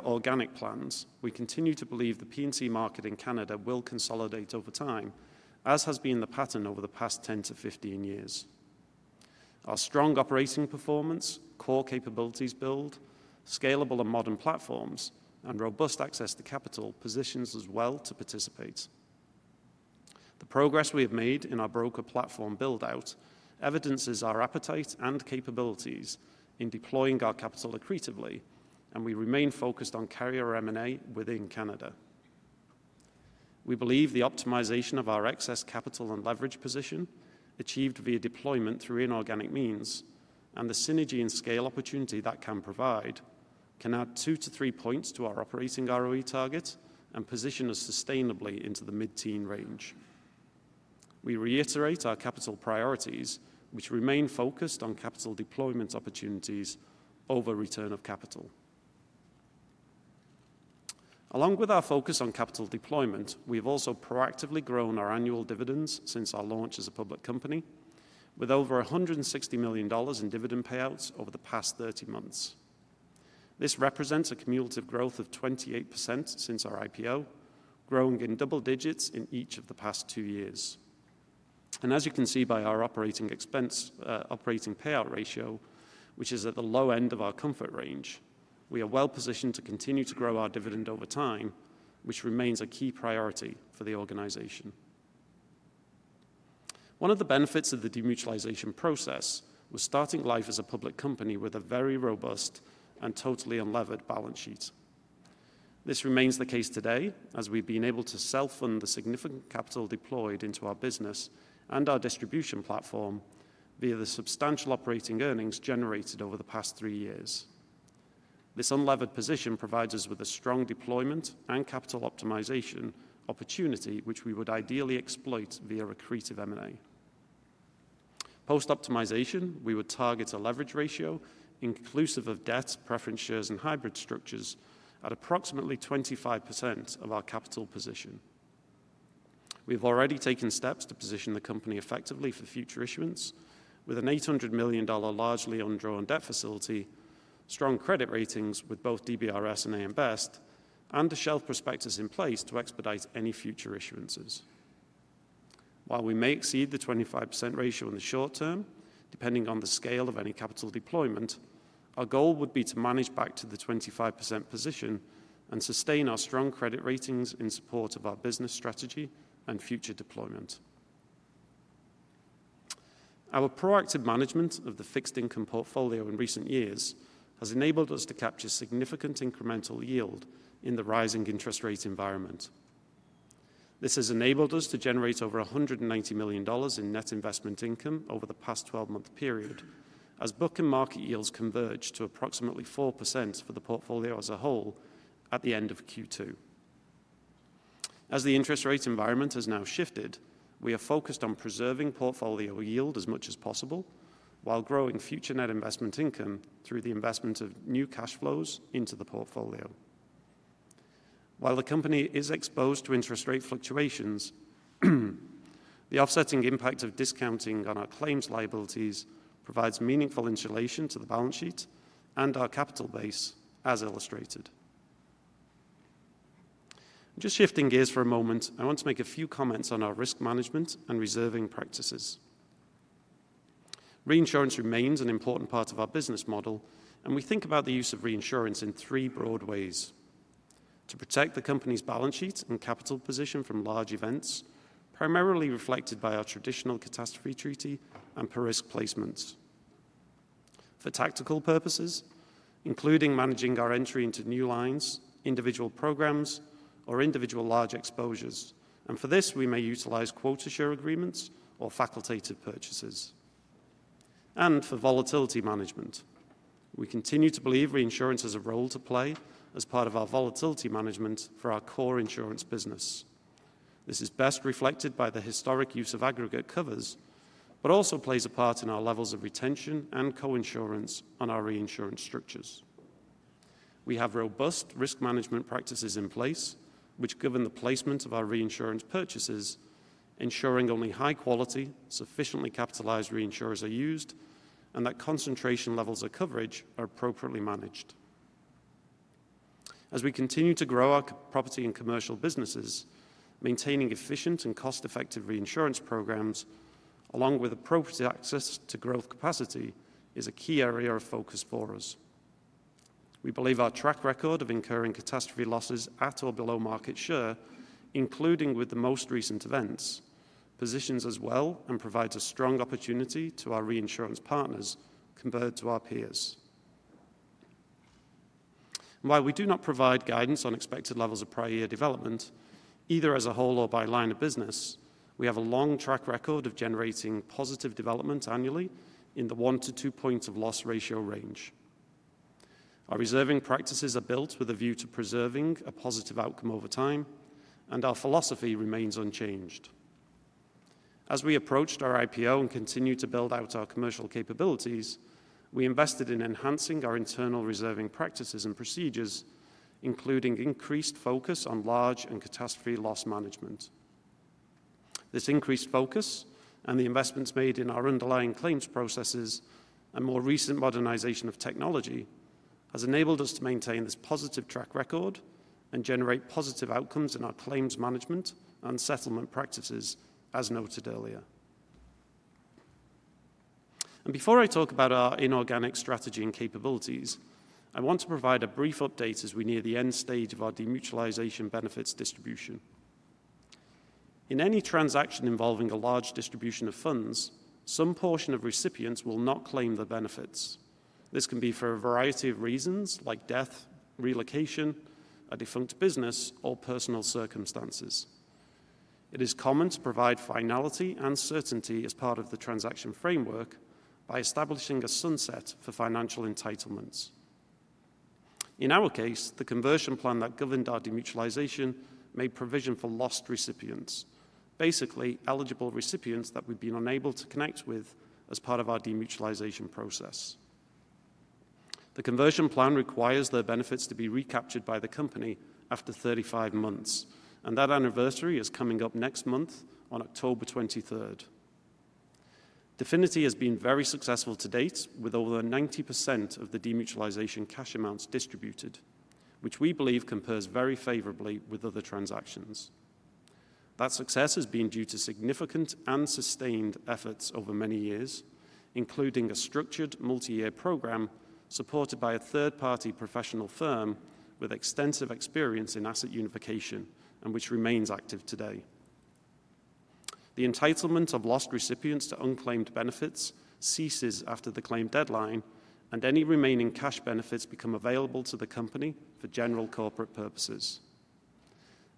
organic plans, we continue to believe the P&C market in Canada will consolidate over time, as has been the pattern over the past 10-15 years. Our strong operating performance, core capabilities build, scalable and modern platforms, and robust access to capital positions us well to participate. The progress we have made in our broker platform build-out evidences our appetite and capabilities in deploying our capital accretively, and we remain focused on carrier M&A within Canada. We believe the optimization of our excess capital and leverage position, achieved via deployment through inorganic means, and the synergy and scale opportunity that can provide, can add two to three points to our operating ROE target and position us sustainably into the mid-teen range. We reiterate our capital priorities, which remain focused on capital deployment opportunities over return of capital. Along with our focus on capital deployment, we've also proactively grown our annual dividends since our launch as a public company, with over 160 million dollars in dividend payouts over the past 30 months. This represents a cumulative growth of 28% since our IPO, growing in double digits in each of the past two years. And as you can see by our operating expense, operating payout ratio, which is at the low end of our comfort range, we are well positioned to continue to grow our dividend over time, which remains a key priority for the organization. One of the benefits of the demutualization process was starting life as a public company with a very robust and totally unlevered balance sheet. This remains the case today, as we've been able to self-fund the significant capital deployed into our business and our distribution platform via the substantial operating earnings generated over the past three years. This unlevered position provides us with a strong deployment and capital optimization opportunity, which we would ideally exploit via accretive M&A. Post-optimization, we would target a leverage ratio, inclusive of debt, preference shares, and hybrid structures, at approximately 25% of our capital position. We've already taken steps to position the company effectively for future issuance, with a 800 million dollar largely undrawn debt facility, strong credit ratings with both DBRS and AM Best, and a shelf prospectus in place to expedite any future issuances. While we may exceed the 25% ratio in the short term, depending on the scale of any capital deployment, our goal would be to manage back to the 25% position and sustain our strong credit ratings in support of our business strategy and future deployment. Our proactive management of the fixed income portfolio in recent years has enabled us to capture significant incremental yield in the rising interest rate environment. This has enabled us to generate over 190 million dollars in net investment income over the past 12-month period, as book and market yields converged to approximately 4% for the portfolio as a whole at the end of Q2. As the interest rate environment has now shifted, we are focused on preserving portfolio yield as much as possible while growing future net investment income through the investment of new cash flows into the portfolio. While the company is exposed to interest rate fluctuations, the offsetting impact of discounting on our claims liabilities provides meaningful insulation to the balance sheet and our capital base as illustrated. Just shifting gears for a moment, I want to make a few comments on our risk management and reserving practices. Reinsurance remains an important part of our business model, and we think about the use of reinsurance in three broad ways: to protect the company's balance sheet and capital position from large events, primarily reflected by our traditional catastrophe treaty and per-risk placements, for tactical purposes, including managing our entry into new lines, individual programs, or individual large exposures, and for this, we may utilize quota share agreements or facultative purchases, and for volatility management, we continue to believe reinsurance has a role to play as part of our volatility management for our core insurance business. This is best reflected by the historic use of aggregate covers, but also plays a part in our levels of retention and coinsurance on our reinsurance structures. We have robust risk management practices in place, which govern the placement of our reinsurance purchases, ensuring only high quality, sufficiently capitalized reinsurers are used, and that concentration levels of coverage are appropriately managed. As we continue to grow our property and commercial businesses, maintaining efficient and cost-effective reinsurance programs, along with appropriate access to growth capacity, is a key area of focus for us. We believe our track record of incurring catastrophe losses at or below market share, including with the most recent events, positions us well and provides a strong opportunity to our reinsurance partners compared to our peers. While we do not provide guidance on expected levels of prior year development, either as a whole or by line of business, we have a long track record of generating positive development annually in the one to two points of loss ratio range. Our reserving practices are built with a view to preserving a positive outcome over time, and our philosophy remains unchanged. As we approached our IPO and continued to build out our commercial capabilities, we invested in enhancing our internal reserving practices and procedures, including increased focus on large and catastrophe loss management. This increased focus and the investments made in our underlying claims processes and more recent modernization of technology, has enabled us to maintain this positive track record and generate positive outcomes in our claims management and settlement practices, as noted earlier. And before I talk about our inorganic strategy and capabilities, I want to provide a brief update as we near the end stage of our demutualization benefits distribution. In any transaction involving a large distribution of funds, some portion of recipients will not claim the benefits. This can be for a variety of reasons like death, relocation, a defunct business, or personal circumstances. It is common to provide finality and certainty as part of the transaction framework by establishing a sunset for financial entitlements. In our case, the conversion plan that governed our demutualization made provision for lost recipients, basically eligible recipients that we've been unable to connect with as part of our demutualization process. The conversion plan requires their benefits to be recaptured by the company after 35 months, and that anniversary is coming up next month on October 23rd. Definity has been very successful to date, with over 90% of the demutualization cash amounts distributed, which we believe compares very favorably with other transactions. That success has been due to significant and sustained efforts over many years, including a structured multi-year program supported by a third-party professional firm with extensive experience in asset unification and which remains active today. The entitlement of lost recipients to unclaimed benefits ceases after the claim deadline, and any remaining cash benefits become available to the company for general corporate purposes.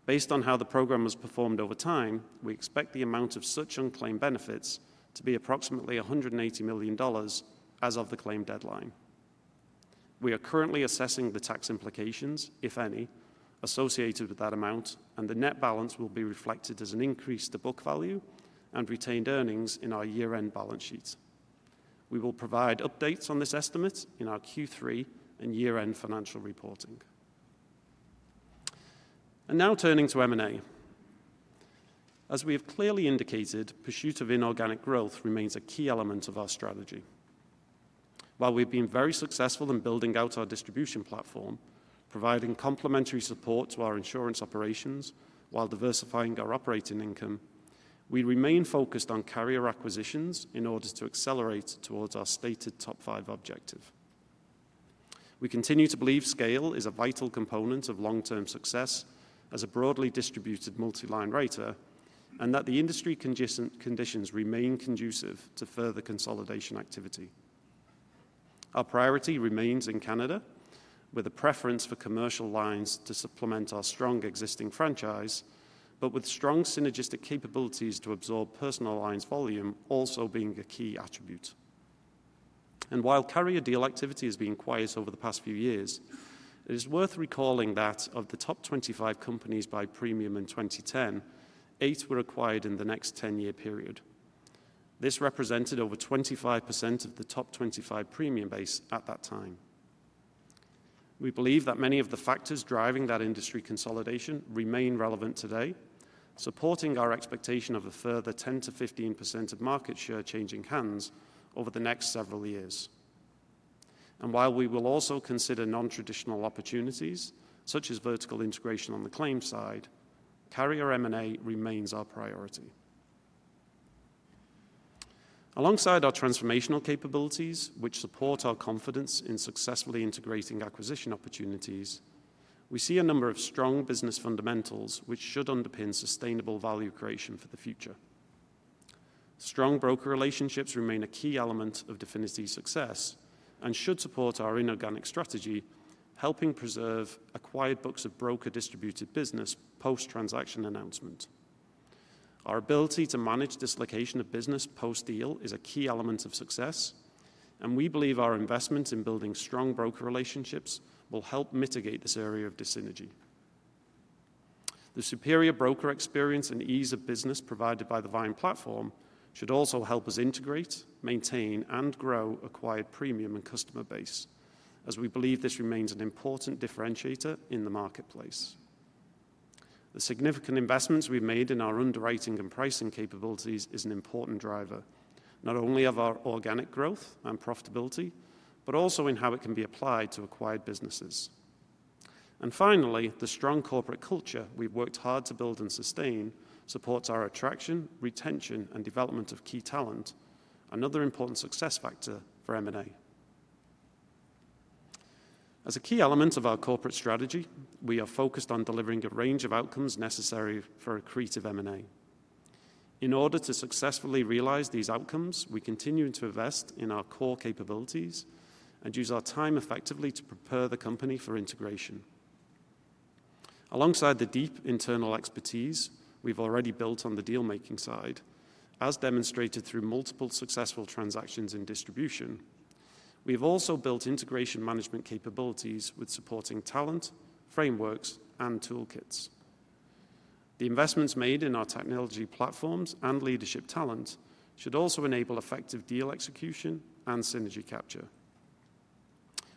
Based on how the program has performed over time, we expect the amount of such unclaimed benefits to be approximately 180 million dollars as of the claim deadline. We are currently assessing the tax implications, if any, associated with that amount, and the net balance will be reflected as an increase to book value and retained earnings in our year-end balance sheet. We will provide updates on this estimate in our Q3 and year-end financial reporting. And now turning to M&A. As we have clearly indicated, pursuit of inorganic growth remains a key element of our strategy. While we've been very successful in building out our distribution platform, providing complementary support to our insurance operations while diversifying our operating income, we remain focused on carrier acquisitions in order to accelerate towards our stated top five objective. We continue to believe scale is a vital component of long-term success as a broadly distributed multi-line writer, and that the industry conditions remain conducive to further consolidation activity. Our priority remains in Canada, with a preference for commercial lines to supplement our strong existing franchise, but with strong synergistic capabilities to absorb personal lines volume also being a key attribute. While carrier deal activity has been quiet over the past few years, it is worth recalling that of the top 25 companies by premium in 2010, eight were acquired in the next 10-year period. This represented over 25% of the top 25 premium base at that time. We believe that many of the factors driving that industry consolidation remain relevant today, supporting our expectation of a further 10%-15% of market share changing hands over the next several years. While we will also consider non-traditional opportunities, such as vertical integration on the claim side, carrier M&A remains our priority. Alongside our transformational capabilities, which support our confidence in successfully integrating acquisition opportunities, we see a number of strong business fundamentals, which should underpin sustainable value creation for the future. Strong broker relationships remain a key element of Definity's success and should support our inorganic strategy, helping preserve acquired books of broker-distributed business post-transaction announcement. Our ability to manage dislocation of business post-deal is a key element of success, and we believe our investment in building strong broker relationships will help mitigate this area of dissynergy. The superior broker experience and ease of business provided by the Vyne platform should also help us integrate, maintain, and grow acquired premium and customer base, as we believe this remains an important differentiator in the marketplace. The significant investments we've made in our underwriting and pricing capabilities is an important driver, not only of our organic growth and profitability, but also in how it can be applied to acquired businesses. Finally, the strong corporate culture we've worked hard to build and sustain supports our attraction, retention, and development of key talent, another important success factor for M&A. As a key element of our corporate strategy, we are focused on delivering a range of outcomes necessary for accretive M&A. In order to successfully realize these outcomes, we continue to invest in our core capabilities and use our time effectively to prepare the company for integration. Alongside the deep internal expertise we've already built on the deal-making side, as demonstrated through multiple successful transactions in distribution, we've also built integration management capabilities with supporting talent, frameworks, and toolkits. The investments made in our technology platforms and leadership talent should also enable effective deal execution and synergy capture.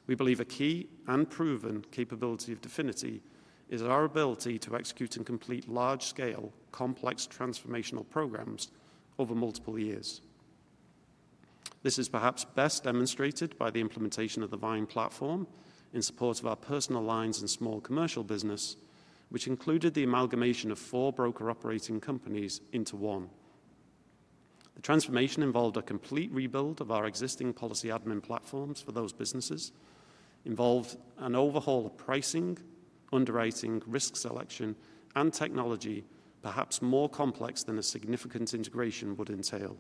We believe a key and proven capability of Definity is our ability to execute and complete large-scale, complex transformational programs over multiple years. This is perhaps best demonstrated by the implementation of the Vyne platform in support of our personal lines and small commercial business, which included the amalgamation of four broker operating companies into one. The transformation involved a complete rebuild of our existing policy admin platforms for those businesses, an overhaul of pricing, underwriting, risk selection, and technology, perhaps more complex than a significant integration would entail.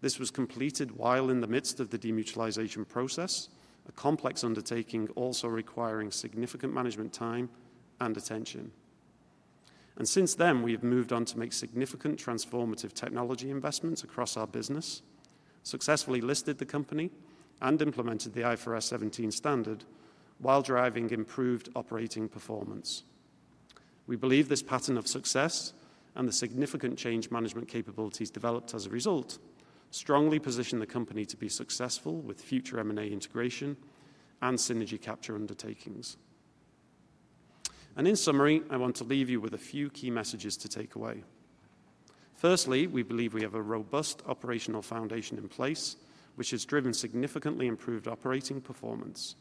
This was completed while in the midst of the demutualization process, a complex undertaking also requiring significant management time and attention, and since then, we have moved on to make significant transformative technology investments across our business, successfully listed the company and implemented the IFRS 17 standard while driving improved operating performance. We believe this pattern of success and the significant change management capabilities developed as a result, strongly position the company to be successful with future M&A integration and synergy capture undertakings. And in summary, I want to leave you with a few key messages to take away. Firstly, we believe we have a robust operational foundation in place, which has driven significantly improved operating performance.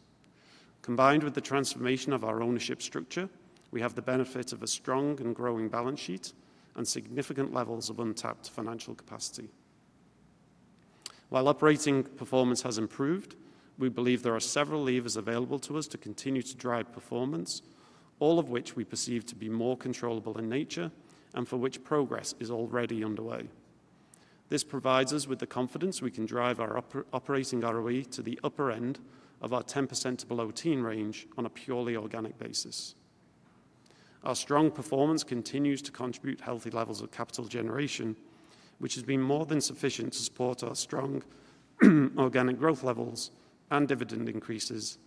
Combined with the transformation of our ownership structure, we have the benefit of a strong and growing balance sheet and significant levels of untapped financial capacity. While operating performance has improved, we believe there are several levers available to us to continue to drive performance, all of which we perceive to be more controllable in nature and for which progress is already underway. This provides us with the confidence we can drive our operating ROE to the upper end of our 10% to below teen range on a purely organic basis. Our strong performance continues to contribute healthy levels of capital generation, which has been more than sufficient to support our strong organic growth levels and dividend increases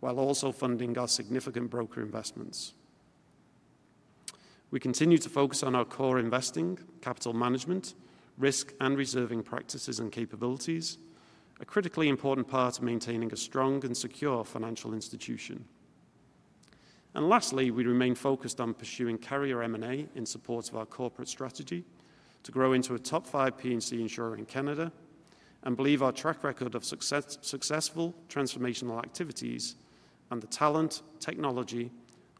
while also funding our significant broker investments. We continue to focus on our core investing, capital management, risk, and reserving practices and capabilities, a critically important part of maintaining a strong and secure financial institution. And lastly, we remain focused on pursuing carrier M&A in support of our corporate strategy to grow into a top five P&C insurer in Canada and believe our track record of successful transformational activities and the talent, technology,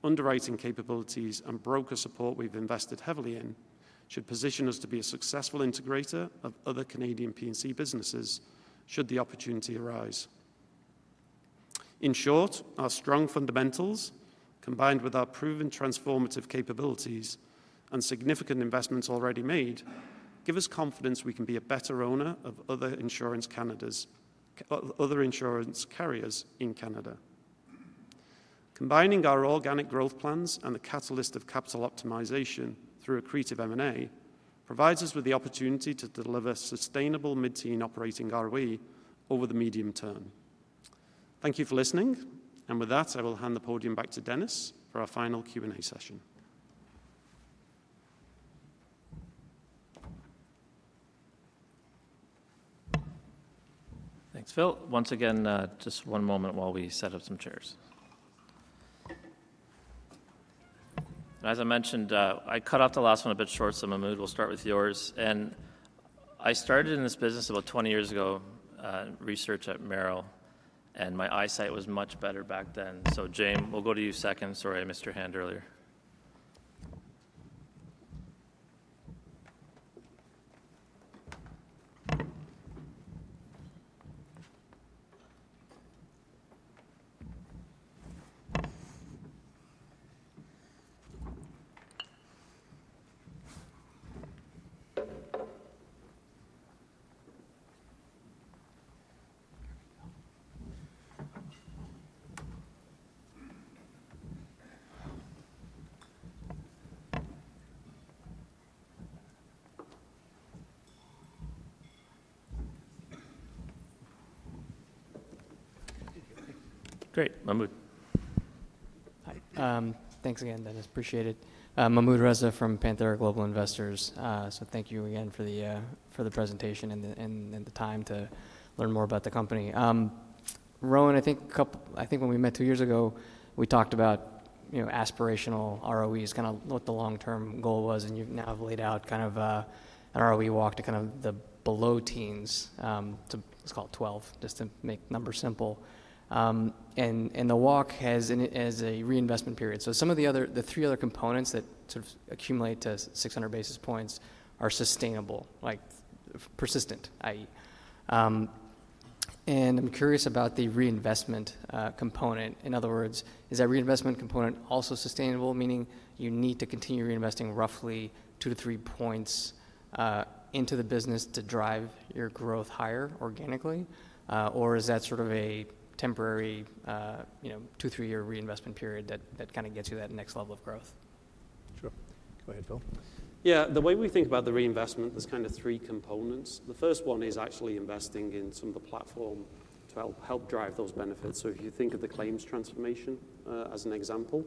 underwriting capabilities, and broker support we've invested heavily in, should position us to be a successful integrator of other Canadian P&C businesses should the opportunity arise. In short, our strong fundamentals, combined with our proven transformative capabilities and significant investments already made, give us confidence we can be a better owner of other insurance carriers in Canada. Combining our organic growth plans and the catalyst of capital optimization through accretive M&A, provides us with the opportunity to deliver sustainable mid-teen operating ROE over the medium term. Thank you for listening, and with that, I will hand the podium back to Dennis for our final Q&A session.
Thanks, Phil. Once again, just one moment while we set up some chairs. And as I mentioned, I cut off the last one a bit short, so Mahmood, we'll start with yours. And I started in this business about 20 years ago, research at Merrill, and my eyesight was much better back then. So Jaeme, we'll go to you second. Sorry, I missed your hand earlier. Mahmood?
Hi. Thanks again, Dennis. Appreciate it. I'm Mahmood Reza from Panthera Global Investors. So thank you again for the presentation and the time to learn more about the company. Rowan, I think when we met two years ago, we talked about, you know, aspirational ROEs, kinda what the long-term goal was, and you've now laid out kind of a ROE walk to kind of the below teens, to let's call it 12, just to make numbers simple. And the walk has a reinvestment period. So some of the other, the three other components that sort of accumulate to 600 basis points are sustainable, like persistent, i.e. And I'm curious about the reinvestment component. In other words, is that reinvestment component also sustainable, meaning you need to continue reinvesting roughly 2-3 points into the business to drive your growth higher organically? Or is that sort of a temporary, you know, 2-3-year reinvestment period that kinda gets you that next level of growth?
Sure. Go ahead, Phil.
Yeah, the way we think about the reinvestment, there's kind of three components. The first one is actually investing in some of the platform to help drive those benefits. So if you think of the claims transformation, as an example,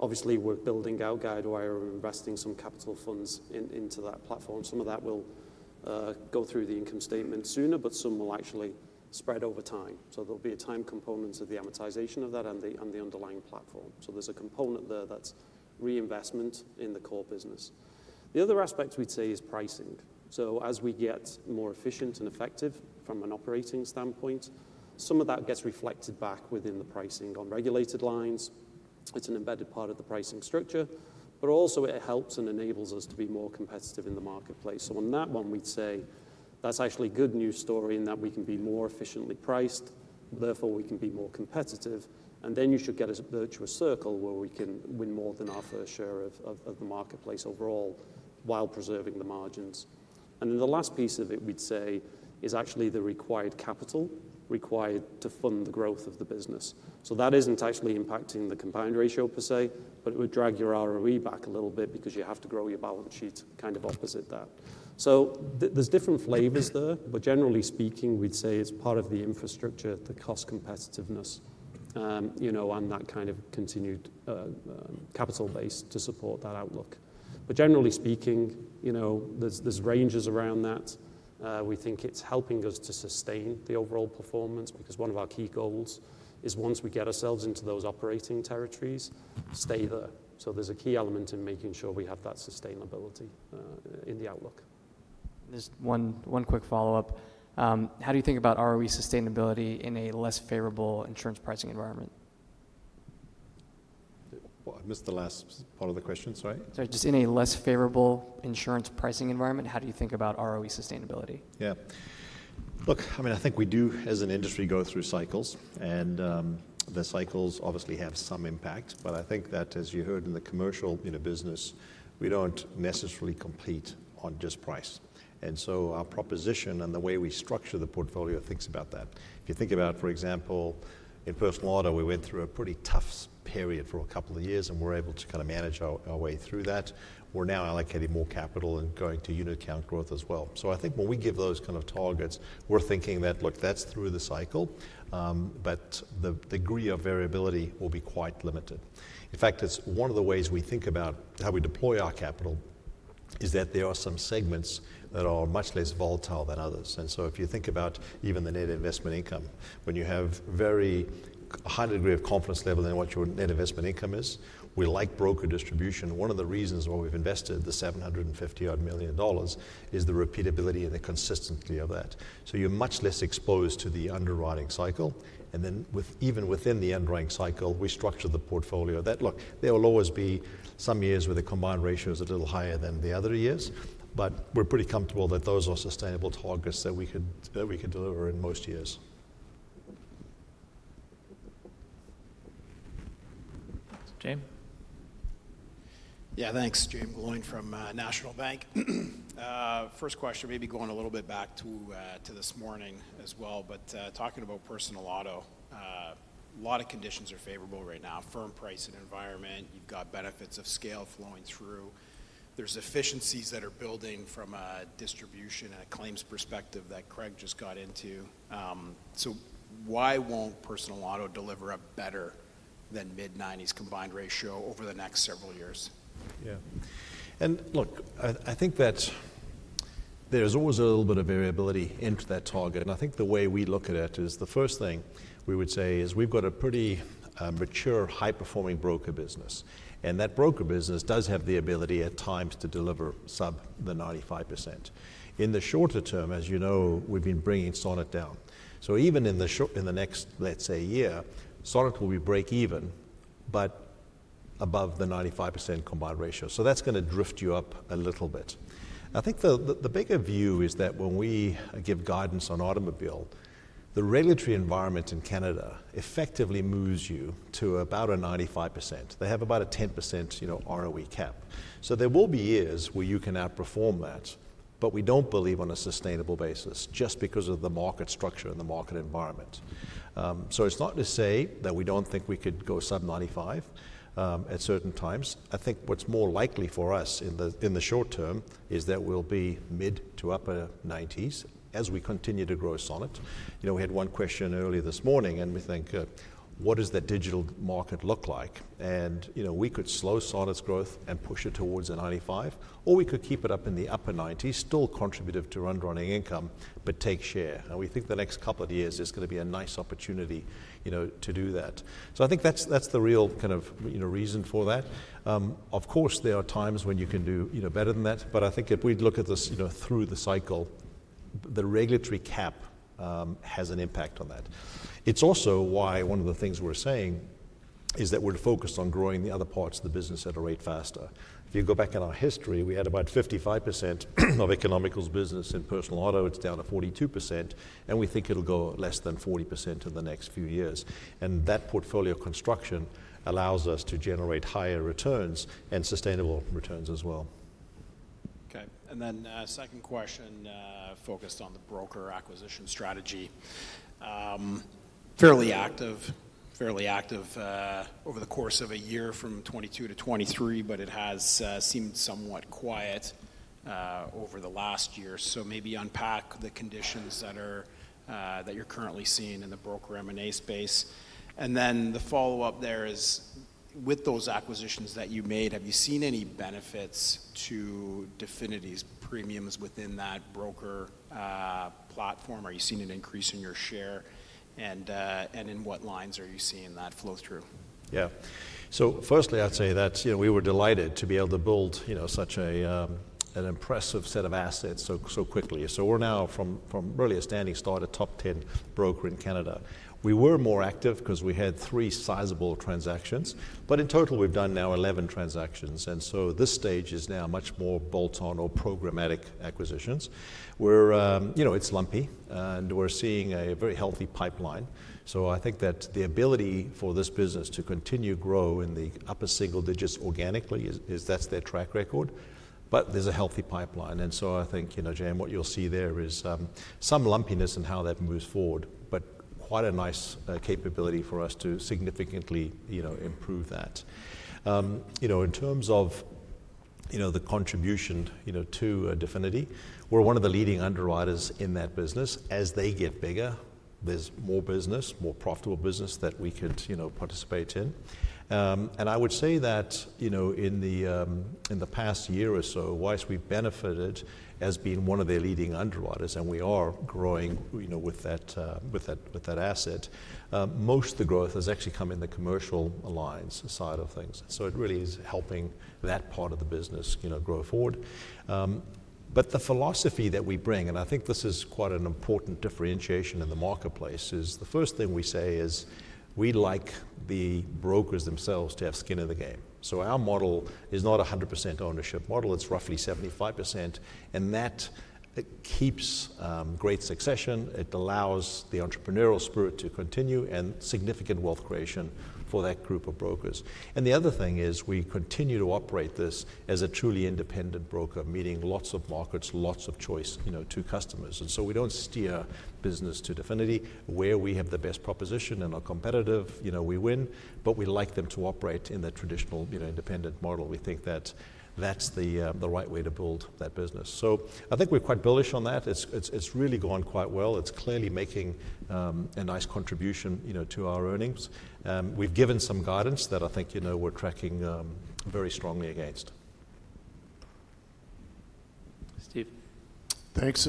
obviously, we're building out Guidewire and investing some capital funds into that platform. Some of that will go through the income statement sooner, but some will actually spread over time. So there'll be a time component of the amortization of that and the underlying platform. So there's a component there that's reinvestment in the core business. The other aspect we'd say is pricing. So as we get more efficient and effective from an operating standpoint, some of that gets reflected back within the pricing. On regulated lines, it's an embedded part of the pricing structure, but also it helps and enables us to be more competitive in the marketplace. So on that one, we'd say that's actually a good news story in that we can be more efficiently priced, therefore, we can be more competitive, and then you should get a virtuous circle where we can win more than our fair share of the marketplace overall while preserving the margins. And then the last piece of it, we'd say, is actually the required capital to fund the growth of the business. So that isn't actually impacting the combined ratio per se, but it would drag your ROE back a little bit because you have to grow your balance sheet kind of opposite that. So there's different flavors there, but generally speaking, we'd say it's part of the infrastructure, the cost competitiveness, you know, and that kind of continued capital base to support that outlook. But generally speaking, you know, there's ranges around that. We think it's helping us to sustain the overall performance, because one of our key goals is once we get ourselves into those operating territories, stay there. So there's a key element in making sure we have that sustainability in the outlook.
Just one, one quick follow-up. How do you think about ROE sustainability in a less favorable insurance pricing environment?
I missed the last part of the question, sorry?
Sorry, just in a less favorable insurance pricing environment, how do you think about ROE sustainability?
Yeah. Look, I mean, I think we do, as an industry, go through cycles, and the cycles obviously have some impact. But I think that, as you heard in the commercial, in a business, we don't necessarily compete on just price. And so our proposition and the way we structure the portfolio thinks about that. If you think about, for example, in personal auto, we went through a pretty tough period for a couple of years, and we're able to kind of manage our way through that. We're now allocating more capital and growing to unit count growth as well. So I think when we give those kind of targets, we're thinking that, look, that's through the cycle, but the degree of variability will be quite limited. In fact, it's one of the ways we think about how we deploy our capital is that there are some segments that are much less volatile than others. And so if you think about even the net investment income, when you have very high degree of confidence level in what your net investment income is, we like broker distribution. One of the reasons why we've invested 750-odd million dollars is the repeatability and the consistency of that. So you're much less exposed to the underwriting cycle, and then with, even within the underwriting cycle, we structure the portfolio. That look, there will always be some years where the combined ratio is a little higher than the other years, but we're pretty comfortable that those are sustainable targets that we could, that we could deliver in most years.
Jaeme?
Yeah, thanks. Jaeme Gloyn from National Bank. First question, maybe going a little bit back to this morning as well, but talking about personal auto, a lot of conditions are favorable right now. Firm pricing environment, you've got benefits of scale flowing through. There's efficiencies that are building from a distribution and a claims perspective that Craig just got into. So, why won't personal auto deliver a better than mid-90s combined ratio over the next several years?
Yeah. And look, I think that's. There's always a little bit of variability into that target, and I think the way we look at it is the first thing we would say is we've got a pretty mature, high-performing broker business, and that broker business does have the ability at times to deliver sub the 95%. In the shorter term, as you know, we've been bringing Sonnet down. So even in the short term, in the next, let's say, year, Sonnet will be break even, but above the 95% combined ratio. So that's gonna drift you up a little bit. I think the bigger view is that when we give guidance on automobile, the regulatory environment in Canada effectively moves you to about a 95%. They have about a 10%, you know, ROE cap. There will be years where you can outperform that, but we don't believe on a sustainable basis just because of the market structure and the market environment, so it's not to say that we don't think we could go sub 95 at certain times. I think what's more likely for us in the short term is that we'll be mid-to-upper 90s as we continue to grow Sonnet. You know, we had one question earlier this morning, and we think, "What does that digital market look like?" And, you know, we could slow Sonnet's growth and push it towards a 95, or we could keep it up in the upper 90s, still contributive to underwriting income, but take share. And we think the next couple of years is gonna be a nice opportunity, you know, to do that. So I think that's, that's the real kind of, you know, reason for that. Of course, there are times when you can do, you know, better than that, but I think if we'd look at this, you know, through the cycle, the regulatory cap has an impact on that. It's also why one of the things we're saying is that we're focused on growing the other parts of the business at a rate faster. If you go back in our history, we had about 55% of Economical's business in personal auto. It's down to 42%, and we think it'll go less than 40% in the next few years, and that portfolio construction allows us to generate higher returns and sustainable returns as well.
Okay, and then, second question, focused on the broker acquisition strategy. Fairly active over the course of a year from 2022 to 2023, but it has seemed somewhat quiet over the last year. So maybe unpack the conditions that are that you're currently seeing in the broker M&A space. And then the follow-up there is, with those acquisitions that you made, have you seen any benefits to Definity's premiums within that broker platform? Are you seeing an increase in your share, and in what lines are you seeing that flow through?
Yeah. So firstly, I'd say that, you know, we were delighted to be able to build, you know, such an impressive set of assets so, so quickly. So we're now, from really a standing start, a top 10 broker in Canada. We were more active 'cause we had three sizable transactions, but in total, we've done now 11 transactions, and so this stage is now much more bolt-on or programmatic acquisitions. We're, you know, it's lumpy, and we're seeing a very healthy pipeline, so I think that the ability for this business to continue to grow in the upper single digits organically is that's their track record. But there's a healthy pipeline, and so I think, you know, Jaeme, what you'll see there is some lumpiness in how that moves forward, but quite a nice capability for us to significantly, you know, improve that. You know, in terms of, you know, the contribution, you know, to Definity, we're one of the leading underwriters in that business. As they get bigger, there's more business, more profitable business that we could, you know, participate in. And I would say that, you know, in the past year or so, whilst we've benefited as being one of their leading underwriters, and we are growing, you know, with that asset, most of the growth has actually come in the commercial lines side of things. So it really is helping that part of the business, you know, grow forward. But the philosophy that we bring, and I think this is quite an important differentiation in the marketplace, is the first thing we say is, we'd like the brokers themselves to have skin in the game. So our model is not a 100% ownership model. It's roughly 75%, and that, it keeps, great succession, it allows the entrepreneurial spirit to continue, and significant wealth creation for that group of brokers. And the other thing is, we continue to operate this as a truly independent broker, meaning lots of markets, lots of choice, you know, to customers. And so we don't steer business to Definity. Where we have the best proposition and are competitive, you know, we win, but we like them to operate in the traditional, you know, independent model. We think that that's the right way to build that business. So I think we're quite bullish on that. It's really gone quite well. It's clearly making a nice contribution, you know, to our earnings. We've given some guidance that I think, you know, we're tracking very strongly against.
Steve?
Thanks.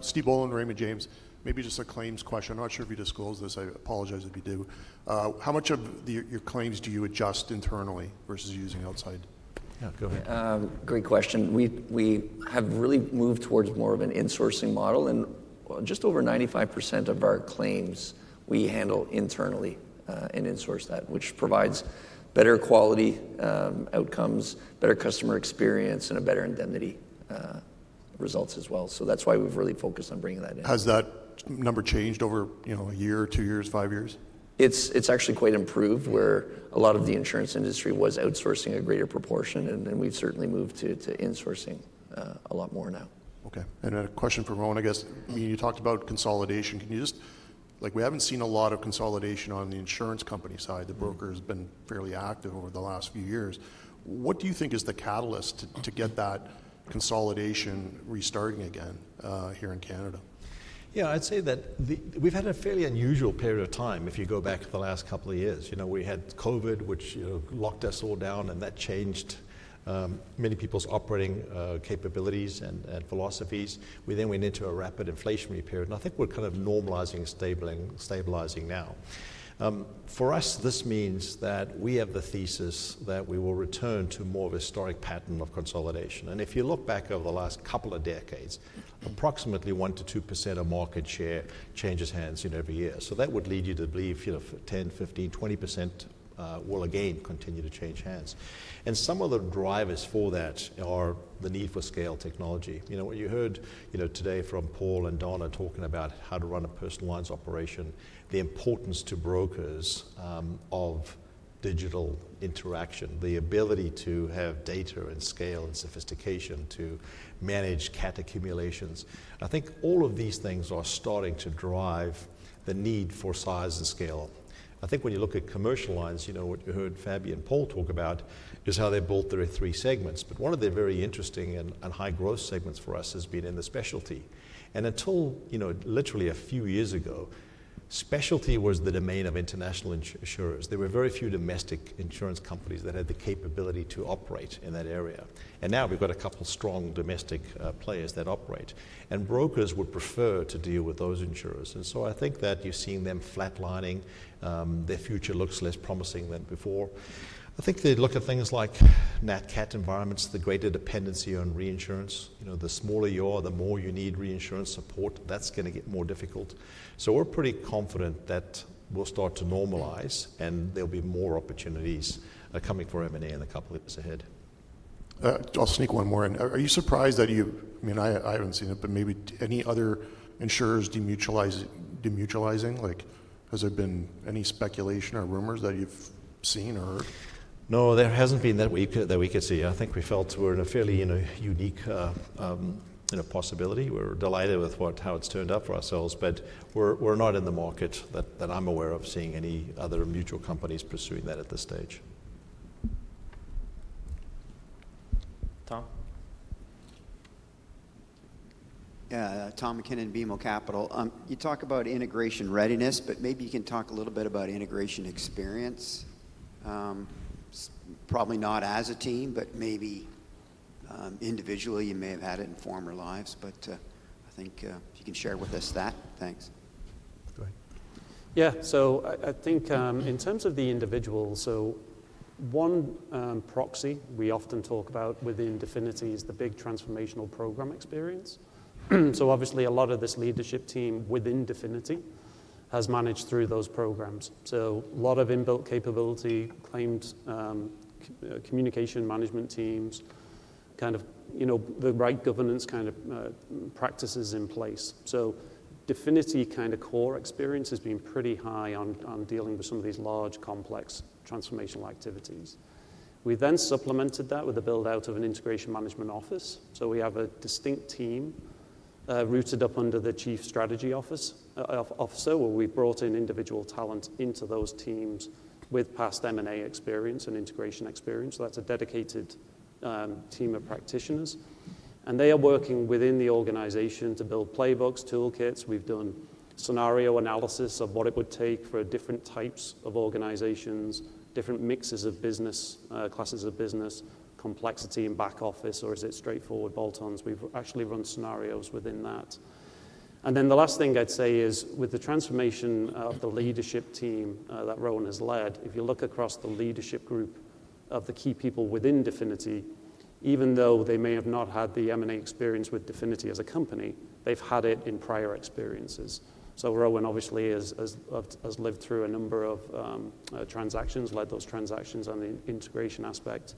Steve Boland, Raymond James. Maybe just a claims question. I'm not sure if you disclosed this, I apologize if you do. How much of the, your claims do you adjust internally versus using outside?
Yeah, go ahead.
Great question. We've, we have really moved towards more of an insourcing model and, well, just over 95% of our claims we handle internally, and insource that, which provides better quality, outcomes, better customer experience, and a better indemnity, results as well. So that's why we've really focused on bringing that in.
Has that number changed over, you know, a year, two years, five years?
It's actually quite improved, where a lot of the insurance industry was outsourcing a greater proportion, and we've certainly moved to insourcing a lot more now.
Okay, and a question for Rowan, I guess. I mean, you talked about consolidation. Can you just, like, we haven't seen a lot of consolidation on the insurance company side.
Mm-hmm.
The broker's been fairly active over the last few years. What do you think is the catalyst to get that consolidation restarting again here in Canada?
Yeah, I'd say that we've had a fairly unusual period of time if you go back to the last couple of years. You know, we had COVID, which, you know, locked us all down, and that changed many people's operating capabilities and philosophies. We then went into a rapid inflationary period, and I think we're kind of normalizing, stabilizing now. For us, this means that we have the thesis that we will return to more of a historic pattern of consolidation. If you look back over the last couple of decades, approximately 1%-2% of market share changes hands, you know, every year. So that would lead you to believe, you know, 10%, 15%, 20% will again continue to change hands. Some of the drivers for that are the need for scale technology. You know, what you heard, you know, today from Paul and Donna talking about how to run a personal lines operation, the importance to brokers, of digital interaction, the ability to have data and scale and sophistication to manage Cat accumulations. I think all of these things are starting to drive the need for size and scale. I think when you look at commercial lines, you know, what you heard Fabi and Paul talk about is how they built their three segments. But one of their very interesting and high growth segments for us has been in the specialty. And until, you know, literally a few years ago, specialty was the domain of international insurers. There were very few domestic insurance companies that had the capability to operate in that area, and now we've got a couple strong domestic players that operate, and brokers would prefer to deal with those insurers. And so I think that you're seeing them flatlining. Their future looks less promising than before. I think they look at things like NatCat environments, the greater dependency on reinsurance. You know, the smaller you are, the more you need reinsurance support. That's gonna get more difficult. So we're pretty confident that we'll start to normalize, and there'll be more opportunities coming for M&A in the couple of years ahead.
I'll sneak one more in. Are you surprised that you, I mean, I haven't seen it, but maybe any other insurers demutualize, demutualizing? Like, has there been any speculation or rumors that you've seen or heard?
No, there hasn't been that we could see. I think we felt we're in a fairly unique possibility. We're delighted with how it's turned out for ourselves, but we're not in the market that I'm aware of seeing any other mutual companies pursuing that at this stage.
Tom?
Yeah, Tom MacKinnon, BMO Capital. You talk about integration readiness, but maybe you can talk a little bit about integration experience? Probably not as a team, but maybe individually you may have had it in former lives, but I think if you can share with us that. Thanks.
Go ahead.
Yeah. So I think in terms of the individual, so one proxy we often talk about within Definity is the big transformational program experience. So obviously, a lot of this leadership team within Definity has managed through those programs. So a lot of inbuilt capability, claims, communication management teams, kind of, you know, the right governance kind of practices in place. So Definity kind of core experience has been pretty high on dealing with some of these large, complex transformational activities. We then supplemented that with the build-out of an integration management office. So we have a distinct team rooted up under the Chief Strategy Officer, where we've brought in individual talent into those teams with past M&A experience and integration experience. That's a dedicated team of practitioners, and they are working within the organization to build playbooks, toolkits. We've done scenario analysis of what it would take for different types of organizations, different mixes of business, classes of business, complexity in back office, or is it straightforward bolt-ons? We've actually run scenarios within that. The last thing I'd say is, with the transformation of the leadership team that Rowan has led, if you look across the leadership group of the key people within Definity, even though they may have not had the M&A experience with Definity as a company, they've had it in prior experiences. Rowan obviously has lived through a number of transactions, led those transactions on the integration aspect,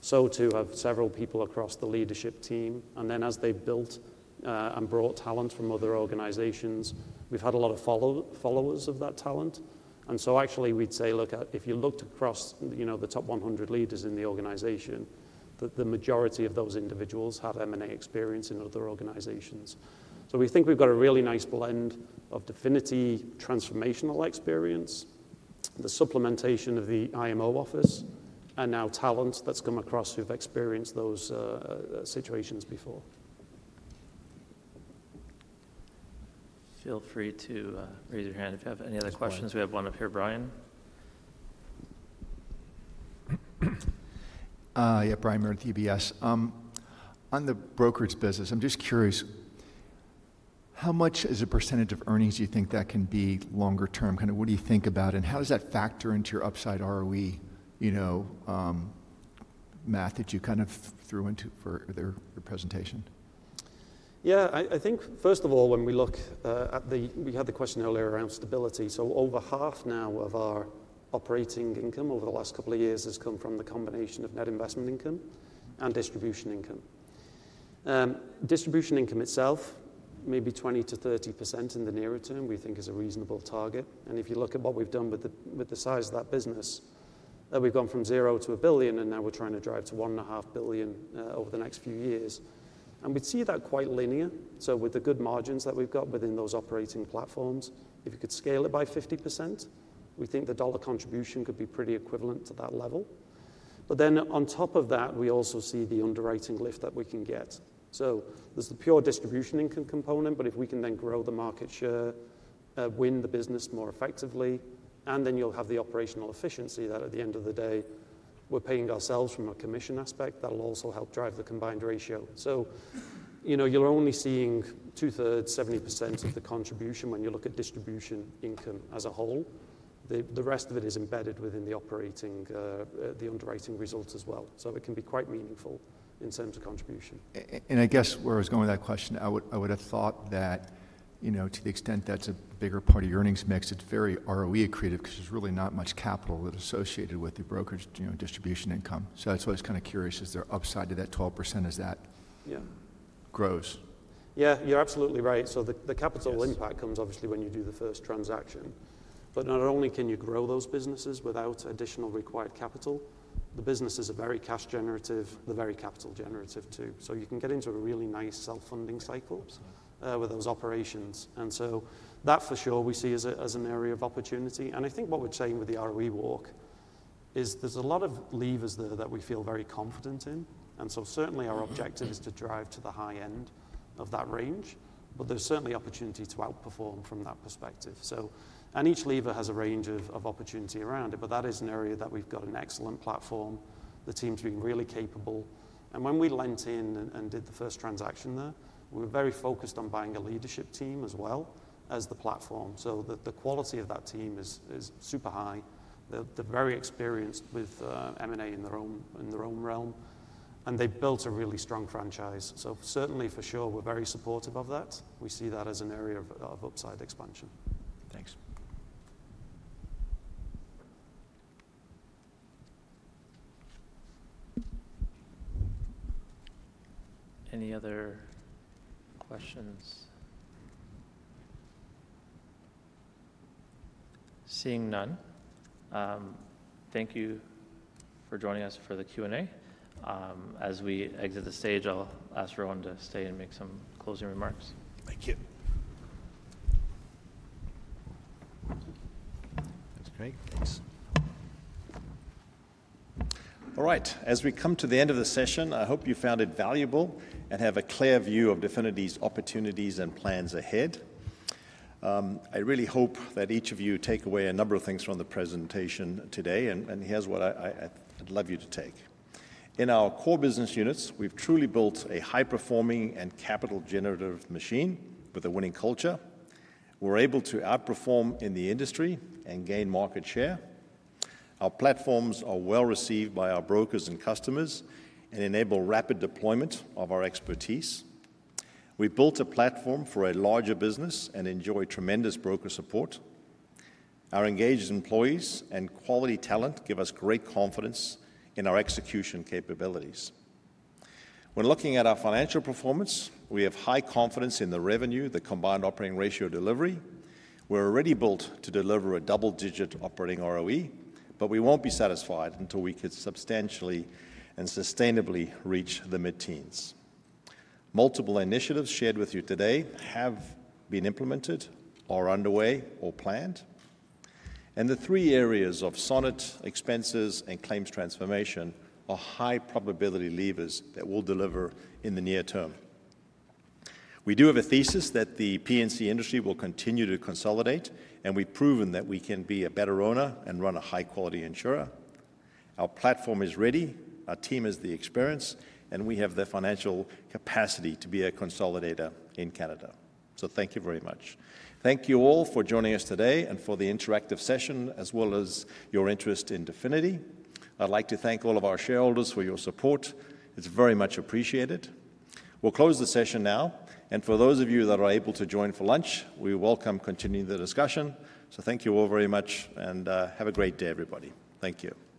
so too have several people across the leadership team. And then as they've built and brought talent from other organizations, we've had a lot of followers of that talent. And so actually, we'd say, look, if you looked across, you know, the top 100 leaders in the organization, the majority of those individuals have M&A experience in other organizations. So we think we've got a really nice blend of Definity transformational experience, the supplementation of the IMO office, and now talent that's come across who've experienced those situations before.
Feel free to raise your hand if you have any other questions. We have one up here. Brian?
Yeah, Brian Meredith with UBS. On the brokerage business, I'm just curious, how much as a percentage of earnings do you think that can be longer term? Kind of what do you think about it, and how does that factor into your upside ROE, you know, math that you kind of threw into for your presentation?
Yeah, I think, first of all, when we look at the, we had the question earlier around stability. So over half now of our operating income over the last couple of years has come from the combination of net investment income and distribution income. Distribution income itself, maybe 20%-30% in the nearer term, we think is a reasonable target. And if you look at what we've done with the size of that business, we've gone from 0 to 1 billion, and now we're trying to drive to 1.5 billion over the next few years. And we'd see that quite linear. So with the good margins that we've got within those operating platforms, if you could scale it by 50%, we think the dollar contribution could be pretty equivalent to that level. But then on top of that, we also see the underwriting lift that we can get. So there's the pure distribution income component, but if we can then grow the market share, win the business more effectively, and then you'll have the operational efficiency that at the end of the day, we're paying ourselves from a commission aspect, that'll also help drive the combined ratio. So, you know, you're only seeing 2/3, 70% of the contribution when you look at distribution income as a whole. The rest of it is embedded within the operating, the underwriting results as well. So it can be quite meaningful in terms of contribution.
And I guess where I was going with that question, I would, I would have thought that, you know, to the extent that's a bigger part of your earnings mix, it's very ROE accretive because there's really not much capital that's associated with the brokerage, you know, distribution income. So that's why I was kind of curious, is there upside to that 12%? Is that.
Yeah.
Gross?
Yeah, you're absolutely right. So the capital.
Yes.
Impact comes obviously when you do the first transaction. But not only can you grow those businesses without additional required capital, the businesses are very cash generative, they're very capital generative, too. So you can get into a really nice self-funding cycles.
Yeah.
With those operations. And so that for sure, we see as an area of opportunity. And I think what we're saying with the ROE walk is there's a lot of levers there that we feel very confident in, and so certainly our objective is to drive to the high end of that range, but there's certainly opportunity to outperform from that perspective. So. And each lever has a range of opportunity around it, but that is an area that we've got an excellent platform. The team's been really capable. And when we leaned in and did the first transaction there, we were very focused on buying a leadership team as well as the platform. So the quality of that team is super high. They're very experienced with M&A in their own realm, and they've built a really strong franchise. So certainly, for sure, we're very supportive of that. We see that as an area of upside expansion.
Thanks.
Any other questions? Seeing none, thank you for joining us for the Q&A. As we exit the stage, I'll ask Rowan to stay and make some closing remarks.
Thank you.
That's great. Thanks. All right, as we come to the end of the session, I hope you found it valuable and have a clear view of Definity's opportunities and plans ahead. I really hope that each of you take away a number of things from the presentation today, and here's what I'd love you to take. In our core business units, we've truly built a high-performing and capital-generative machine with a winning culture. We're able to outperform in the industry and gain market share. Our platforms are well received by our brokers and customers and enable rapid deployment of our expertise. We've built a platform for a larger business and enjoy tremendous broker support. Our engaged employees and quality talent give us great confidence in our execution capabilities. When looking at our financial performance, we have high confidence in the revenue, the combined operating ratio delivery. We're already built to deliver a double-digit operating ROE, but we won't be satisfied until we can substantially and sustainably reach the mid-teens. Multiple initiatives shared with you today have been implemented or are underway or planned, and the three areas of Sonnet, expenses, and claims transformation are high-probability levers that will deliver in the near term. We do have a thesis that the P&C industry will continue to consolidate, and we've proven that we can be a better owner and run a high-quality insurer. Our platform is ready, our team has the experience, and we have the financial capacity to be a consolidator in Canada. So thank you very much. Thank you all for joining us today and for the interactive session, as well as your interest in Definity. I'd like to thank all of our shareholders for your support. It's very much appreciated. We'll close the session now, and for those of you that are able to join for lunch, we welcome continuing the discussion. So thank you all very much, and have a great day, everybody. Thank you.